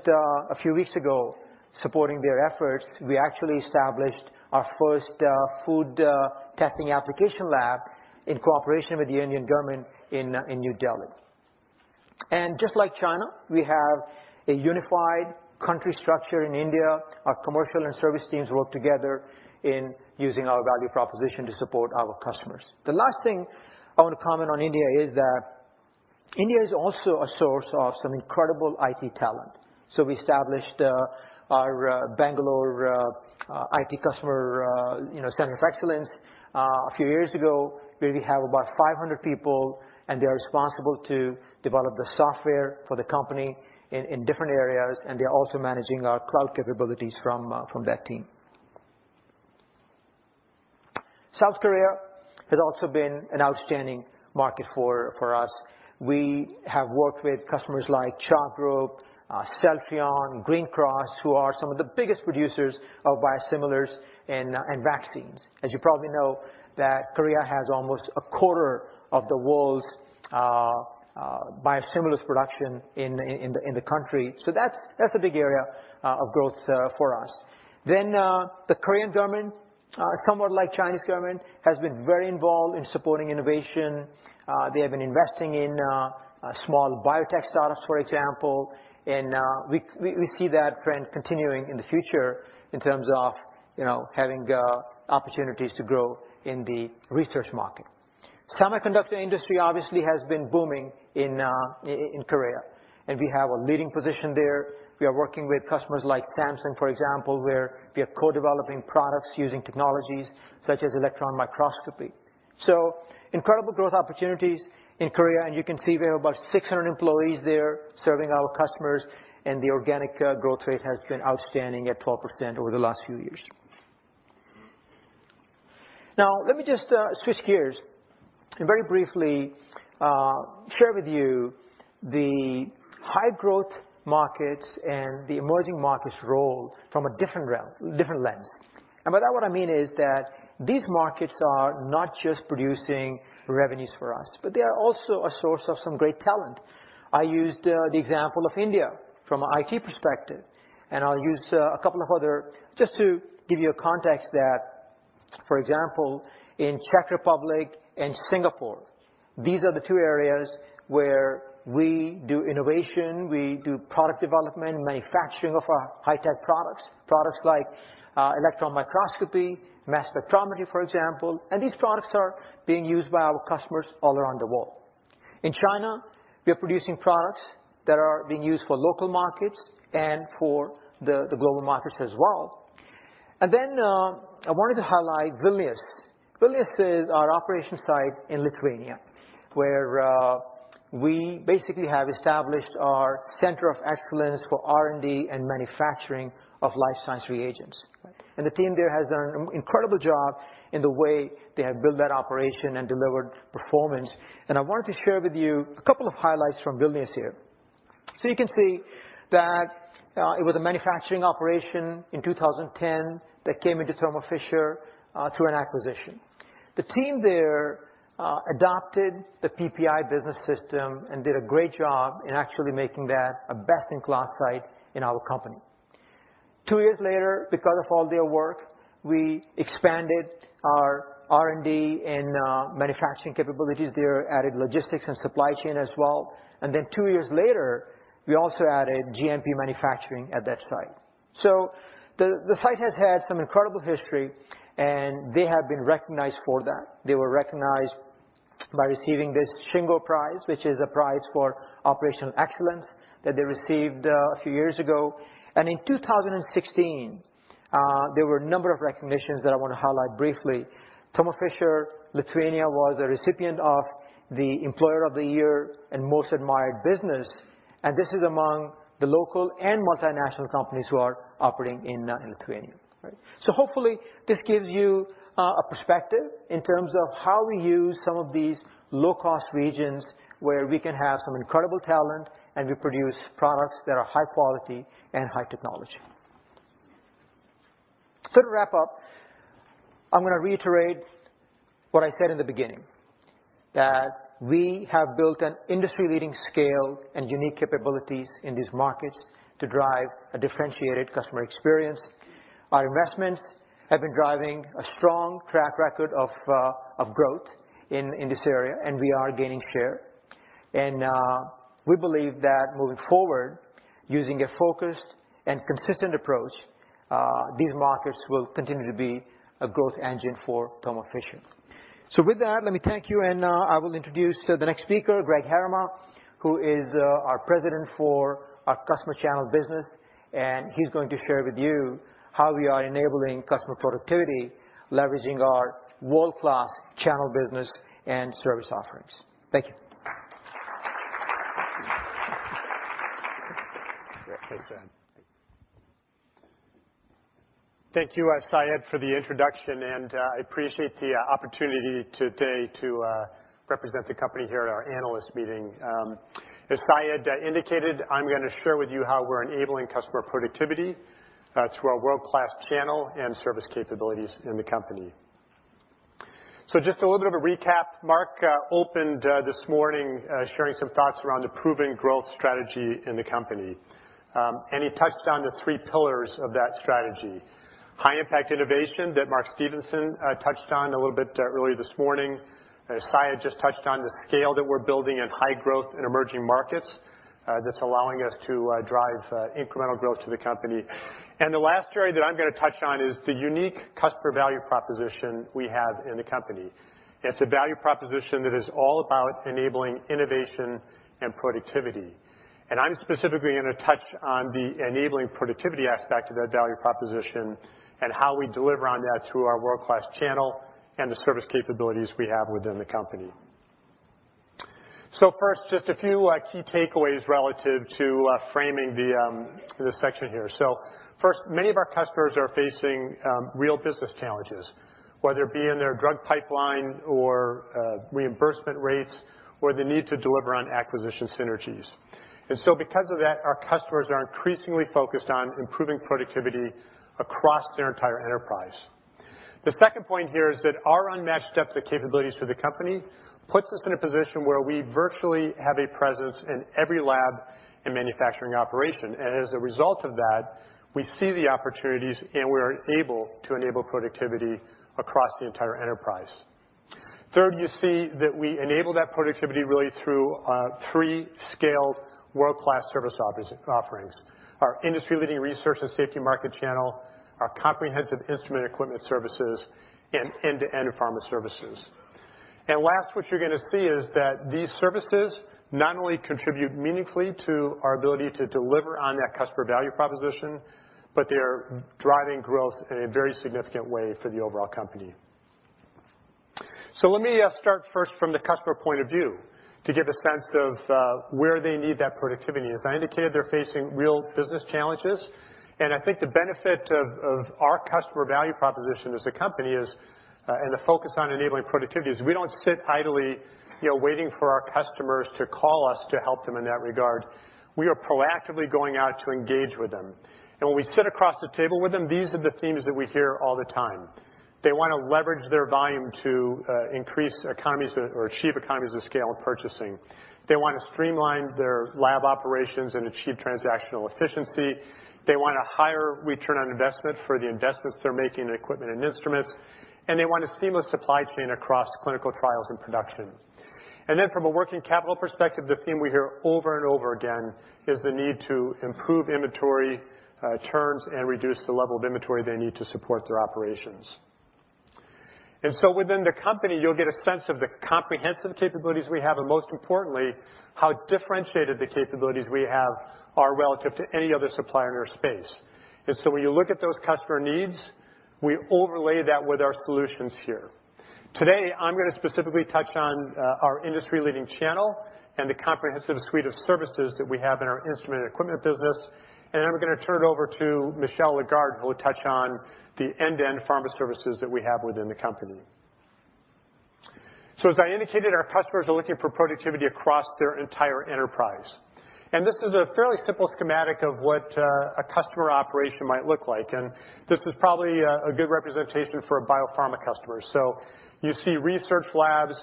a few weeks ago, supporting their efforts, we actually established our first food testing application lab in cooperation with the Indian government in New Delhi. Just like China, we have a unified country structure in India. Our commercial and service teams work together in using our value proposition to support our customers. The last thing I want to comment on India is that India is also a source of some incredible IT talent. We established our Bangalore IT customer center of excellence a few years ago, where we have about 500 people, and they're responsible to develop the software for the company in different areas, and they're also managing our cloud capabilities from that team. South Korea has also been an outstanding market for us. We have worked with customers like CHA Group, Celltrion, Green Cross, who are some of the biggest producers of biosimilars and vaccines. As you probably know, that Korea has almost a quarter of the world's biosimilars production in the country. That's a big area of growth for us. The Korean government, somewhat like Chinese government, has been very involved in supporting innovation. They have been investing in small biotech startups, for example, and we see that trend continuing in the future in terms of having opportunities to grow in the research market. Semiconductor industry obviously has been booming in Korea, and we have a leading position there. We are working with customers like Samsung, for example, where we are co-developing products using technologies such as electron microscopy. Incredible growth opportunities in Korea, and you can see we have about 600 employees there serving our customers, and the organic growth rate has been outstanding at 12% over the last few years. Let me just switch gears and very briefly share with you the high-growth markets and the emerging markets' role from a different lens. By that, what I mean is that these markets are not just producing revenues for us, but they are also a source of some great talent. I used the example of India from an IT perspective, and I will use a couple of others just to give you a context that, for example, in Czech Republic and Singapore, these are the two areas where we do innovation, we do product development, manufacturing of our high-tech products. Products like electron microscopy, mass spectrometry, for example, and these products are being used by our customers all around the world. In China, we are producing products that are being used for local markets and for the global markets as well. Then, I wanted to highlight Vilnius. Vilnius is our operation site in Lithuania, where we basically have established our center of excellence for R&D and manufacturing of life science reagents. The team there has done an incredible job in the way they have built that operation and delivered performance. I wanted to share with you a couple of highlights from Vilnius here. You can see that it was a manufacturing operation in 2010 that came into Thermo Fisher through an acquisition. The team there adopted the PPI business system and did a great job in actually making that a best-in-class site in our company. Two years later, because of all their work, we expanded our R&D and manufacturing capabilities there, added logistics and supply chain as well. Then two years later, we also added GMP manufacturing at that site. The site has had some incredible history, and they have been recognized for that. They were recognized by receiving this Shingo Prize, which is a prize for operational excellence that they received a few years ago. In 2016, there were a number of recognitions that I want to highlight briefly. Thermo Fisher, Lithuania was a recipient of the Employer of the Year and Most Admired Business, and this is among the local and multinational companies who are operating in Lithuania. Hopefully this gives you a perspective in terms of how we use some of these low-cost regions where we can have some incredible talent, and we produce products that are high quality and high technology. To wrap up, I'm going to reiterate what I said in the beginning, that we have built an industry-leading scale and unique capabilities in these markets to drive a differentiated customer experience. Our investments have been driving a strong track record of growth in this area, and we are gaining share. We believe that moving forward, using a focused and consistent approach, these markets will continue to be a growth engine for Thermo Fisher. With that, let me thank you, and I will introduce the next speaker, Greg Heerema, who is our president for our customer channel business, and he's going to share with you how we are enabling customer productivity, leveraging our world-class channel business and service offerings. Thank you. Thanks, Syed. Thank you, Syed, for the introduction. I appreciate the opportunity today to represent the company here at our analyst meeting. As Syed indicated, I'm going to share with you how we're enabling customer productivity through our world-class channel and service capabilities in the company. Just a little bit of a recap. Marc opened this morning sharing some thoughts around the proven growth strategy in the company. He touched on the three pillars of that strategy: high impact innovation that Mark Stevenson touched on a little bit earlier this morning. Syed just touched on the scale that we're building in high growth and emerging markets that's allowing us to drive incremental growth to the company. The last area that I'm going to touch on is the unique customer value proposition we have in the company. It's a value proposition that is all about enabling innovation and productivity. I'm specifically going to touch on the enabling productivity aspect of that value proposition and how we deliver on that through our world-class channel and the service capabilities we have within the company. First, just a few key takeaways relative to framing this section here. First, many of our customers are facing real business challenges, whether it be in their drug pipeline or reimbursement rates, or the need to deliver on acquisition synergies. Because of that, our customers are increasingly focused on improving productivity across their entire enterprise. The second point here is that our unmatched depth of capabilities for the company puts us in a position where we virtually have a presence in every lab and manufacturing operation. As a result of that, we see the opportunities, and we're able to enable productivity across the entire enterprise. Third, you see that we enable that productivity really through three scaled world-class service offerings. Our industry-leading research and safety market channel, our comprehensive instrument equipment services, and end-to-end pharma services. Last, what you're going to see is that these services not only contribute meaningfully to our ability to deliver on that customer value proposition, but they are driving growth in a very significant way for the overall company. Let me start first from the customer point of view to give a sense of where they need that productivity. As I indicated, they're facing real business challenges, and I think the benefit of our customer value proposition as a company is, and the focus on enabling productivity is, we don't sit idly waiting for our customers to call us to help them in that regard. We are proactively going out to engage with them. When we sit across the table with them, these are the themes that we hear all the time. They want to leverage their volume to increase economies or achieve economies of scale in purchasing. They want to streamline their lab operations and achieve transactional efficiency. They want a higher return on investment for the investments they're making in equipment and instruments. They want a seamless supply chain across clinical trials and production. From a working capital perspective, the theme we hear over and over again is the need to improve inventory terms and reduce the level of inventory they need to support their operations. Within the company, you'll get a sense of the comprehensive capabilities we have and most importantly, how differentiated the capabilities we have are relative to any other supplier in our space. When you look at those customer needs, we overlay that with our solutions here. Today, I'm going to specifically touch on our industry-leading channel and the comprehensive suite of services that we have in our instrument equipment business. We're going to turn it over to Michel Lagarde, who will touch on the end-to-end Pharma Services that we have within the company. As I indicated, our customers are looking for productivity across their entire enterprise. This is a fairly simple schematic of what a customer operation might look like, and this is probably a good representation for a biopharma customer. You see research labs,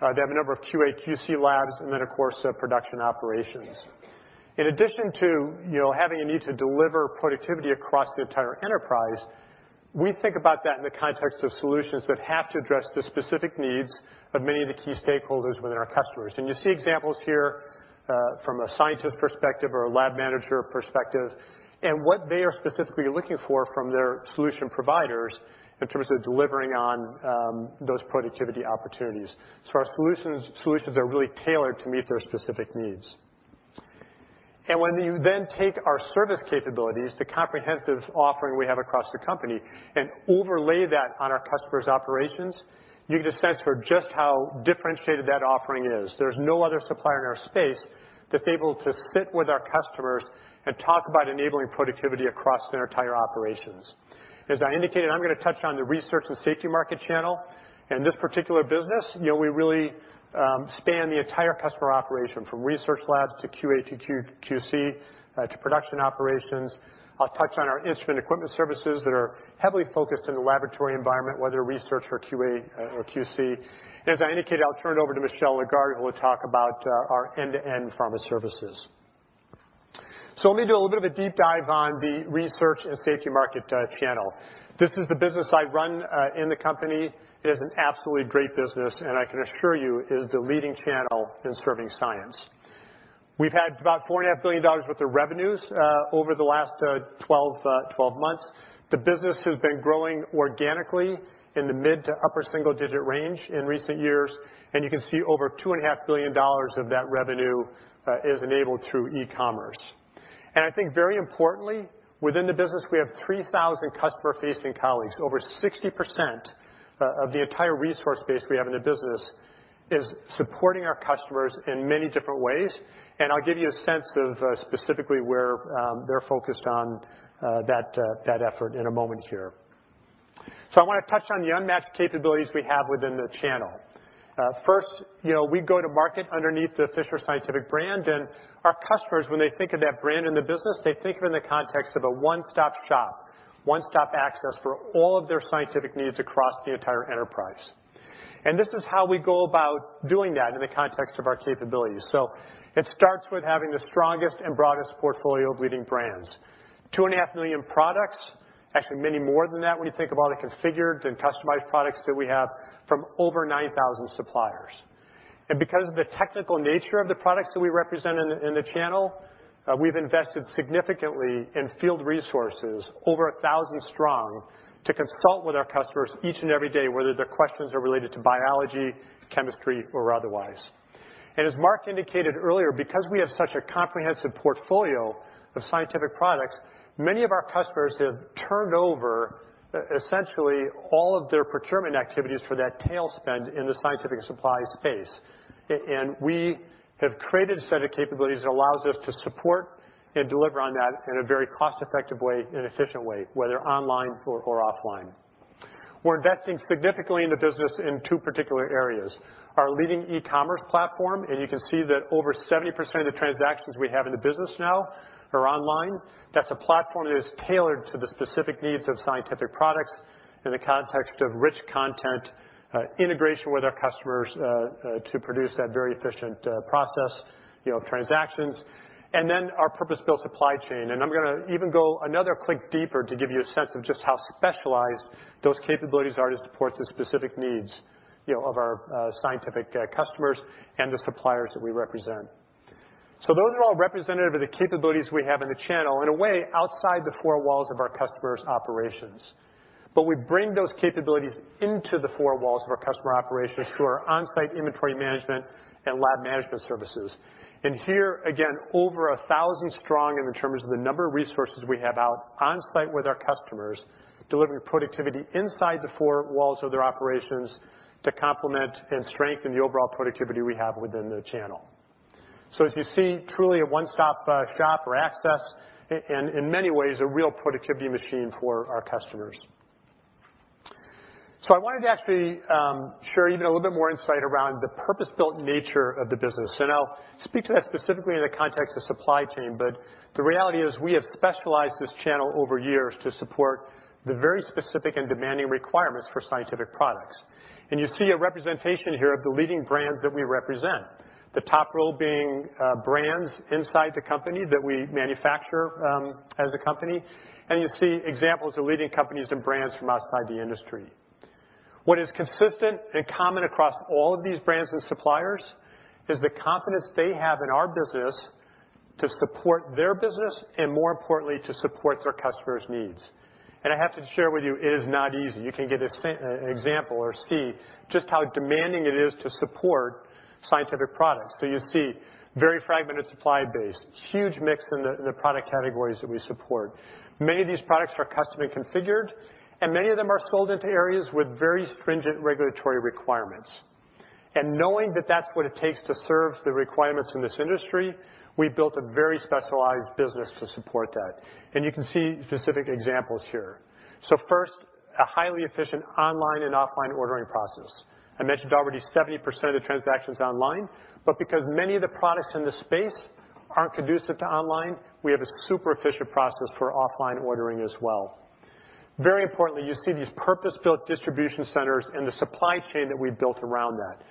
they have a number of QA, QC labs, and then, of course, production operations. In addition to having a need to deliver productivity across the entire enterprise, we think about that in the context of solutions that have to address the specific needs of many of the key stakeholders within our customers. You see examples here from a scientist perspective or a lab manager perspective, and what they are specifically looking for from their solution providers in terms of delivering on those productivity opportunities. Our solutions are really tailored to meet their specific needs. When you then take our service capabilities, the comprehensive offering we have across the company, and overlay that on our customers' operations, you get a sense for just how differentiated that offering is. There's no other supplier in our space that's able to sit with our customers and talk about enabling productivity across their entire operations. As I indicated, I'm going to touch on the research and safety market channel. In this particular business, we really span the entire customer operation, from research labs to QA to QC, to production operations. I'll touch on our instrument equipment services that are heavily focused in the laboratory environment, whether research or QA or QC. As I indicated, I'll turn it over to Michel Lagarde, who will talk about our end-to-end Pharma Services. Let me do a little bit of a deep dive on the research and safety market channel. This is the business I run in the company. It is an absolutely great business, and I can assure you it is the leading channel in serving science. We've had about $4.5 billion worth of revenues over the last 12 months. The business has been growing organically in the mid to upper single-digit range in recent years, and you can see over $2.5 billion of that revenue is enabled through e-commerce. I think very importantly, within the business, we have 3,000 customer-facing colleagues. Over 60% of the entire resource base we have in the business is supporting our customers in many different ways. I'll give you a sense of specifically where they're focused on that effort in a moment here. I want to touch on the unmatched capabilities we have within the channel. We go to market underneath the Fisher Scientific brand, and our customers, when they think of that brand in the business, they think of it in the context of a one-stop shop, one-stop access for all of their scientific needs across the entire enterprise. This is how we go about doing that in the context of our capabilities. It starts with having the strongest and broadest portfolio of leading brands, 2.5 million products, actually many more than that when you think of all the configured and customized products that we have from over 9,000 suppliers. Because of the technical nature of the products that we represent in the channel, we've invested significantly in field resources, over 1,000 strong, to consult with our customers each and every day, whether their questions are related to biology, chemistry, or otherwise. As Mark indicated earlier, because we have such a comprehensive portfolio of scientific products, many of our customers have turned over essentially all of their procurement activities for that tail spend in the scientific supply space. We have created a set of capabilities that allows us to support and deliver on that in a very cost-effective way and efficient way, whether online or offline. We're investing significantly in the business in two particular areas. Our leading e-commerce platform, and you can see that over 70% of the transactions we have in the business now are online. That's a platform that is tailored to the specific needs of scientific products in the context of rich content, integration with our customers to produce that very efficient process of transactions, and then our purpose-built supply chain. I'm going to even go another click deeper to give you a sense of just how specialized those capabilities are to support the specific needs of our scientific customers and the suppliers that we represent. Those are all representative of the capabilities we have in the channel, in a way, outside the four walls of our customers' operations. We bring those capabilities into the four walls of our customer operations through our on-site inventory management and lab management services. Here, again, over 1,000 strong in terms of the number of resources we have out on-site with our customers, delivering productivity inside the four walls of their operations to complement and strengthen the overall productivity we have within the channel. As you see, truly a one-stop shop for access, and in many ways, a real productivity machine for our customers. I wanted to actually share even a little bit more insight around the purpose-built nature of the business. I'll speak to that specifically in the context of supply chain, but the reality is we have specialized this channel over years to support the very specific and demanding requirements for scientific products. You see a representation here of the leading brands that we represent. The top row being brands inside the company that we manufacture as a company, and you see examples of leading companies and brands from outside the industry. What is consistent and common across all of these brands and suppliers is the confidence they have in our business to support their business and, more importantly, to support their customers' needs. I have to share with you, it is not easy. You can get an example or see just how demanding it is to support scientific products. You see very fragmented supply base, huge mix in the product categories that we support. Many of these products are custom and configured, many of them are sold into areas with very stringent regulatory requirements. Knowing that that's what it takes to serve the requirements in this industry, we built a very specialized business to support that. You can see specific examples here. First, a highly efficient online and offline ordering process. I mentioned already 70% of the transactions online, but because many of the products in this space aren't conducive to online, we have a super efficient process for offline ordering as well. Very importantly, you see these purpose-built distribution centers and the supply chain that we've built around that.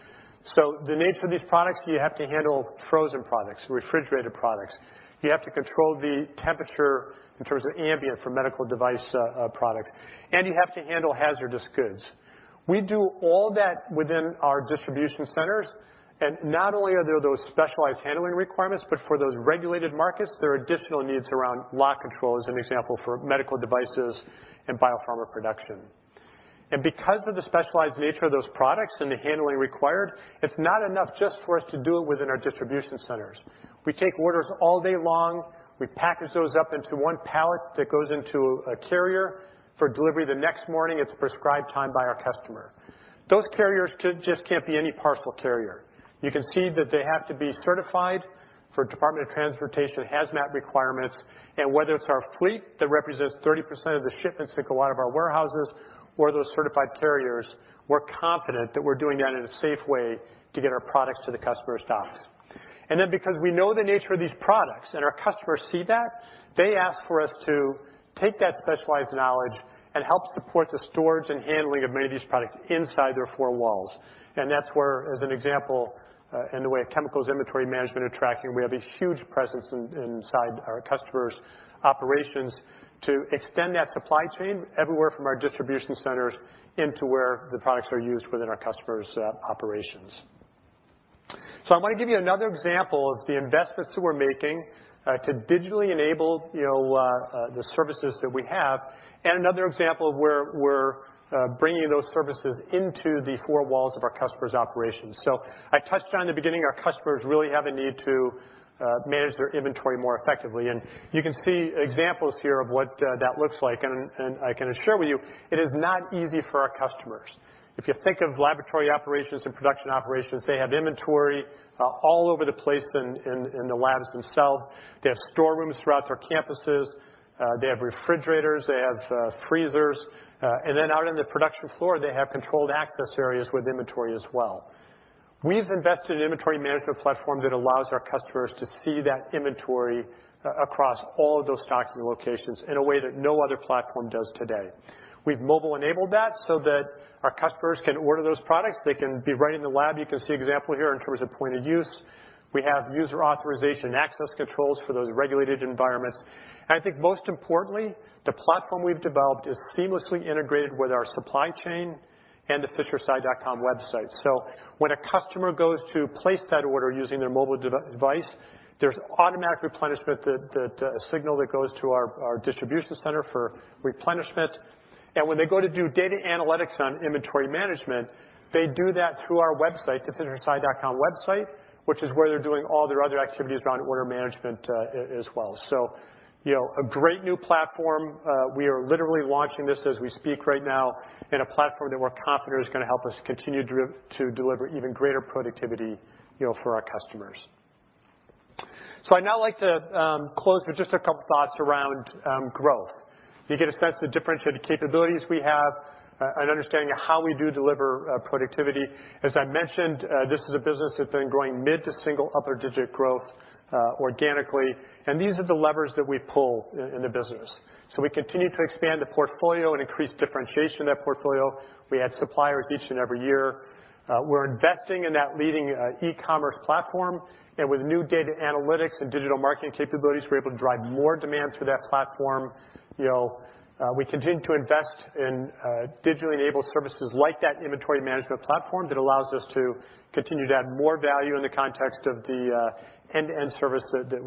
The nature of these products, you have to handle frozen products, refrigerated products. You have to control the temperature in terms of ambient for medical device product. You have to handle hazardous goods. We do all that within our distribution centers. Not only are there those specialized handling requirements, but for those regulated markets, there are additional needs around lot control, as an example, for medical devices and biopharma production. Because of the specialized nature of those products and the handling required, it's not enough just for us to do it within our distribution centers. We take orders all day long. We package those up into one pallet that goes into a carrier for delivery the next morning at the prescribed time by our customer. Those carriers just can't be any parcel carrier. You can see that they have to be certified for Department of Transportation hazmat requirements. Whether it's our fleet that represents 30% of the shipments that go out of our warehouses or those certified carriers, we're confident that we're doing that in a safe way to get our products to the customer's docks. Then because we know the nature of these products and our customers see that, they ask for us to take that specialized knowledge and help support the storage and handling of many of these products inside their four walls. That's where, as an example, in the way of chemicals inventory management and tracking, we have a huge presence inside our customers' operations to extend that supply chain everywhere from our distribution centers into where the products are used within our customers' operations. I want to give you another example of the investments that we're making to digitally enable the services that we have and another example of where we're bringing those services into the four walls of our customers' operations. I touched on in the beginning, our customers really have a need to manage their inventory more effectively. You can see examples here of what that looks like. I can share with you, it is not easy for our customers. If you think of laboratory operations and production operations, they have inventory all over the place in the labs themselves. They have storerooms throughout their campuses. They have refrigerators. They have freezers. Then out on the production floor, they have controlled access areas with inventory as well. We've invested in inventory management platform that allows our customers to see that inventory across all of those stocking locations in a way that no other platform does today. We've mobile-enabled that so that our customers can order those products. They can be right in the lab. You can see example here in terms of point of use. We have user authorization access controls for those regulated environments. I think most importantly, the platform we've developed is seamlessly integrated with our supply chain and the fishersci.com website. When a customer goes to place that order using their mobile device, there's automatic replenishment that a signal that goes to our distribution center for replenishment. When they go to do data analytics on inventory management, they do that through our website, the fishersci.com website, which is where they're doing all their other activities around order management as well. A great new platform. We are literally launching this as we speak right now in a platform that we're confident is going to help us continue to deliver even greater productivity for our customers. I'd now like to close with just a couple thoughts around growth. You get a sense of the differentiated capabilities we have, an understanding of how we do deliver productivity. As I mentioned, this is a business that's been growing mid to single upper digit growth organically, these are the levers that we pull in the business. We continue to expand the portfolio and increase differentiation in that portfolio. We add suppliers each and every year. We're investing in that leading e-commerce platform. With new data analytics and digital marketing capabilities, we're able to drive more demand through that platform. We continue to invest in digitally enabled services like that inventory management platform that allows us to continue to add more value in the context of the end-to-end service that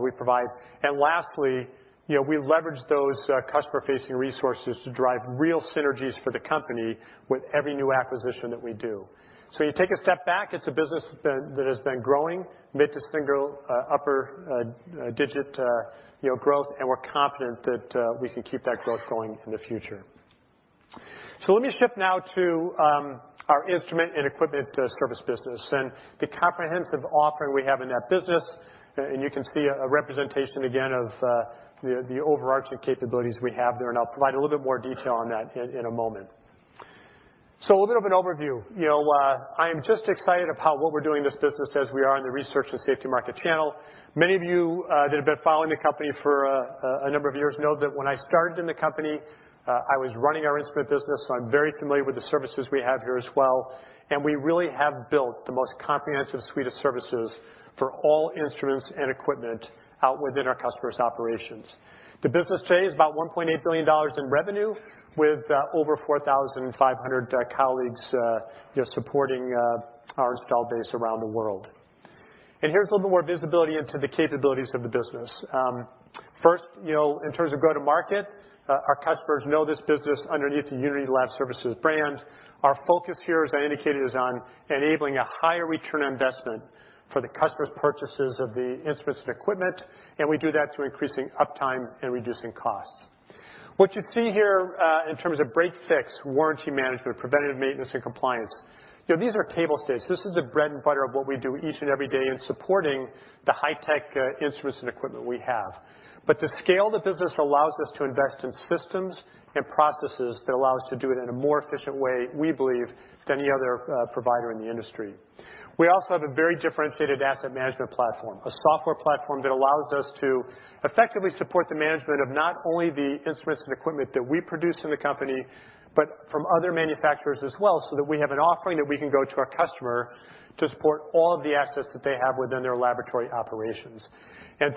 we provide. Lastly, we leverage those customer-facing resources to drive real synergies for the company with every new acquisition that we do. You take a step back, it's a business that has been growing mid to single upper digit growth, and we're confident that we can keep that growth going in the future. Let me shift now to our instrument and equipment service business and the comprehensive offering we have in that business. You can see a representation again of the overarching capabilities we have there, and I'll provide a little bit more detail on that in a moment. A little bit of an overview. I am just excited about what we're doing in this business as we are in the research and safety market channel. Many of you that have been following the company for a number of years know that when I started in the company, I was running our instrument business, I'm very familiar with the services we have here as well, and we really have built the most comprehensive suite of services for all instruments and equipment out within our customers' operations. The business today is about $1.8 billion in revenue with over 4,500 colleagues just supporting our installed base around the world. Here's a little bit more visibility into the capabilities of the business. First, in terms of go-to-market, our customers know this business underneath the Unity Lab Services brand. Our focus here, as I indicated, is on enabling a higher return on investment for the customer's purchases of the instruments and equipment, and we do that through increasing uptime and reducing costs. What you see here in terms of break/fix, warranty management, preventative maintenance, and compliance. These are table stakes. This is the bread and butter of what we do each and every day in supporting the high-tech instruments and equipment we have. The scale of the business allows us to invest in systems and processes that allow us to do it in a more efficient way, we believe, than any other provider in the industry. We also have a very differentiated asset management platform, a software platform that allows us to effectively support the management of not only the instruments and equipment that we produce in the company, but from other manufacturers as well, so that we have an offering that we can go to our customer to support all of the assets that they have within their laboratory operations.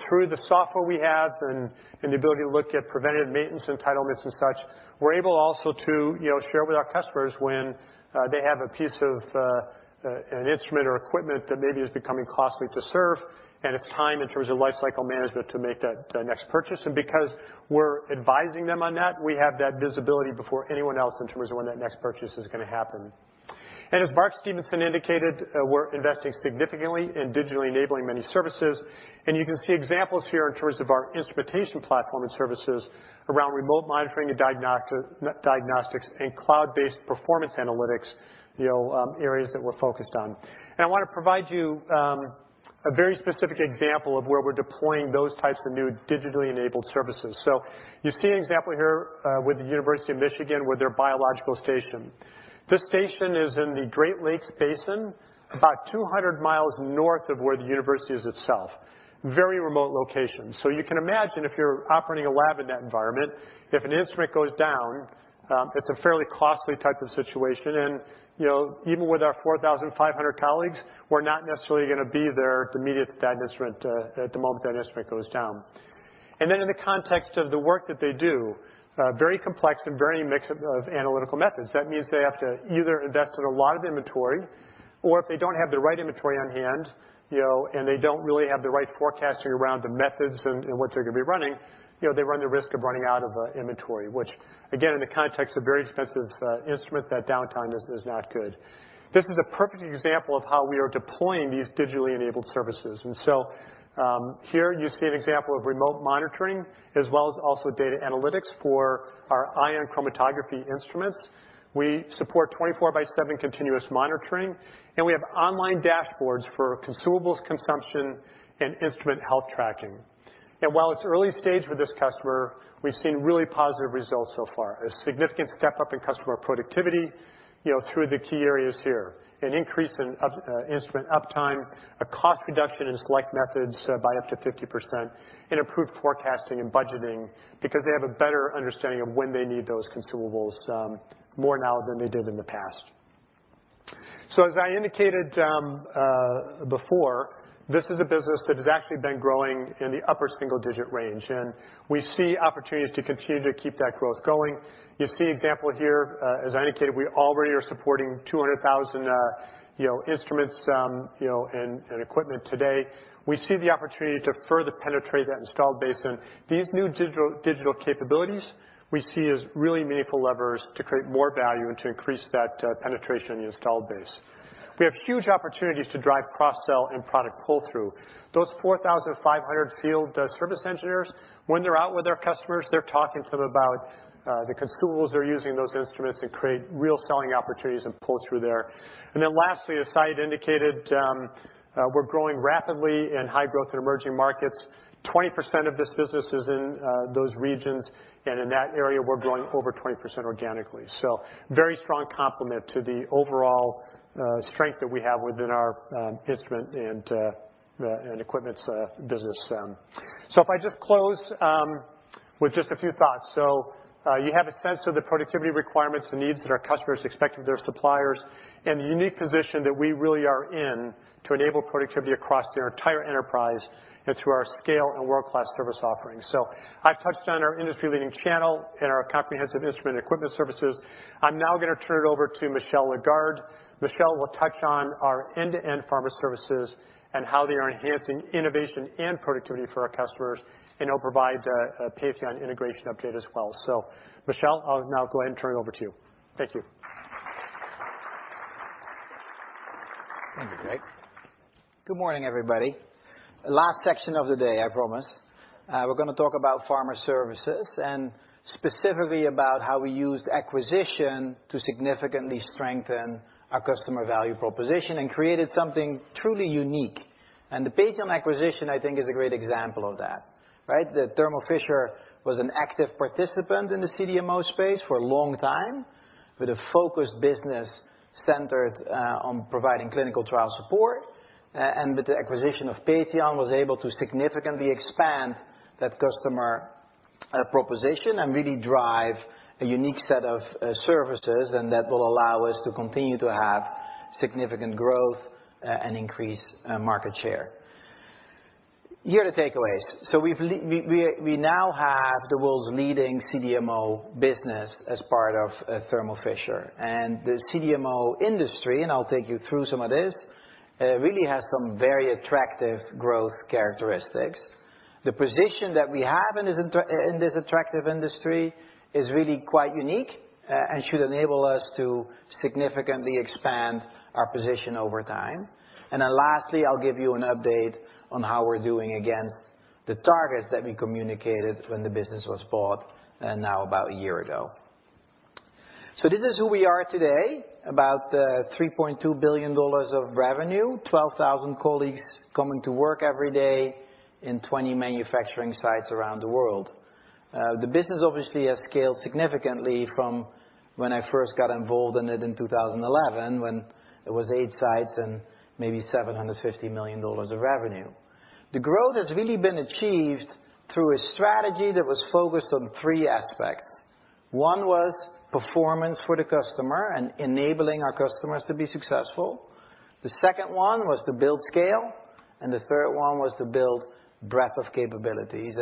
Through the software we have and the ability to look at preventative maintenance entitlements and such, we're able also to share with our customers when they have a piece of an instrument or equipment that maybe is becoming costly to serve and it's time, in terms of lifecycle management, to make that next purchase. Because we're advising them on that, we have that visibility before anyone else in terms of when that next purchase is going to happen. As Mark Stevenson indicated, we're investing significantly in digitally enabling many services, and you can see examples here in terms of our instrumentation platform and services around remote monitoring and diagnostics and cloud-based performance analytics, areas that we're focused on. I want to provide you a very specific example of where we're deploying those types of new digitally enabled services. You see an example here with the University of Michigan with their biological station. This station is in the Great Lakes Basin, about 200 miles north of where the university is itself. Very remote location. You can imagine if you're operating a lab in that environment, if an instrument goes down, it's a fairly costly type of situation. Even with our 4,500 colleagues, we're not necessarily going to be there to meet that instrument at the moment that instrument goes down. In the context of the work that they do, very complex and very mixed of analytical methods. That means they have to either invest in a lot of inventory or if they don't have the right inventory on hand, and they don't really have the right forecasting around the methods and what they're going to be running, they run the risk of running out of inventory, which again, in the context of very expensive instruments, that downtime is not good. This is a perfect example of how we are deploying these digitally enabled services. Here you see an example of remote monitoring as well as also data analytics for our ion chromatography instruments. We support 24 by seven continuous monitoring, and we have online dashboards for consumables consumption and instrument health tracking. While it's early stage with this customer, we've seen really positive results so far. A significant step up in customer productivity through the key areas here. An increase in instrument uptime, a cost reduction in select methods by up to 50%, and improved forecasting and budgeting because they have a better understanding of when they need those consumables more now than they did in the past. As I indicated before, this is a business that has actually been growing in the upper single-digit range, and we see opportunities to continue to keep that growth going. You see an example here, as I indicated, we already are supporting 200,000 instruments and equipment today. We see the opportunity to further penetrate that installed base, and these new digital capabilities we see as really meaningful levers to create more value and to increase that penetration in the installed base. We have huge opportunities to drive cross-sell and product pull-through. Those 4,500 field service engineers, when they're out with their customers, they're talking to them about the consumables they're using in those instruments and create real selling opportunities and pull through there. Then lastly, as Syed indicated, we're growing rapidly in high growth and emerging markets. 20% of this business is in those regions, and in that area, we're growing over 20% organically. Very strong complement to the overall strength that we have within our instrument and equipments business. If I just close with just a few thoughts. You have a sense of the productivity requirements and needs that our customers expect of their suppliers, and the unique position that we really are in to enable productivity across their entire enterprise and through our scale and world-class service offerings. I've touched on our industry-leading channel and our comprehensive instrument equipment services. I'm now going to turn it over to Michel Lagarde. Michel will touch on our end-to-end Pharma Services and how they are enhancing innovation and productivity for our customers, and he'll provide a Patheon integration update as well. Michel, I'll now go ahead and turn it over to you. Thank you. Thank you, Greg. Good morning, everybody. Last section of the day, I promise. We're going to talk about Pharma Services and specifically about how we used acquisition to significantly strengthen our customer value proposition and created something truly unique. The Patheon acquisition, I think, is a great example of that, right? Thermo Fisher was an active participant in the CDMO space for a long time, with a focused business centered on providing clinical trial support, and with the acquisition of Patheon, was able to significantly expand that customer proposition and really drive a unique set of services, and that will allow us to continue to have significant growth and increase market share. Here are the takeaways. We now have the world's leading CDMO business as part of Thermo Fisher. The CDMO industry, and I'll take you through some of this, really has some very attractive growth characteristics. The position that we have in this attractive industry is really quite unique and should enable us to significantly expand our position over time. Lastly, I'll give you an update on how we're doing against the targets that we communicated when the business was bought now about a year ago. This is who we are today, about $3.2 billion of revenue, 12,000 colleagues coming to work every day in 20 manufacturing sites around the world. The business obviously has scaled significantly from when I first got involved in it in 2011 when it was eight sites and maybe $750 million of revenue. The growth has really been achieved through a strategy that was focused on three aspects. One was performance for the customer and enabling our customers to be successful. The second one was to build scale, and the third one was to build breadth of capabilities.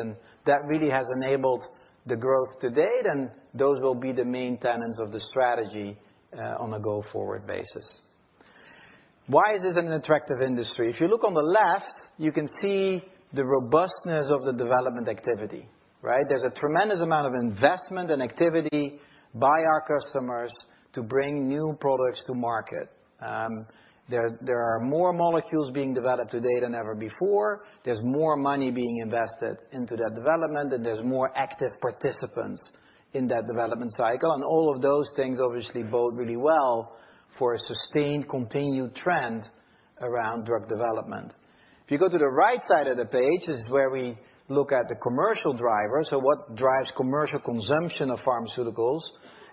That really has enabled the growth to date, and those will be the main tenets of the strategy on a go-forward basis. Why is this an attractive industry? If you look on the left, you can see the robustness of the development activity, right? There's a tremendous amount of investment and activity by our customers to bring new products to market. There are more molecules being developed today than ever before. There's more money being invested into that development, and there's more active participants in that development cycle. All of those things obviously bode really well for a sustained, continued trend around drug development. If you go to the right side of the page is where we look at the commercial drivers. What drives commercial consumption of pharmaceuticals,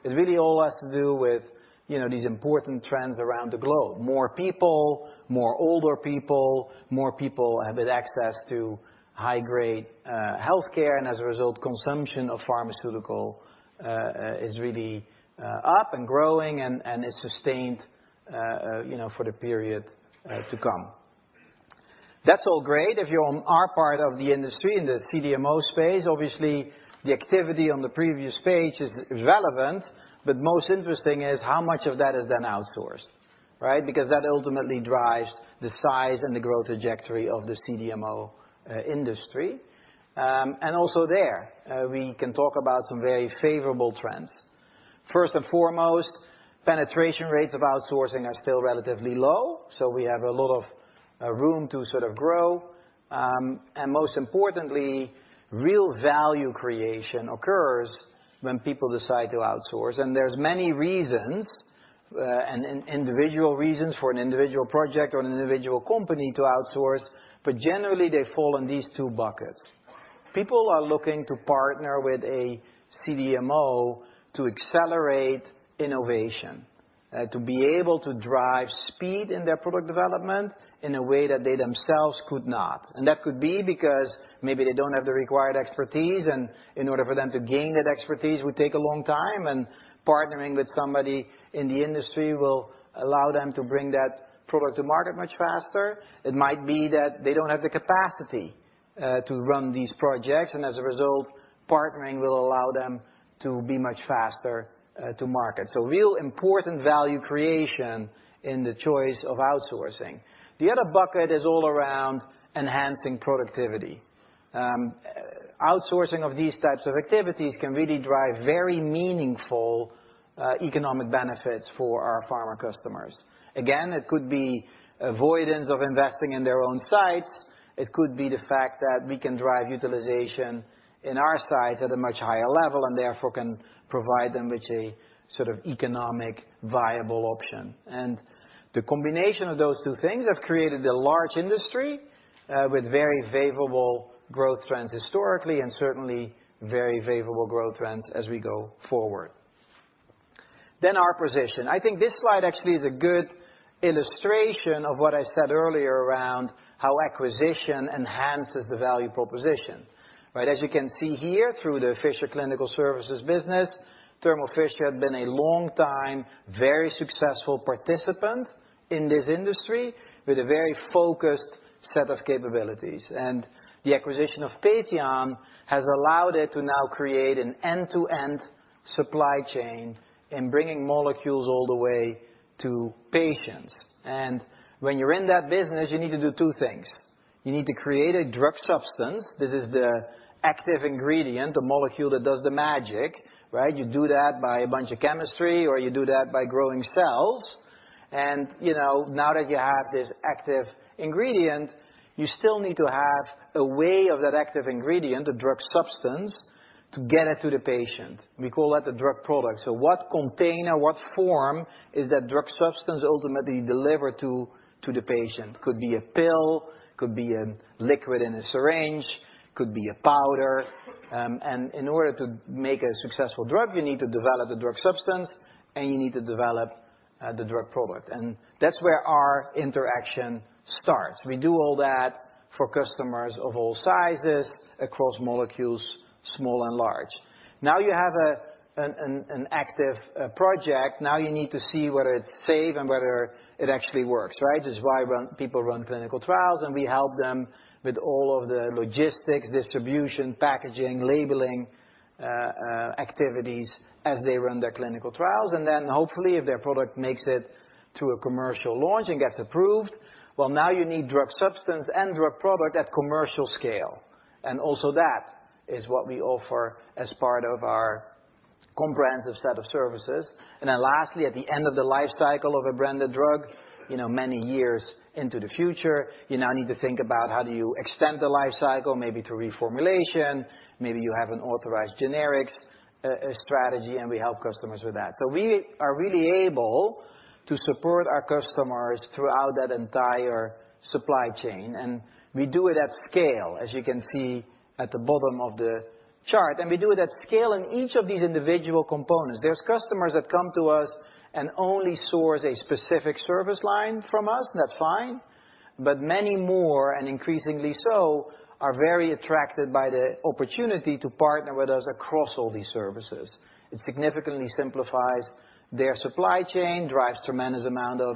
it really all has to do with these important trends around the globe. More people, more older people, more people have had access to high-grade healthcare, and as a result, consumption of pharmaceutical is really up and growing and is sustained for the period to come. That's all great if you're on our part of the industry. In the CDMO space, obviously, the activity on the previous page is relevant, but most interesting is how much of that is then outsourced, right? Because that ultimately drives the size and the growth trajectory of the CDMO industry. Also there, we can talk about some very favorable trends. First and foremost, penetration rates of outsourcing are still relatively low, we have a lot of room to sort of grow. Most importantly, real value creation occurs when people decide to outsource. There's many reasons, and individual reasons for an individual project or an individual company to outsource, but generally, they fall in these two buckets. People are looking to partner with a CDMO to accelerate innovation, to be able to drive speed in their product development in a way that they themselves could not. That could be because maybe they don't have the required expertise, and in order for them to gain that expertise would take a long time, and partnering with somebody in the industry will allow them to bring that product to market much faster. It might be that they don't have the capacity to run these projects, and as a result, partnering will allow them to be much faster to market. Real important value creation in the choice of outsourcing. The other bucket is all around enhancing productivity. Outsourcing of these types of activities can really drive very meaningful economic benefits for our pharma customers. Again, it could be avoidance of investing in their own sites. It could be the fact that we can drive utilization in our sites at a much higher level, and therefore, can provide them with a sort of economic viable option. The combination of those two things have created a large industry with very favorable growth trends historically, and certainly very favorable growth trends as we go forward. Our position. I think this slide actually is a good illustration of what I said earlier around how acquisition enhances the value proposition. As you can see here, through the Fisher Clinical Services business, Thermo Fisher had been a long time, very successful participant in this industry with a very focused set of capabilities. The acquisition of Patheon has allowed it to now create an end-to-end supply chain in bringing molecules all the way to patients. When you're in that business, you need to do two things. You need to create a drug substance. This is the active ingredient, the molecule that does the magic. You do that by a bunch of chemistry, or you do that by growing cells. Now that you have this active ingredient, you still need to have a way of that active ingredient, a drug substance, to get it to the patient. We call that a drug product. What container, what form is that drug substance ultimately delivered to the patient? Could be a pill, could be a liquid in a syringe, could be a powder. In order to make a successful drug, you need to develop the drug substance, and you need to develop the drug product. That's where our interaction starts. We do all that for customers of all sizes, across molecules, small and large. Now you have an active project. Now you need to see whether it's safe and whether it actually works. This is why people run clinical trials, and we help them with all of the logistics, distribution, packaging, labeling activities as they run their clinical trials. Hopefully, if their product makes it to a commercial launch and gets approved, well, now you need drug substance and drug product at commercial scale. Also that is what we offer as part of our comprehensive set of services. Lastly, at the end of the life cycle of a branded drug, many years into the future, you now need to think about how do you extend the life cycle, maybe through reformulation, maybe you have an authorized generics strategy, and we help customers with that. We are really able to support our customers throughout that entire supply chain, and we do it at scale, as you can see at the bottom of the chart. We do it at scale in each of these individual components. There's customers that come to us and only source a specific service line from us, and that's fine, but many more, and increasingly so, are very attracted by the opportunity to partner with us across all these services. It significantly simplifies their supply chain, drives tremendous amount of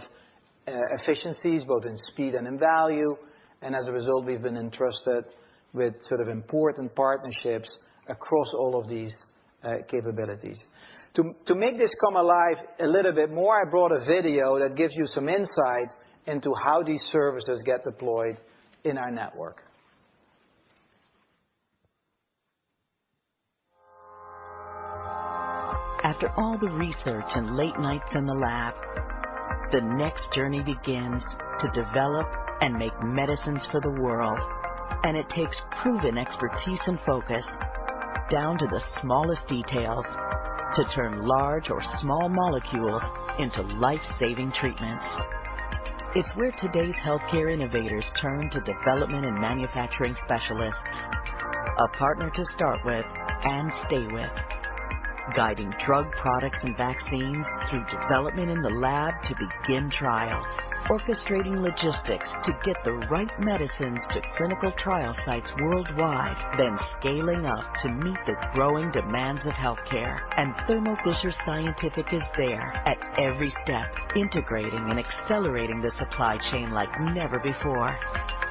efficiencies, both in speed and in value. As a result, we've been entrusted with sort of important partnerships across all of these capabilities. To make this come alive a little bit more, I brought a video that gives you some insight into how these services get deployed in our network. After all the research and late nights in the lab, the next journey begins to develop and make medicines for the world, it takes proven expertise and focus down to the smallest details to turn large or small molecules into life-saving treatments. It's where today's healthcare innovators turn to development and manufacturing specialists, a partner to start with and stay with, guiding drug products and vaccines through development in the lab to begin trials. Orchestrating logistics to get the right medicines to clinical trial sites worldwide, then scaling up to meet the growing demands of healthcare. Thermo Fisher Scientific is there at every step, integrating and accelerating the supply chain like never before,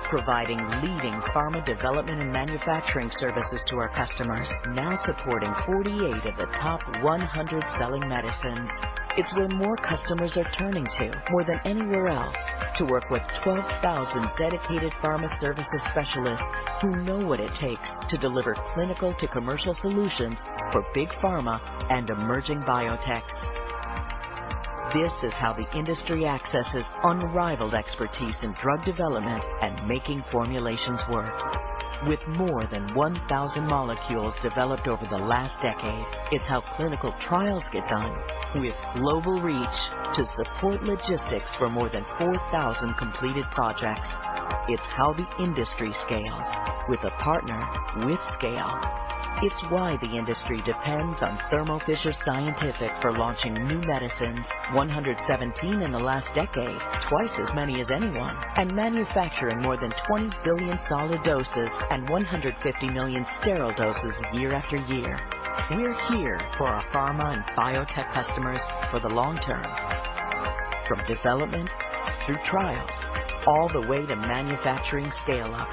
providing leading pharma development and manufacturing services to our customers, now supporting 48 of the top 100 selling medicines. It's where more customers are turning to, more than anywhere else, to work with 12,000 dedicated pharma services specialists who know what it takes to deliver clinical to commercial solutions for big pharma and emerging biotechs. This is how the industry accesses unrivaled expertise in drug development and making formulations work. With more than 1,000 molecules developed over the last decade, it's how clinical trials get done with global reach to support logistics for more than 4,000 completed projects. It's how the industry scales with a partner with scale. It's why the industry depends on Thermo Fisher Scientific for launching new medicines, 117 in the last decade, twice as many as anyone, and manufacturing more than 20 billion solid doses and 150 million sterile doses year after year. We're here for our pharma and biotech customers for the long term, from development through trials, all the way to manufacturing scale-up.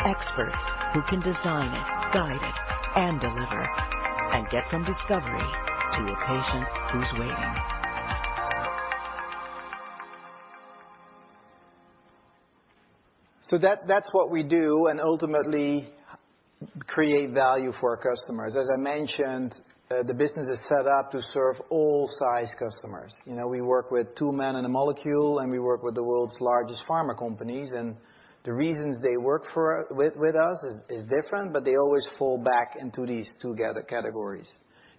Experts who can design it, guide it, and deliver, and get from discovery to a patient who's waiting. That's what we do, ultimately create value for our customers. As I mentioned, the business is set up to serve all size customers. We work with two men and a molecule, we work with the world's largest pharma companies. The reasons they work with us is different, but they always fall back into these two categories.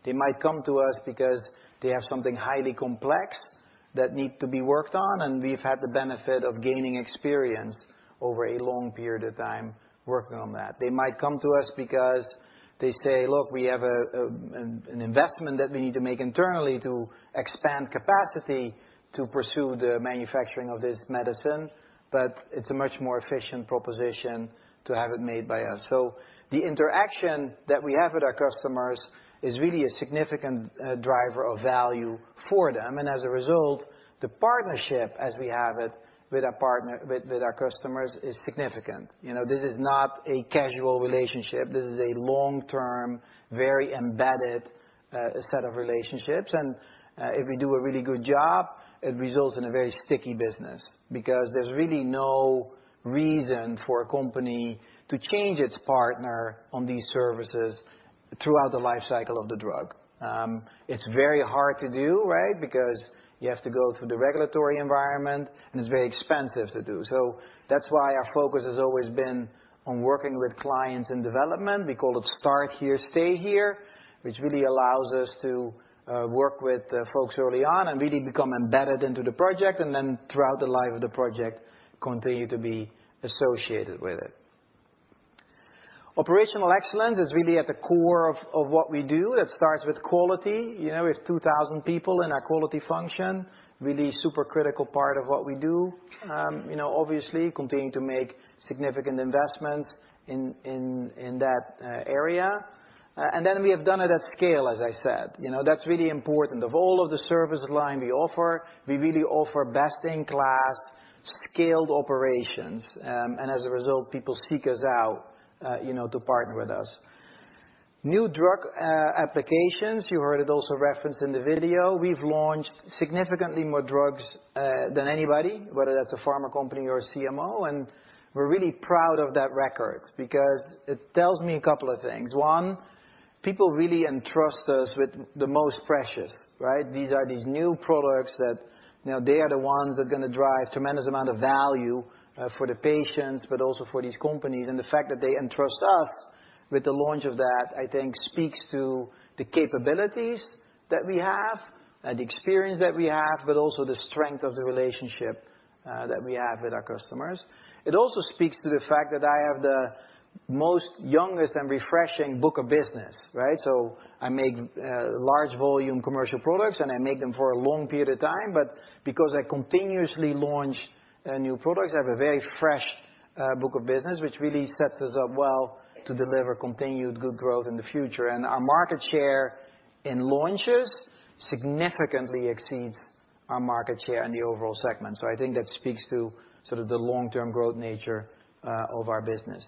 They might come to us because they have something highly complex that need to be worked on, and we've had the benefit of gaining experience over a long period of time working on that. They might come to us because they say, "Look, we have an investment that we need to make internally to expand capacity to pursue the manufacturing of this medicine, but it's a much more efficient proposition to have it made by us." The interaction that we have with our customers is really a significant driver of value for them. As a result, the partnership as we have it with our customers is significant. This is not a casual relationship. This is a long-term, very embedded, set of relationships. If we do a really good job, it results in a very sticky business, because there's really no reason for a company to change its partner on these services throughout the life cycle of the drug. It's very hard to do, right? Because you have to go through the regulatory environment, and it's very expensive to do. That's why our focus has always been on working with clients in development. We call it start here, stay here, which really allows us to work with folks early on and really become embedded into the project and then, throughout the life of the project, continue to be associated with it. Operational excellence is really at the core of what we do. It starts with quality. We have 2,000 people in our quality function, really super critical part of what we do. Obviously, continuing to make significant investments in that area. Then we have done it at scale, as I said. That's really important. Of all of the service line we offer, we really offer best-in-class scaled operations. As a result, people seek us out to partner with us. New drug applications, you heard it also referenced in the video. We've launched significantly more drugs than anybody, whether that's a pharma company or a CMO, we're really proud of that record because it tells me a couple of things. One, people really entrust us with the most precious, right? These are these new products that they are the ones that are going to drive tremendous amount of value for the patients, but also for these companies. The fact that they entrust us with the launch of that, I think, speaks to the capabilities that we have and the experience that we have, but also the strength of the relationship that we have with our customers. It also speaks to the fact that I have the most youngest and refreshing book of business, right? I make large volume commercial products, I make them for a long period of time. Because I continuously launch new products, I have a very fresh book of business, which really sets us up well to deliver continued good growth in the future. Our market share in launches significantly exceeds our market share in the overall segment. I think that speaks to sort of the long-term growth nature of our business.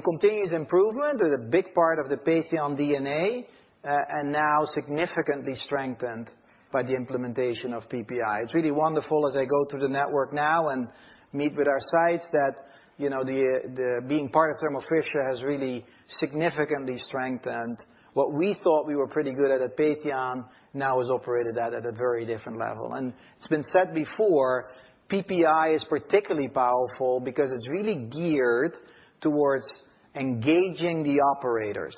Continuous improvement is a big part of the Patheon DNA, and now significantly strengthened by the implementation of PPI. It's really wonderful as I go through the network now and meet with our sites that being part of Thermo Fisher has really significantly strengthened what we thought we were pretty good at Patheon now is operated at a very different level. It's been said before, PPI is particularly powerful because it's really geared towards engaging the operators.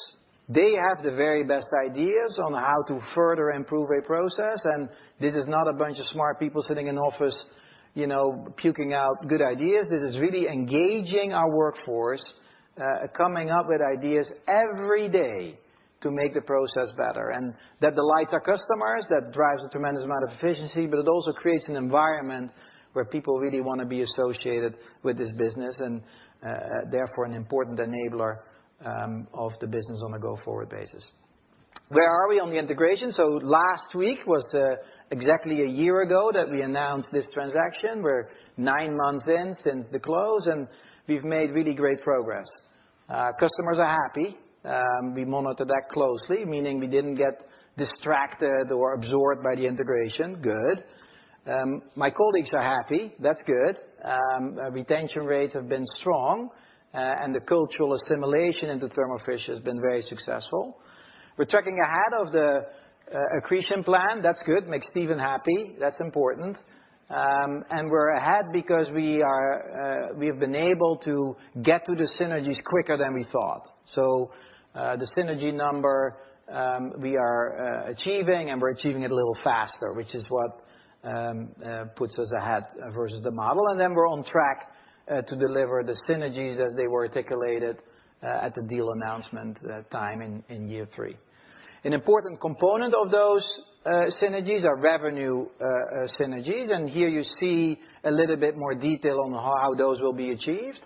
They have the very best ideas on how to further improve a process, this is not a bunch of smart people sitting in office puking out good ideas. This is really engaging our workforce, coming up with ideas every day to make the process better. That delights our customers, that drives a tremendous amount of efficiency, but it also creates an environment where people really want to be associated with this business, and therefore an important enabler of the business on a go-forward basis. Where are we on the integration? Last week was exactly a year ago that we announced this transaction. We're 9 months in since the close, and we've made really great progress. Customers are happy. We monitor that closely, meaning we didn't get distracted or absorbed by the integration. Good. My colleagues are happy. That's good. Retention rates have been strong, the cultural assimilation into Thermo Fisher has been very successful. We're tracking ahead of the accretion plan. That's good. Makes Stephen happy. That's important. We're ahead because we have been able to get to the synergies quicker than we thought. The synergy number, we are achieving, and we're achieving it a little faster, which is what puts us ahead versus the model. Then we're on track to deliver the synergies as they were articulated at the deal announcement that time in year three. An important component of those synergies are revenue synergies, here you see a little bit more detail on how those will be achieved.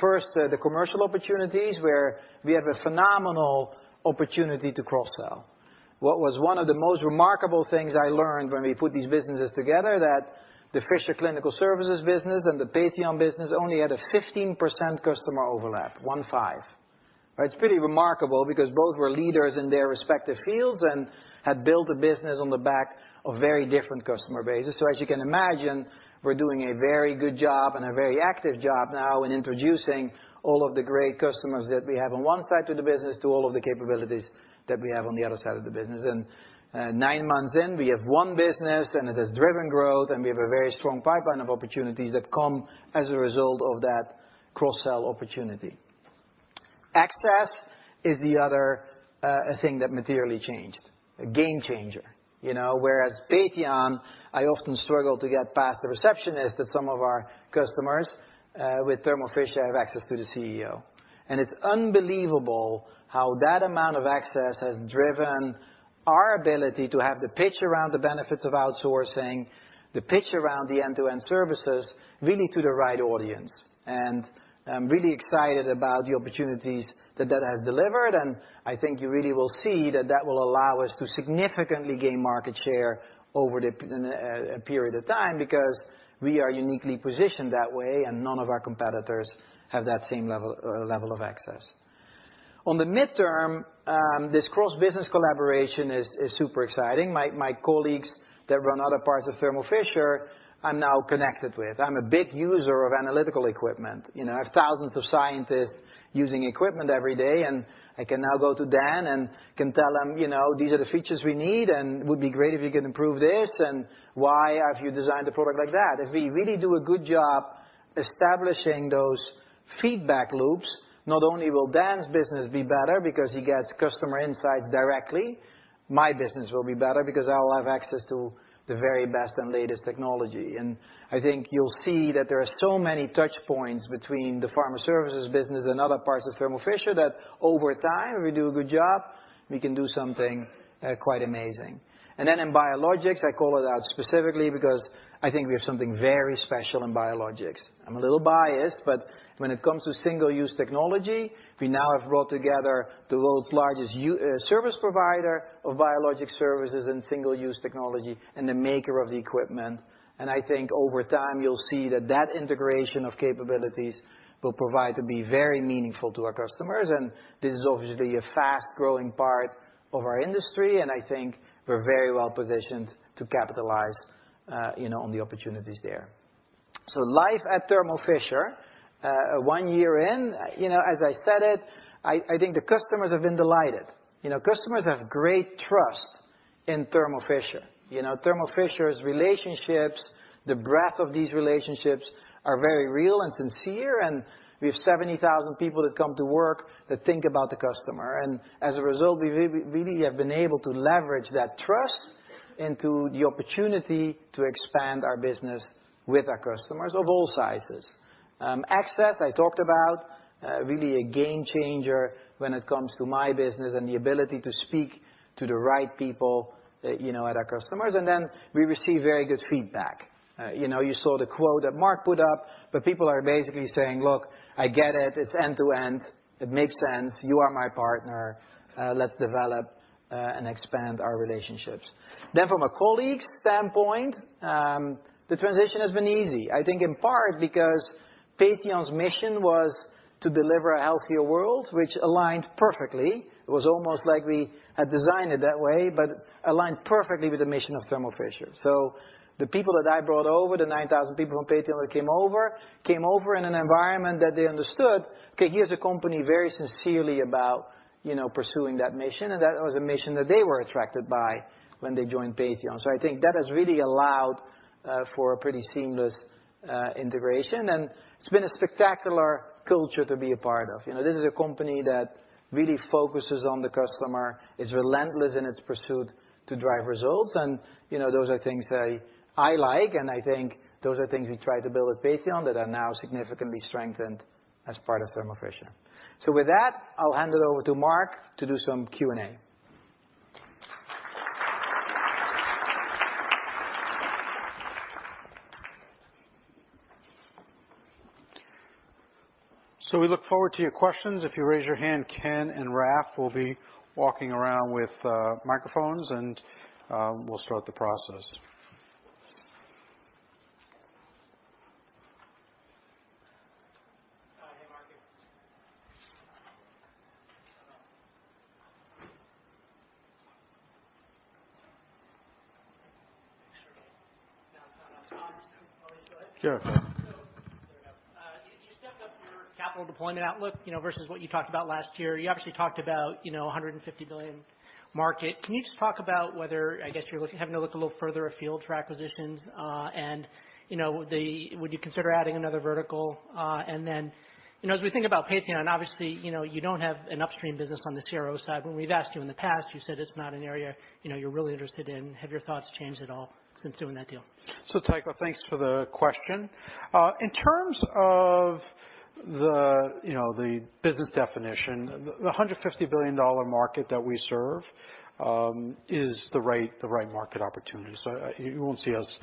First, the commercial opportunities, where we have a phenomenal opportunity to cross-sell. What was one of the most remarkable things I learned when we put these businesses together, that the Fisher Clinical Services business and the Patheon business only had a 15% customer overlap, one, five. It's pretty remarkable because both were leaders in their respective fields and had built a business on the back of very different customer bases. As you can imagine, we're doing a very good job and a very active job now in introducing all of the great customers that we have on one side to the business to all of the capabilities that we have on the other side of the business. 9 months in, we have one business, it has driven growth, and we have a very strong pipeline of opportunities that come as a result of that cross-sell opportunity. Access is the other thing that materially changed, a game changer. Whereas Patheon, I often struggle to get past the receptionist at some of our customers, with Thermo Fisher, I have access to the CEO. It's unbelievable how that amount of access has driven our ability to have the pitch around the benefits of outsourcing, the pitch around the end-to-end services, really to the right audience. I'm really excited about the opportunities that that has delivered. I think you really will see that that will allow us to significantly gain market share over a period of time, because we are uniquely positioned that way, and none of our competitors have that same level of access. On the midterm, this cross-business collaboration is super exciting. My colleagues that run other parts of Thermo Fisher, I'm now connected with. I'm a big user of analytical equipment. I have thousands of scientists using equipment every day, I can now go to Dan and can tell him, "These are the features we need, it would be great if you can improve this," "Why have you designed a product like that?" If we really do a good job establishing those feedback loops, not only will Dan's business be better because he gets customer insights directly, my business will be better because I'll have access to the very best and latest technology. I think you'll see that there are so many touch points between the pharma services business and other parts of Thermo Fisher that over time, if we do a good job, we can do something quite amazing. Then in biologics, I call it out specifically because I think we have something very special in biologics. I'm a little biased, but when it comes to single-use technology, we now have brought together the world's largest service provider of biologic services and single-use technology and the maker of the equipment. I think over time, you'll see that that integration of capabilities will provide to be very meaningful to our customers, this is obviously a fast-growing part of our industry, I think we're very well-positioned to capitalize on the opportunities there. Life at Thermo Fisher, one year in, as I said it, I think the customers have been delighted. Customers have great trust in Thermo Fisher. Thermo Fisher's relationships, the breadth of these relationships are very real and sincere, we have 70,000 people that come to work that think about the customer. As a result, we really have been able to leverage that trust into the opportunity to expand our business with our customers of all sizes. Access, I talked about, really a game changer when it comes to my business and the ability to speak to the right people at our customers. Then we receive very good feedback. You saw the quote that Mark put up, people are basically saying, "Look, I get it. It's end to end. It makes sense. You are my partner. Let's develop and expand our relationships." From a colleague standpoint, the transition has been easy. I think in part because Patheon's mission was to deliver a healthier world, which aligned perfectly. It was almost like we had designed it that way, but aligned perfectly with the mission of Thermo Fisher. The people that I brought over, the 9,000 people from Patheon that came over, came over in an environment that they understood, okay, here's a company very sincerely about pursuing that mission, that was a mission that they were attracted by when they joined Patheon. I think that has really allowed for a pretty seamless integration. It's been a spectacular culture to be a part of. This is a company that really focuses on the customer, is relentless in its pursuit to drive results, those are things that I like, I think those are things we tried to build at Patheon that are now significantly strengthened as part of Thermo Fisher. With that, I'll hand it over to Mark to do some Q&A. We look forward to your questions. If you raise your hand, Ken and Raf will be walking around with microphones, we'll start the process. Hey, Mark. Make sure now it's not on. Oh, you still have it? Sure. There we go. You stepped up your capital deployment outlook versus what you talked about last year. You obviously talked about 150 billion market. Can you just talk about whether, I guess, you're having to look a little further afield for acquisitions, would you consider adding another vertical? As we think about Patheon, obviously, you don't have an upstream business on the CRO side. When we've asked you in the past, you said it's not an area you're really interested in. Have your thoughts changed at all since doing that deal? Tycho, thanks for the question. In terms of the business definition, the $150 billion market that we serve is the right market opportunity. You won't see us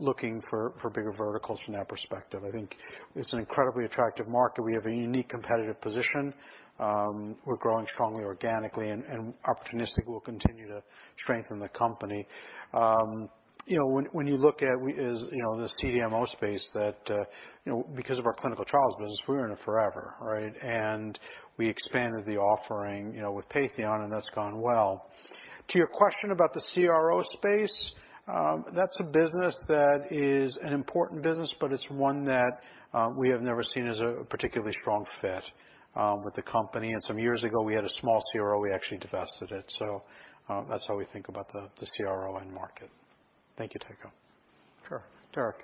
looking for bigger verticals from that perspective. I think it's an incredibly attractive market. We have a unique competitive position. We're growing strongly organically, and opportunistic will continue to strengthen the company. When you look at this CDMO space, because of our clinical trials business, we were in it forever, right? We expanded the offering with Patheon, and that's gone well. To your question about the CRO space, that's a business that is an important business, but it's one that we have never seen as a particularly strong fit with the company. Some years ago, we had a small CRO. We actually divested it. That's how we think about the CRO end market. Thank you, Tycho. Sure. Derek?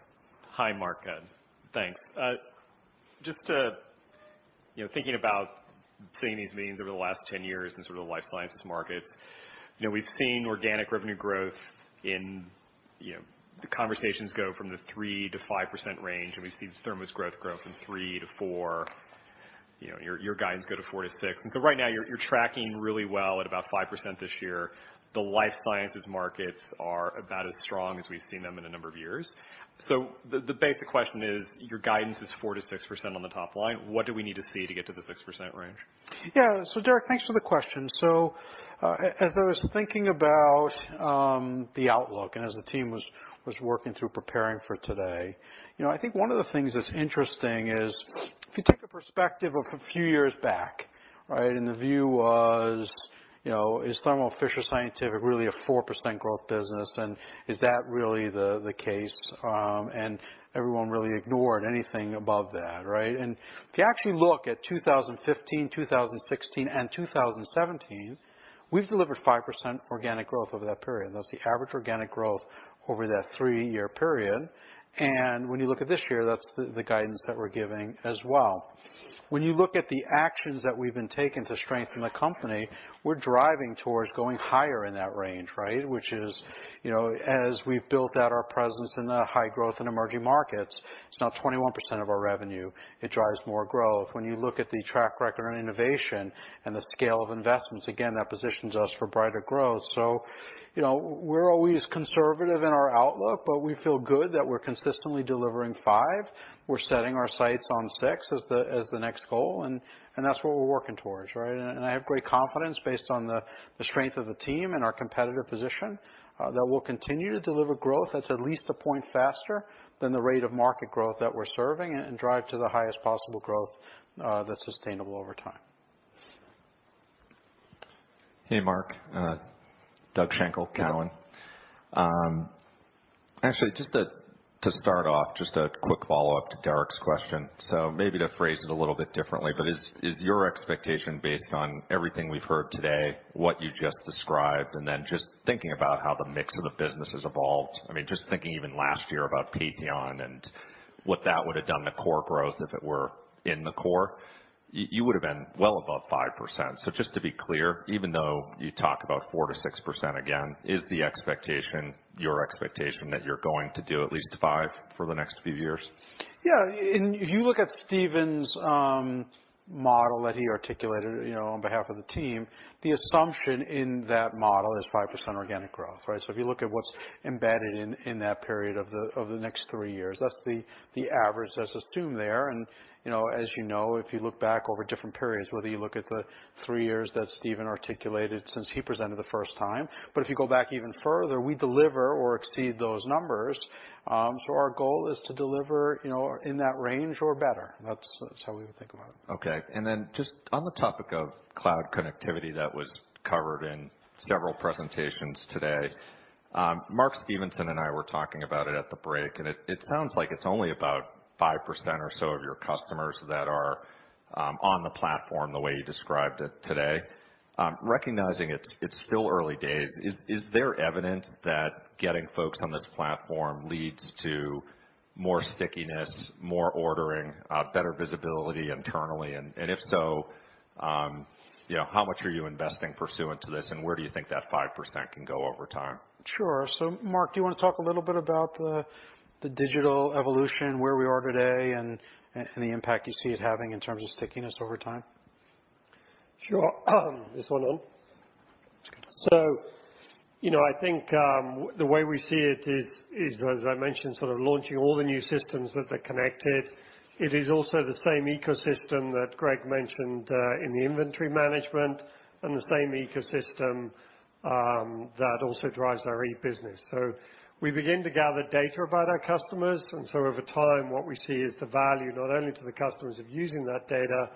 Hi, Mark. Thanks. Just thinking about seeing these meetings over the last 10 years in sort of the life sciences markets. We've seen organic revenue growth in the conversations go from the 3%-5% range, we've seen Thermo's growth grow from 3%-4%. Your guidance go to 4%-6%. Right now, you're tracking really well at about 5% this year. The life sciences markets are about as strong as we've seen them in a number of years. The basic question is, your guidance is 4%-6% on the top line. What do we need to see to get to the 6% range? Yeah. Derik, thanks for the question. As I was thinking about the outlook and as the team was working through preparing for today, I think one of the things that's interesting is if you take a perspective of a few years back, right, and the view was, is Thermo Fisher Scientific really a 4% growth business, and is that really the case? Everyone really ignored anything above that, right? If you actually look at 2015, 2016, and 2017, we've delivered 5% organic growth over that period. That's the average organic growth over that three-year period. When you look at this year, that's the guidance that we're giving as well. When you look at the actions that we've been taking to strengthen the company, we're driving towards going higher in that range, right? Which is as we've built out our presence in the high growth and emerging markets, it's now 21% of our revenue. It drives more growth. When you look at the track record on innovation and the scale of investments, again, that positions us for brighter growth. We're always conservative in our outlook, but we feel good that we're consistently delivering 5%. We're setting our sights on 6% as the next goal, that's what we're working towards, right? I have great confidence based on the strength of the team and our competitive position, that we'll continue to deliver growth that's at least a point faster than the rate of market growth that we're serving, and drive to the highest possible growth that's sustainable over time. Hey, Mark. Doug Schenkel, Cowen. Actually, just to start off, just a quick follow-up to Derik's question. Maybe to phrase it a little bit differently, is your expectation based on everything we've heard today, what you just described, and then just thinking about how the mix of the business has evolved. I mean, just thinking even last year about Patheon and what that would have done to core growth if it were in the core, you would've been well above 5%. Just to be clear, even though you talk about 4%-6% again, is the expectation, your expectation that you're going to do at least 5% for the next few years? Yeah. If you look at Stephen's model that he articulated on behalf of the team, the assumption in that model is 5% organic growth, right? If you look at what's embedded in that period of the next three years, that's the average that's assumed there. As you know, if you look back over different periods, whether you look at the three years that Stephen articulated since he presented the first time. If you go back even further, we deliver or exceed those numbers. Our goal is to deliver in that range or better. That's how we would think about it. Okay. Just on the topic of cloud connectivity that was covered in several presentations today. Mark Stevenson and I were talking about it at the break, and it sounds like it's only about 5% or so of your customers that are on the platform the way you described it today. Recognizing it's still early days, is there evidence that getting folks on this platform leads to more stickiness, more ordering, better visibility internally? If so, how much are you investing pursuant to this, and where do you think that 5% can go over time? Sure. Mark, do you want to talk a little bit about the digital evolution, where we are today and the impact you see it having in terms of stickiness over time? Sure. This one on. I think, the way we see it is, as I mentioned, sort of launching all the new systems that they're connected. It is also the same ecosystem that Greg mentioned, in the inventory management and the same ecosystem that also drives our e-business. We begin to gather data about our customers, over time, what we see is the value not only to the customers of using that data,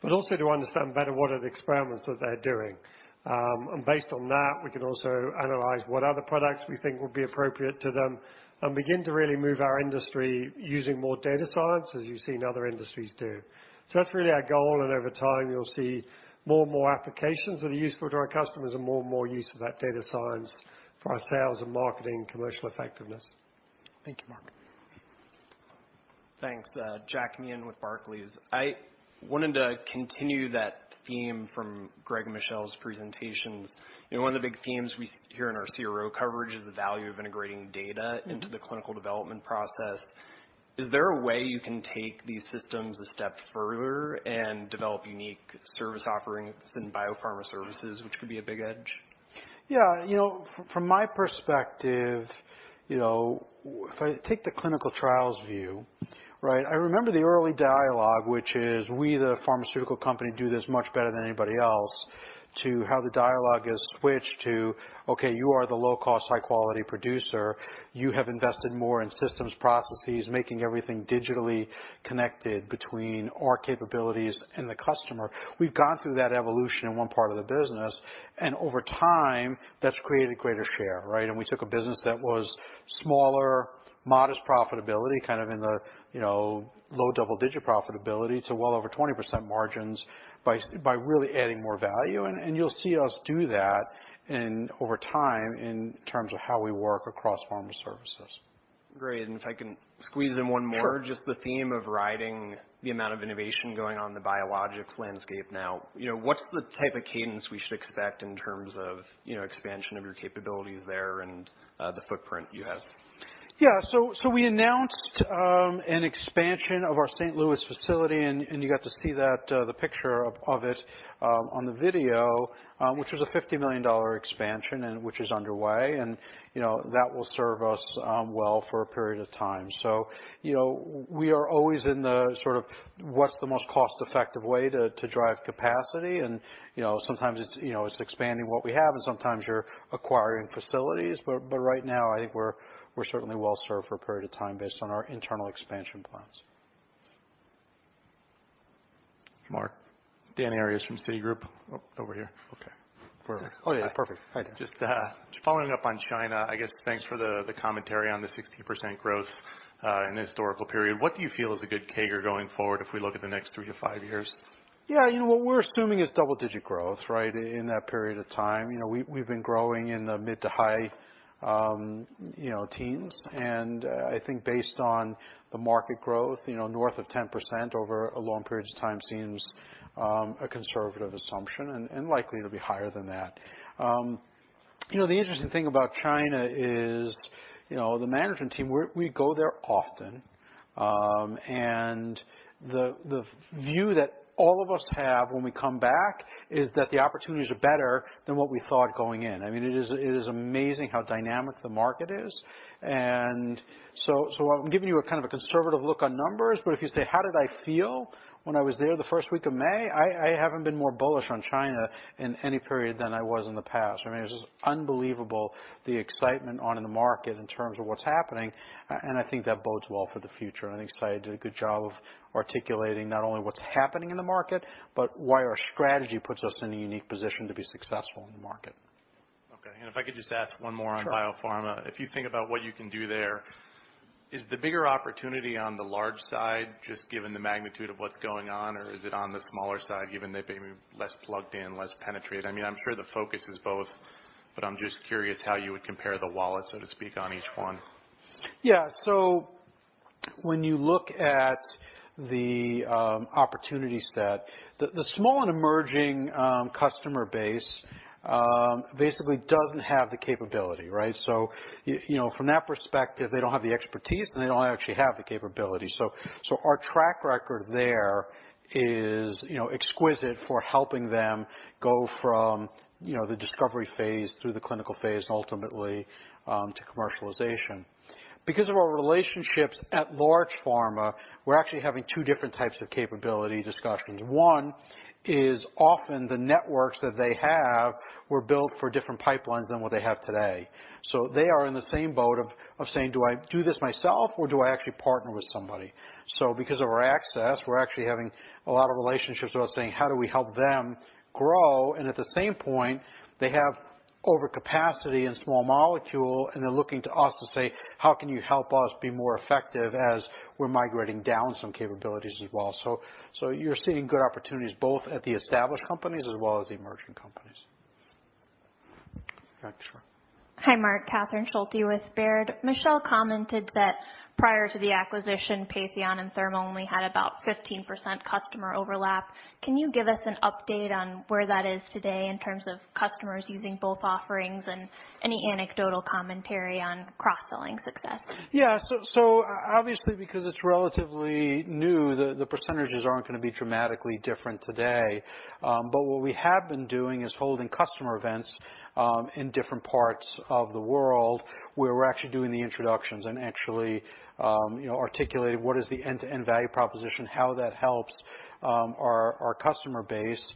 but also to understand better what are the experiments that they're doing. Based on that, we can also analyze what other products we think would be appropriate to them and begin to really move our industry using more data science as you've seen other industries do. That's really our goal, over time you'll see more and more applications that are useful to our customers and more and more use of that data science for our sales and marketing commercial effectiveness. Thank you, Mark. Thanks. Jack Meehan with Barclays. I wanted to continue that theme from Greg and Michel's presentations. One of the big themes we hear in our CRO coverage is the value of integrating data into the clinical development process. Is there a way you can take these systems a step further and develop unique service offerings in biopharma services, which could be a big edge? Yeah. From my perspective, if I take the clinical trials view. Right. I remember the early dialogue, which is, we, the pharmaceutical company, do this much better than anybody else, to how the dialogue has switched to, okay, you are the low-cost, high-quality producer. You have invested more in systems, processes, making everything digitally connected between our capabilities and the customer. We've gone through that evolution in one part of the business, and over time, that's created greater share, right? We took a business that was smaller, modest profitability, kind of in the low double-digit profitability, to well over 20% margins by really adding more value. You'll see us do that over time in terms of how we work across pharma services. Great. If I can squeeze in one more? Sure. Just the theme of riding the amount of innovation going on in the biologics landscape now. What's the type of cadence we should expect in terms of expansion of your capabilities there and the footprint you have? Yeah. We announced an expansion of our St. Louis facility, and you got to see the picture of it on the video, which was a $50 million expansion, and which is underway. That will serve us well for a period of time. We are always in the sort of, what's the most cost-effective way to drive capacity, and sometimes it's expanding what we have and sometimes you're acquiring facilities. Right now, I think we're certainly well-served for a period of time based on our internal expansion plans. Mark. Daniel Arias from Citigroup. Over here. Okay. Where? Oh, yeah. Perfect. Hi. Hi, Dan. Just following up on China, I guess thanks for the commentary on the 60% growth in the historical period. What do you feel is a good CAGR going forward if we look at the next three to five years? Yeah. What we're assuming is double-digit growth, right, in that period of time. We've been growing in the mid to high teens, and I think based on the market growth north of 10% over a long period of time seems a conservative assumption, and likely to be higher than that. The interesting thing about China is the management team, we go there often. The view that all of us have when we come back is that the opportunities are better than what we thought going in. It is amazing how dynamic the market is. So I'm giving you a kind of a conservative look on numbers, but if you say, how did I feel when I was there the first week of May? I haven't been more bullish on China in any period than I was in the past. It was just unbelievable the excitement on the market in terms of what's happening, I think that bodes well for the future. I think Syed did a good job of articulating not only what's happening in the market, but why our strategy puts us in a unique position to be successful in the market. Okay. If I could just ask one more on- Sure biopharma. If you think about what you can do there, is the bigger opportunity on the large side, just given the magnitude of what's going on, or is it on the smaller side, given they may be less plugged in, less penetrated? I am sure the focus is both, but I am just curious how you would compare the wallet, so to speak, on each one. Yeah. When you look at the opportunity set, the small and emerging customer base basically doesn't have the capability, right? From that perspective, they don't have the expertise, and they don't actually have the capability. Our track record there is exquisite for helping them go from the discovery phase through the clinical phase, ultimately, to commercialization. Because of our relationships at large pharma, we're actually having two different types of capability discussions. One is often the networks that they have were built for different pipelines than what they have today. They are in the same boat of saying, "Do I do this myself or do I actually partner with somebody?" Because of our access, we're actually having a lot of relationships where we're saying, how do we help them grow? At the same point, they have overcapacity in small molecule, and they're looking to us to say, "How can you help us be more effective as we're migrating down some capabilities as well?" You're seeing good opportunities both at the established companies as well as the emerging companies. Back. Sure. Hi, Marc. Catherine Schulte with Baird. Michelle commented that prior to the acquisition, Patheon and Thermo only had about 15% customer overlap. Can you give us an update on where that is today in terms of customers using both offerings and any anecdotal commentary on cross-selling success? Obviously, because it's relatively new, the percentages aren't going to be dramatically different today. What we have been doing is holding customer events in different parts of the world where we're actually doing the introductions and actually articulating what is the end-to-end value proposition, how that helps our customer base.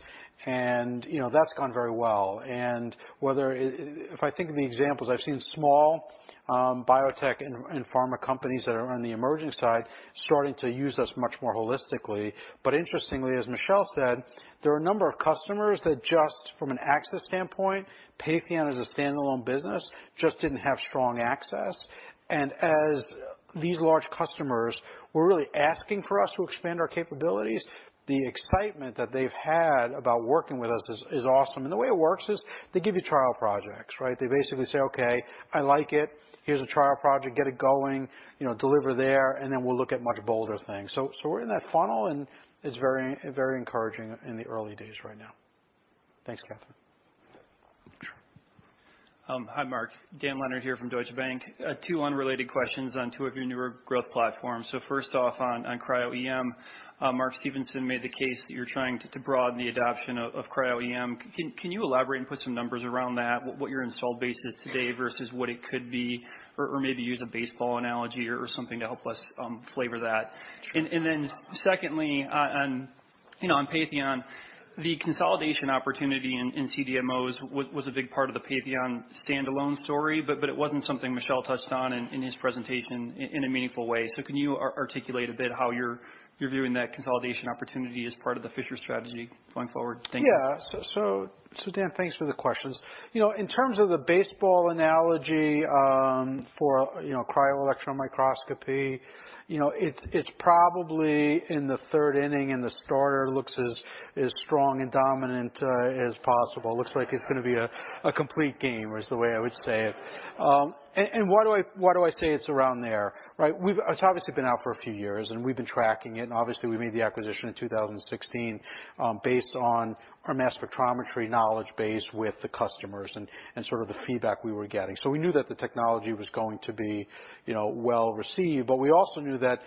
That's gone very well. If I think of the examples, I've seen small biotech and pharma companies that are on the emerging side starting to use us much more holistically. Interestingly, as Michelle said, there are a number of customers that just from an access standpoint, Patheon as a standalone business, just didn't have strong access. As these large customers were really asking for us to expand our capabilities, the excitement that they've had about working with us is awesome. The way it works is they give you trial projects, right? They basically say, "Okay, I like it. Here's a trial project, get it going, deliver there, and then we'll look at much bolder things." We're in that funnel, and it's very encouraging in the early days right now. Thanks, Catherine. Hi, Marc. Dan Leonard here from Deutsche Bank. Two unrelated questions on two of your newer growth platforms. First off, on Cryo-EM, Mark Stevenson made the case that you're trying to broaden the adoption of Cryo-EM. Can you elaborate and put some numbers around that, what your install base is today versus what it could be? Or maybe use a baseball analogy or something to help us flavor that. Secondly, on Patheon, the consolidation opportunity in CDMOs was a big part of the Patheon standalone story, but it wasn't something Michel touched on in his presentation in a meaningful way. Can you articulate a bit how you're viewing that consolidation opportunity as part of the Fisher strategy going forward? Thank you. Yeah. Dan, thanks for the questions. In terms of the baseball analogy for cryo-electron microscopy, it's probably in the third inning, and the starter looks as strong and dominant as possible. Looks like it's going to be a complete game, is the way I would say it. Why do I say it's around there, right? It's obviously been out for a few years, and we've been tracking it, and obviously, we made the acquisition in 2016 based on our mass spectrometry knowledge base with the customers and sort of the feedback we were getting. We knew that the technology was going to be well-received. We also knew that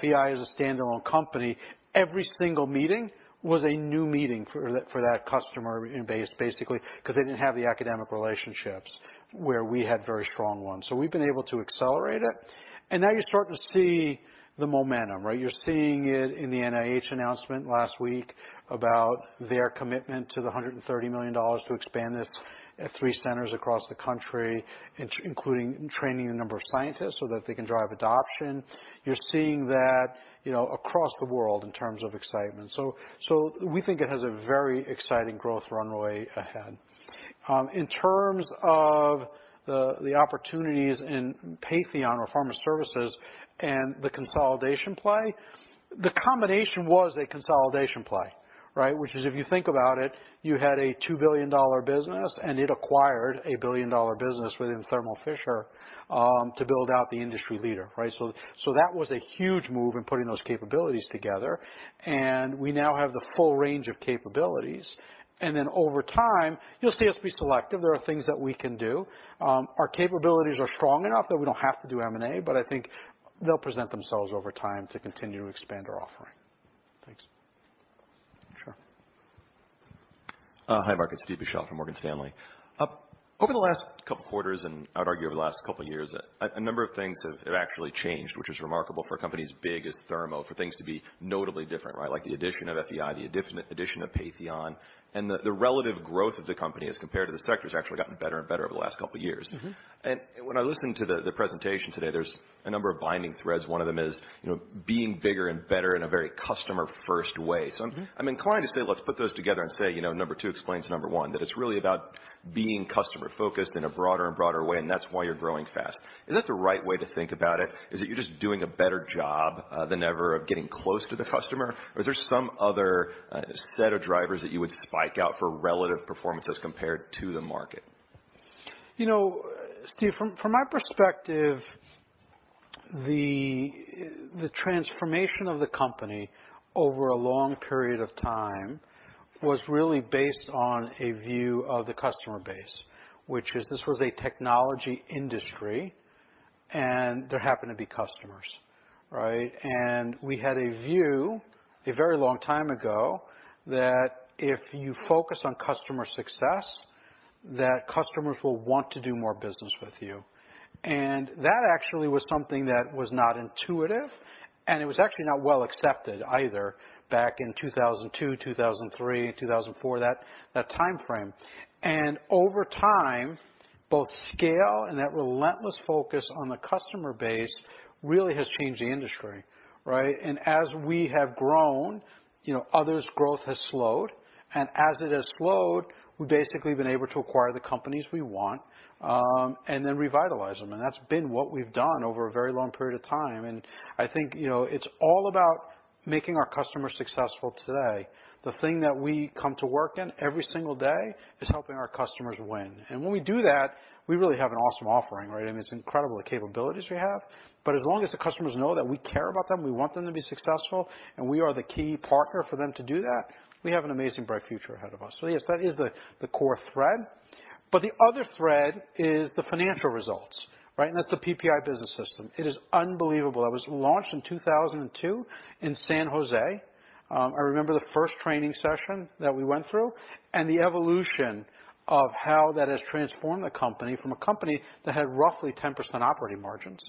FEI, as a standalone company, every single meeting was a new meeting for that customer base, basically, because they didn't have the academic relationships where we had very strong ones. We've been able to accelerate it, and now you're starting to see the momentum, right? You're seeing it in the NIH announcement last week about their commitment to the $130 million to expand this at three centers across the country, including training a number of scientists so that they can drive adoption. You're seeing that across the world in terms of excitement. We think it has a very exciting growth runway ahead. In terms of the opportunities in Patheon or Pharma Services and the consolidation play, the combination was a consolidation play, right? Which is, if you think about it, you had a $2 billion business, and it acquired a billion-dollar business within Thermo Fisher to build out the industry leader, right? That was a huge move in putting those capabilities together, and we now have the full range of capabilities. Over time, you'll see us be selective. There are things that we can do. Our capabilities are strong enough that we don't have to do M&A, but I think they'll present themselves over time to continue to expand our offering. Thanks. Sure. Hi, Marc. It's Steve Micelle from Morgan Stanley. Over the last couple of quarters, and I'd argue over the last couple of years, a number of things have actually changed, which is remarkable for a company as big as Thermo for things to be notably different, right? Like the addition of FEI, the addition of Patheon, and the relative growth of the company as compared to the sector has actually gotten better and better over the last couple of years. When I listen to the presentation today, there's a number of binding threads. One of them is being bigger and better in a very customer-first way. I'm inclined to say, let's put those together and say number 2 explains number 1, that it's really about being customer-focused in a broader and broader way, and that's why you're growing fast. Is that the right way to think about it? Is it you're just doing a better job than ever of getting close to the customer? Or is there some other set of drivers that you would spike out for relative performance as compared to the market? Steve, from my perspective, the transformation of the company over a long period of time was really based on a view of the customer base, which is this was a technology industry, and there happened to be customers, right? We had a view a very long time ago that if you focus on customer success, that customers will want to do more business with you. That actually was something that was not intuitive, and it was actually not well accepted either back in 2002, 2003, 2004, that timeframe. Over time, both scale and that relentless focus on the customer base really has changed the industry, right? As we have grown, others' growth has slowed. As it has slowed, we've basically been able to acquire the companies we want and then revitalize them. That's been what we've done over a very long period of time. I think it's all about making our customers successful today. The thing that we come to work in every single day is helping our customers win. When we do that, we really have an awesome offering, right? It's incredible the capabilities we have. As long as the customers know that we care about them, we want them to be successful, and we are the key partner for them to do that, we have an amazing, bright future ahead of us. Yes, that is the core thread. The other thread is the financial results, right? That's the PPI business system. It is unbelievable. It was launched in 2002 in San Jose. I remember the first training session that we went through and the evolution of how that has transformed the company from a company that had roughly 10% operating margins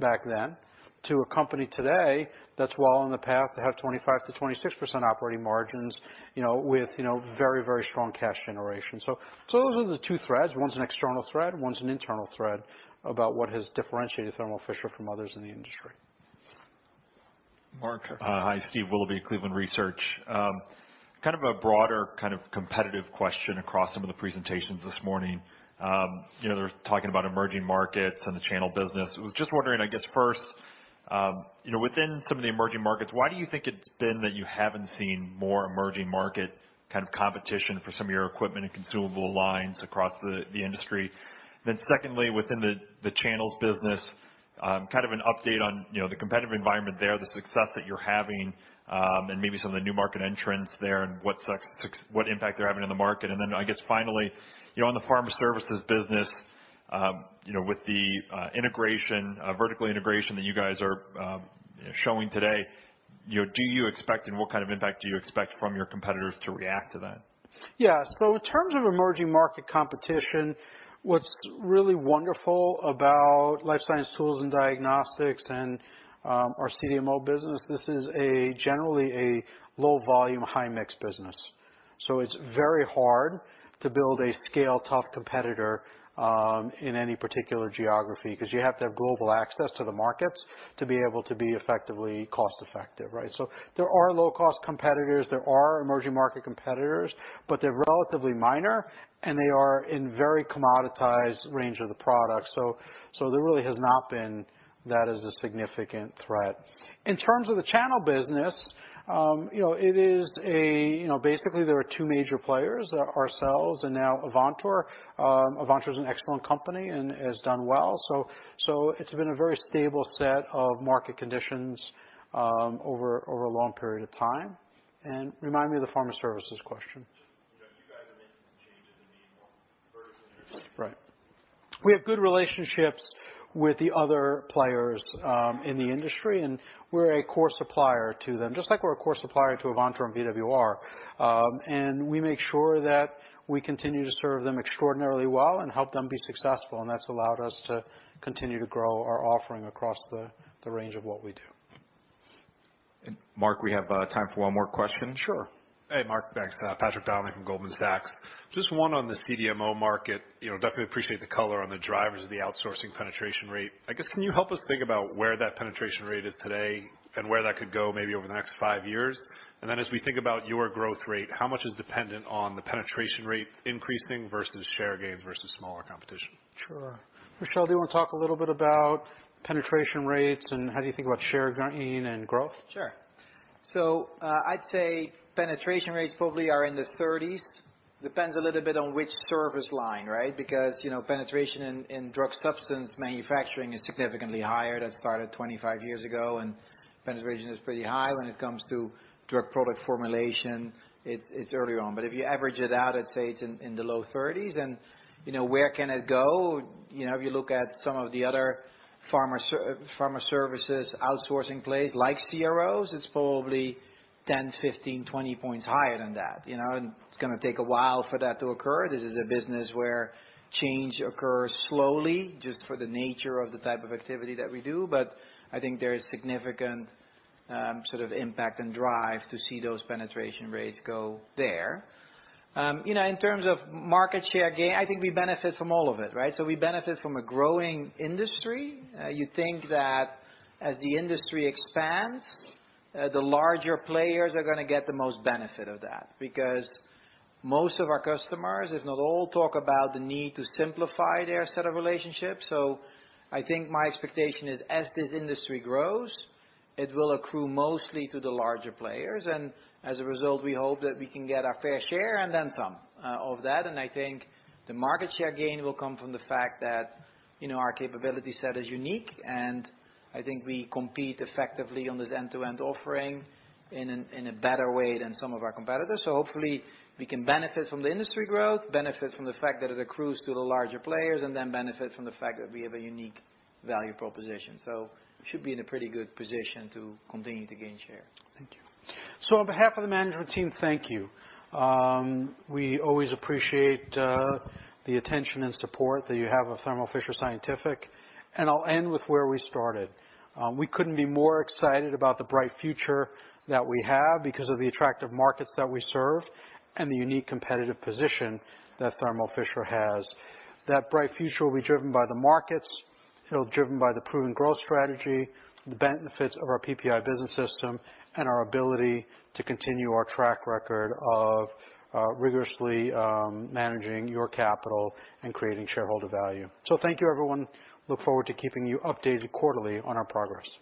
back then to a company today that's well on the path to have 25%-26% operating margins, with very strong cash generation. Those are the two threads. One's an external thread, one's an internal thread about what has differentiated Thermo Fisher from others in the industry. Mark. Hi, Steve Willoughby, Cleveland Research. Kind of a broader kind of competitive question across some of the presentations this morning. They're talking about emerging markets and the channel business. I was just wondering, I guess, first, within some of the emerging markets, why do you think it's been that you haven't seen more emerging market kind of competition for some of your equipment and consumable lines across the industry? Secondly, within the channels business, kind of an update on the competitive environment there, the success that you're having, and maybe some of the new market entrants there and what success what impact they're having on the market. I guess finally, on the pharma services business, with the vertical integration that you guys are showing today, what kind of impact do you expect from your competitors to react to that? In terms of emerging market competition, what's really wonderful about life science tools and diagnostics and our CDMO business, this is generally a low volume, high mix business. It's very hard to build a scale tough competitor in any particular geography, because you have to have global access to the markets to be able to be effectively cost-effective. There are low cost competitors, there are emerging market competitors, but they're relatively minor, and they are in very commoditized range of the product. There really has not been that as a significant threat. In terms of the channel business, basically there are two major players, ourselves and now Avantor. Avantor is an excellent company and has done well. It's been a very stable set of market conditions over a long period of time. Remind me of the pharma services question. You guys are making some changes in the vertical integration. Right. We have good relationships with the other players in the industry, we're a core supplier to them, just like we're a core supplier to Avantor and VWR. We make sure that we continue to serve them extraordinarily well and help them be successful. That's allowed us to continue to grow our offering across the range of what we do. Mark, we have time for one more question. Sure. Hey, Mark. Thanks. Patrick Donnelly from Goldman Sachs. Just one on the CDMO market. Definitely appreciate the color on the drivers of the outsourcing penetration rate. I guess, can you help us think about where that penetration rate is today, and where that could go maybe over the next 5 years? Then as we think about your growth rate, how much is dependent on the penetration rate increasing versus share gains versus smaller competition? Sure. Michel, do you want to talk a little bit about penetration rates and how do you think about share gain and growth? Sure. I'd say penetration rates probably are in the 30s. Depends a little bit on which service line. Because penetration in drug substance manufacturing is significantly higher. That started 25 years ago, and penetration is pretty high when it comes to drug product formulation, it's early on. But if you average it out, I'd say it's in the low 30s, and where can it go? If you look at some of the other pharma services outsourcing plays like CROs, it's probably 10, 15, 20 points higher than that. It's going to take a while for that to occur. This is a business where change occurs slowly, just for the nature of the type of activity that we do. But I think there is significant impact and drive to see those penetration rates go there. In terms of market share gain, I think we benefit from all of it, right? We benefit from a growing industry. You'd think that as the industry expands, the larger players are going to get the most benefit of that, because most of our customers, if not all, talk about the need to simplify their set of relationships. I think my expectation is as this industry grows, it will accrue mostly to the larger players. As a result, we hope that we can get our fair share and then some of that. I think the market share gain will come from the fact that our capability set is unique, and I think we compete effectively on this end-to-end offering in a better way than some of our competitors. Hopefully we can benefit from the industry growth, benefit from the fact that it accrues to the larger players, and then benefit from the fact that we have a unique value proposition. We should be in a pretty good position to continue to gain share. Thank you. On behalf of the management team, thank you. We always appreciate the attention and support that you have of Thermo Fisher Scientific. I'll end with where we started. We couldn't be more excited about the bright future that we have because of the attractive markets that we serve and the unique competitive position that Thermo Fisher has. That bright future will be driven by the markets, it'll be driven by the proven growth strategy, the benefits of our PPI business system, and our ability to continue our track record of rigorously managing your capital and creating shareholder value. Thank you, everyone. Look forward to keeping you updated quarterly on our progress.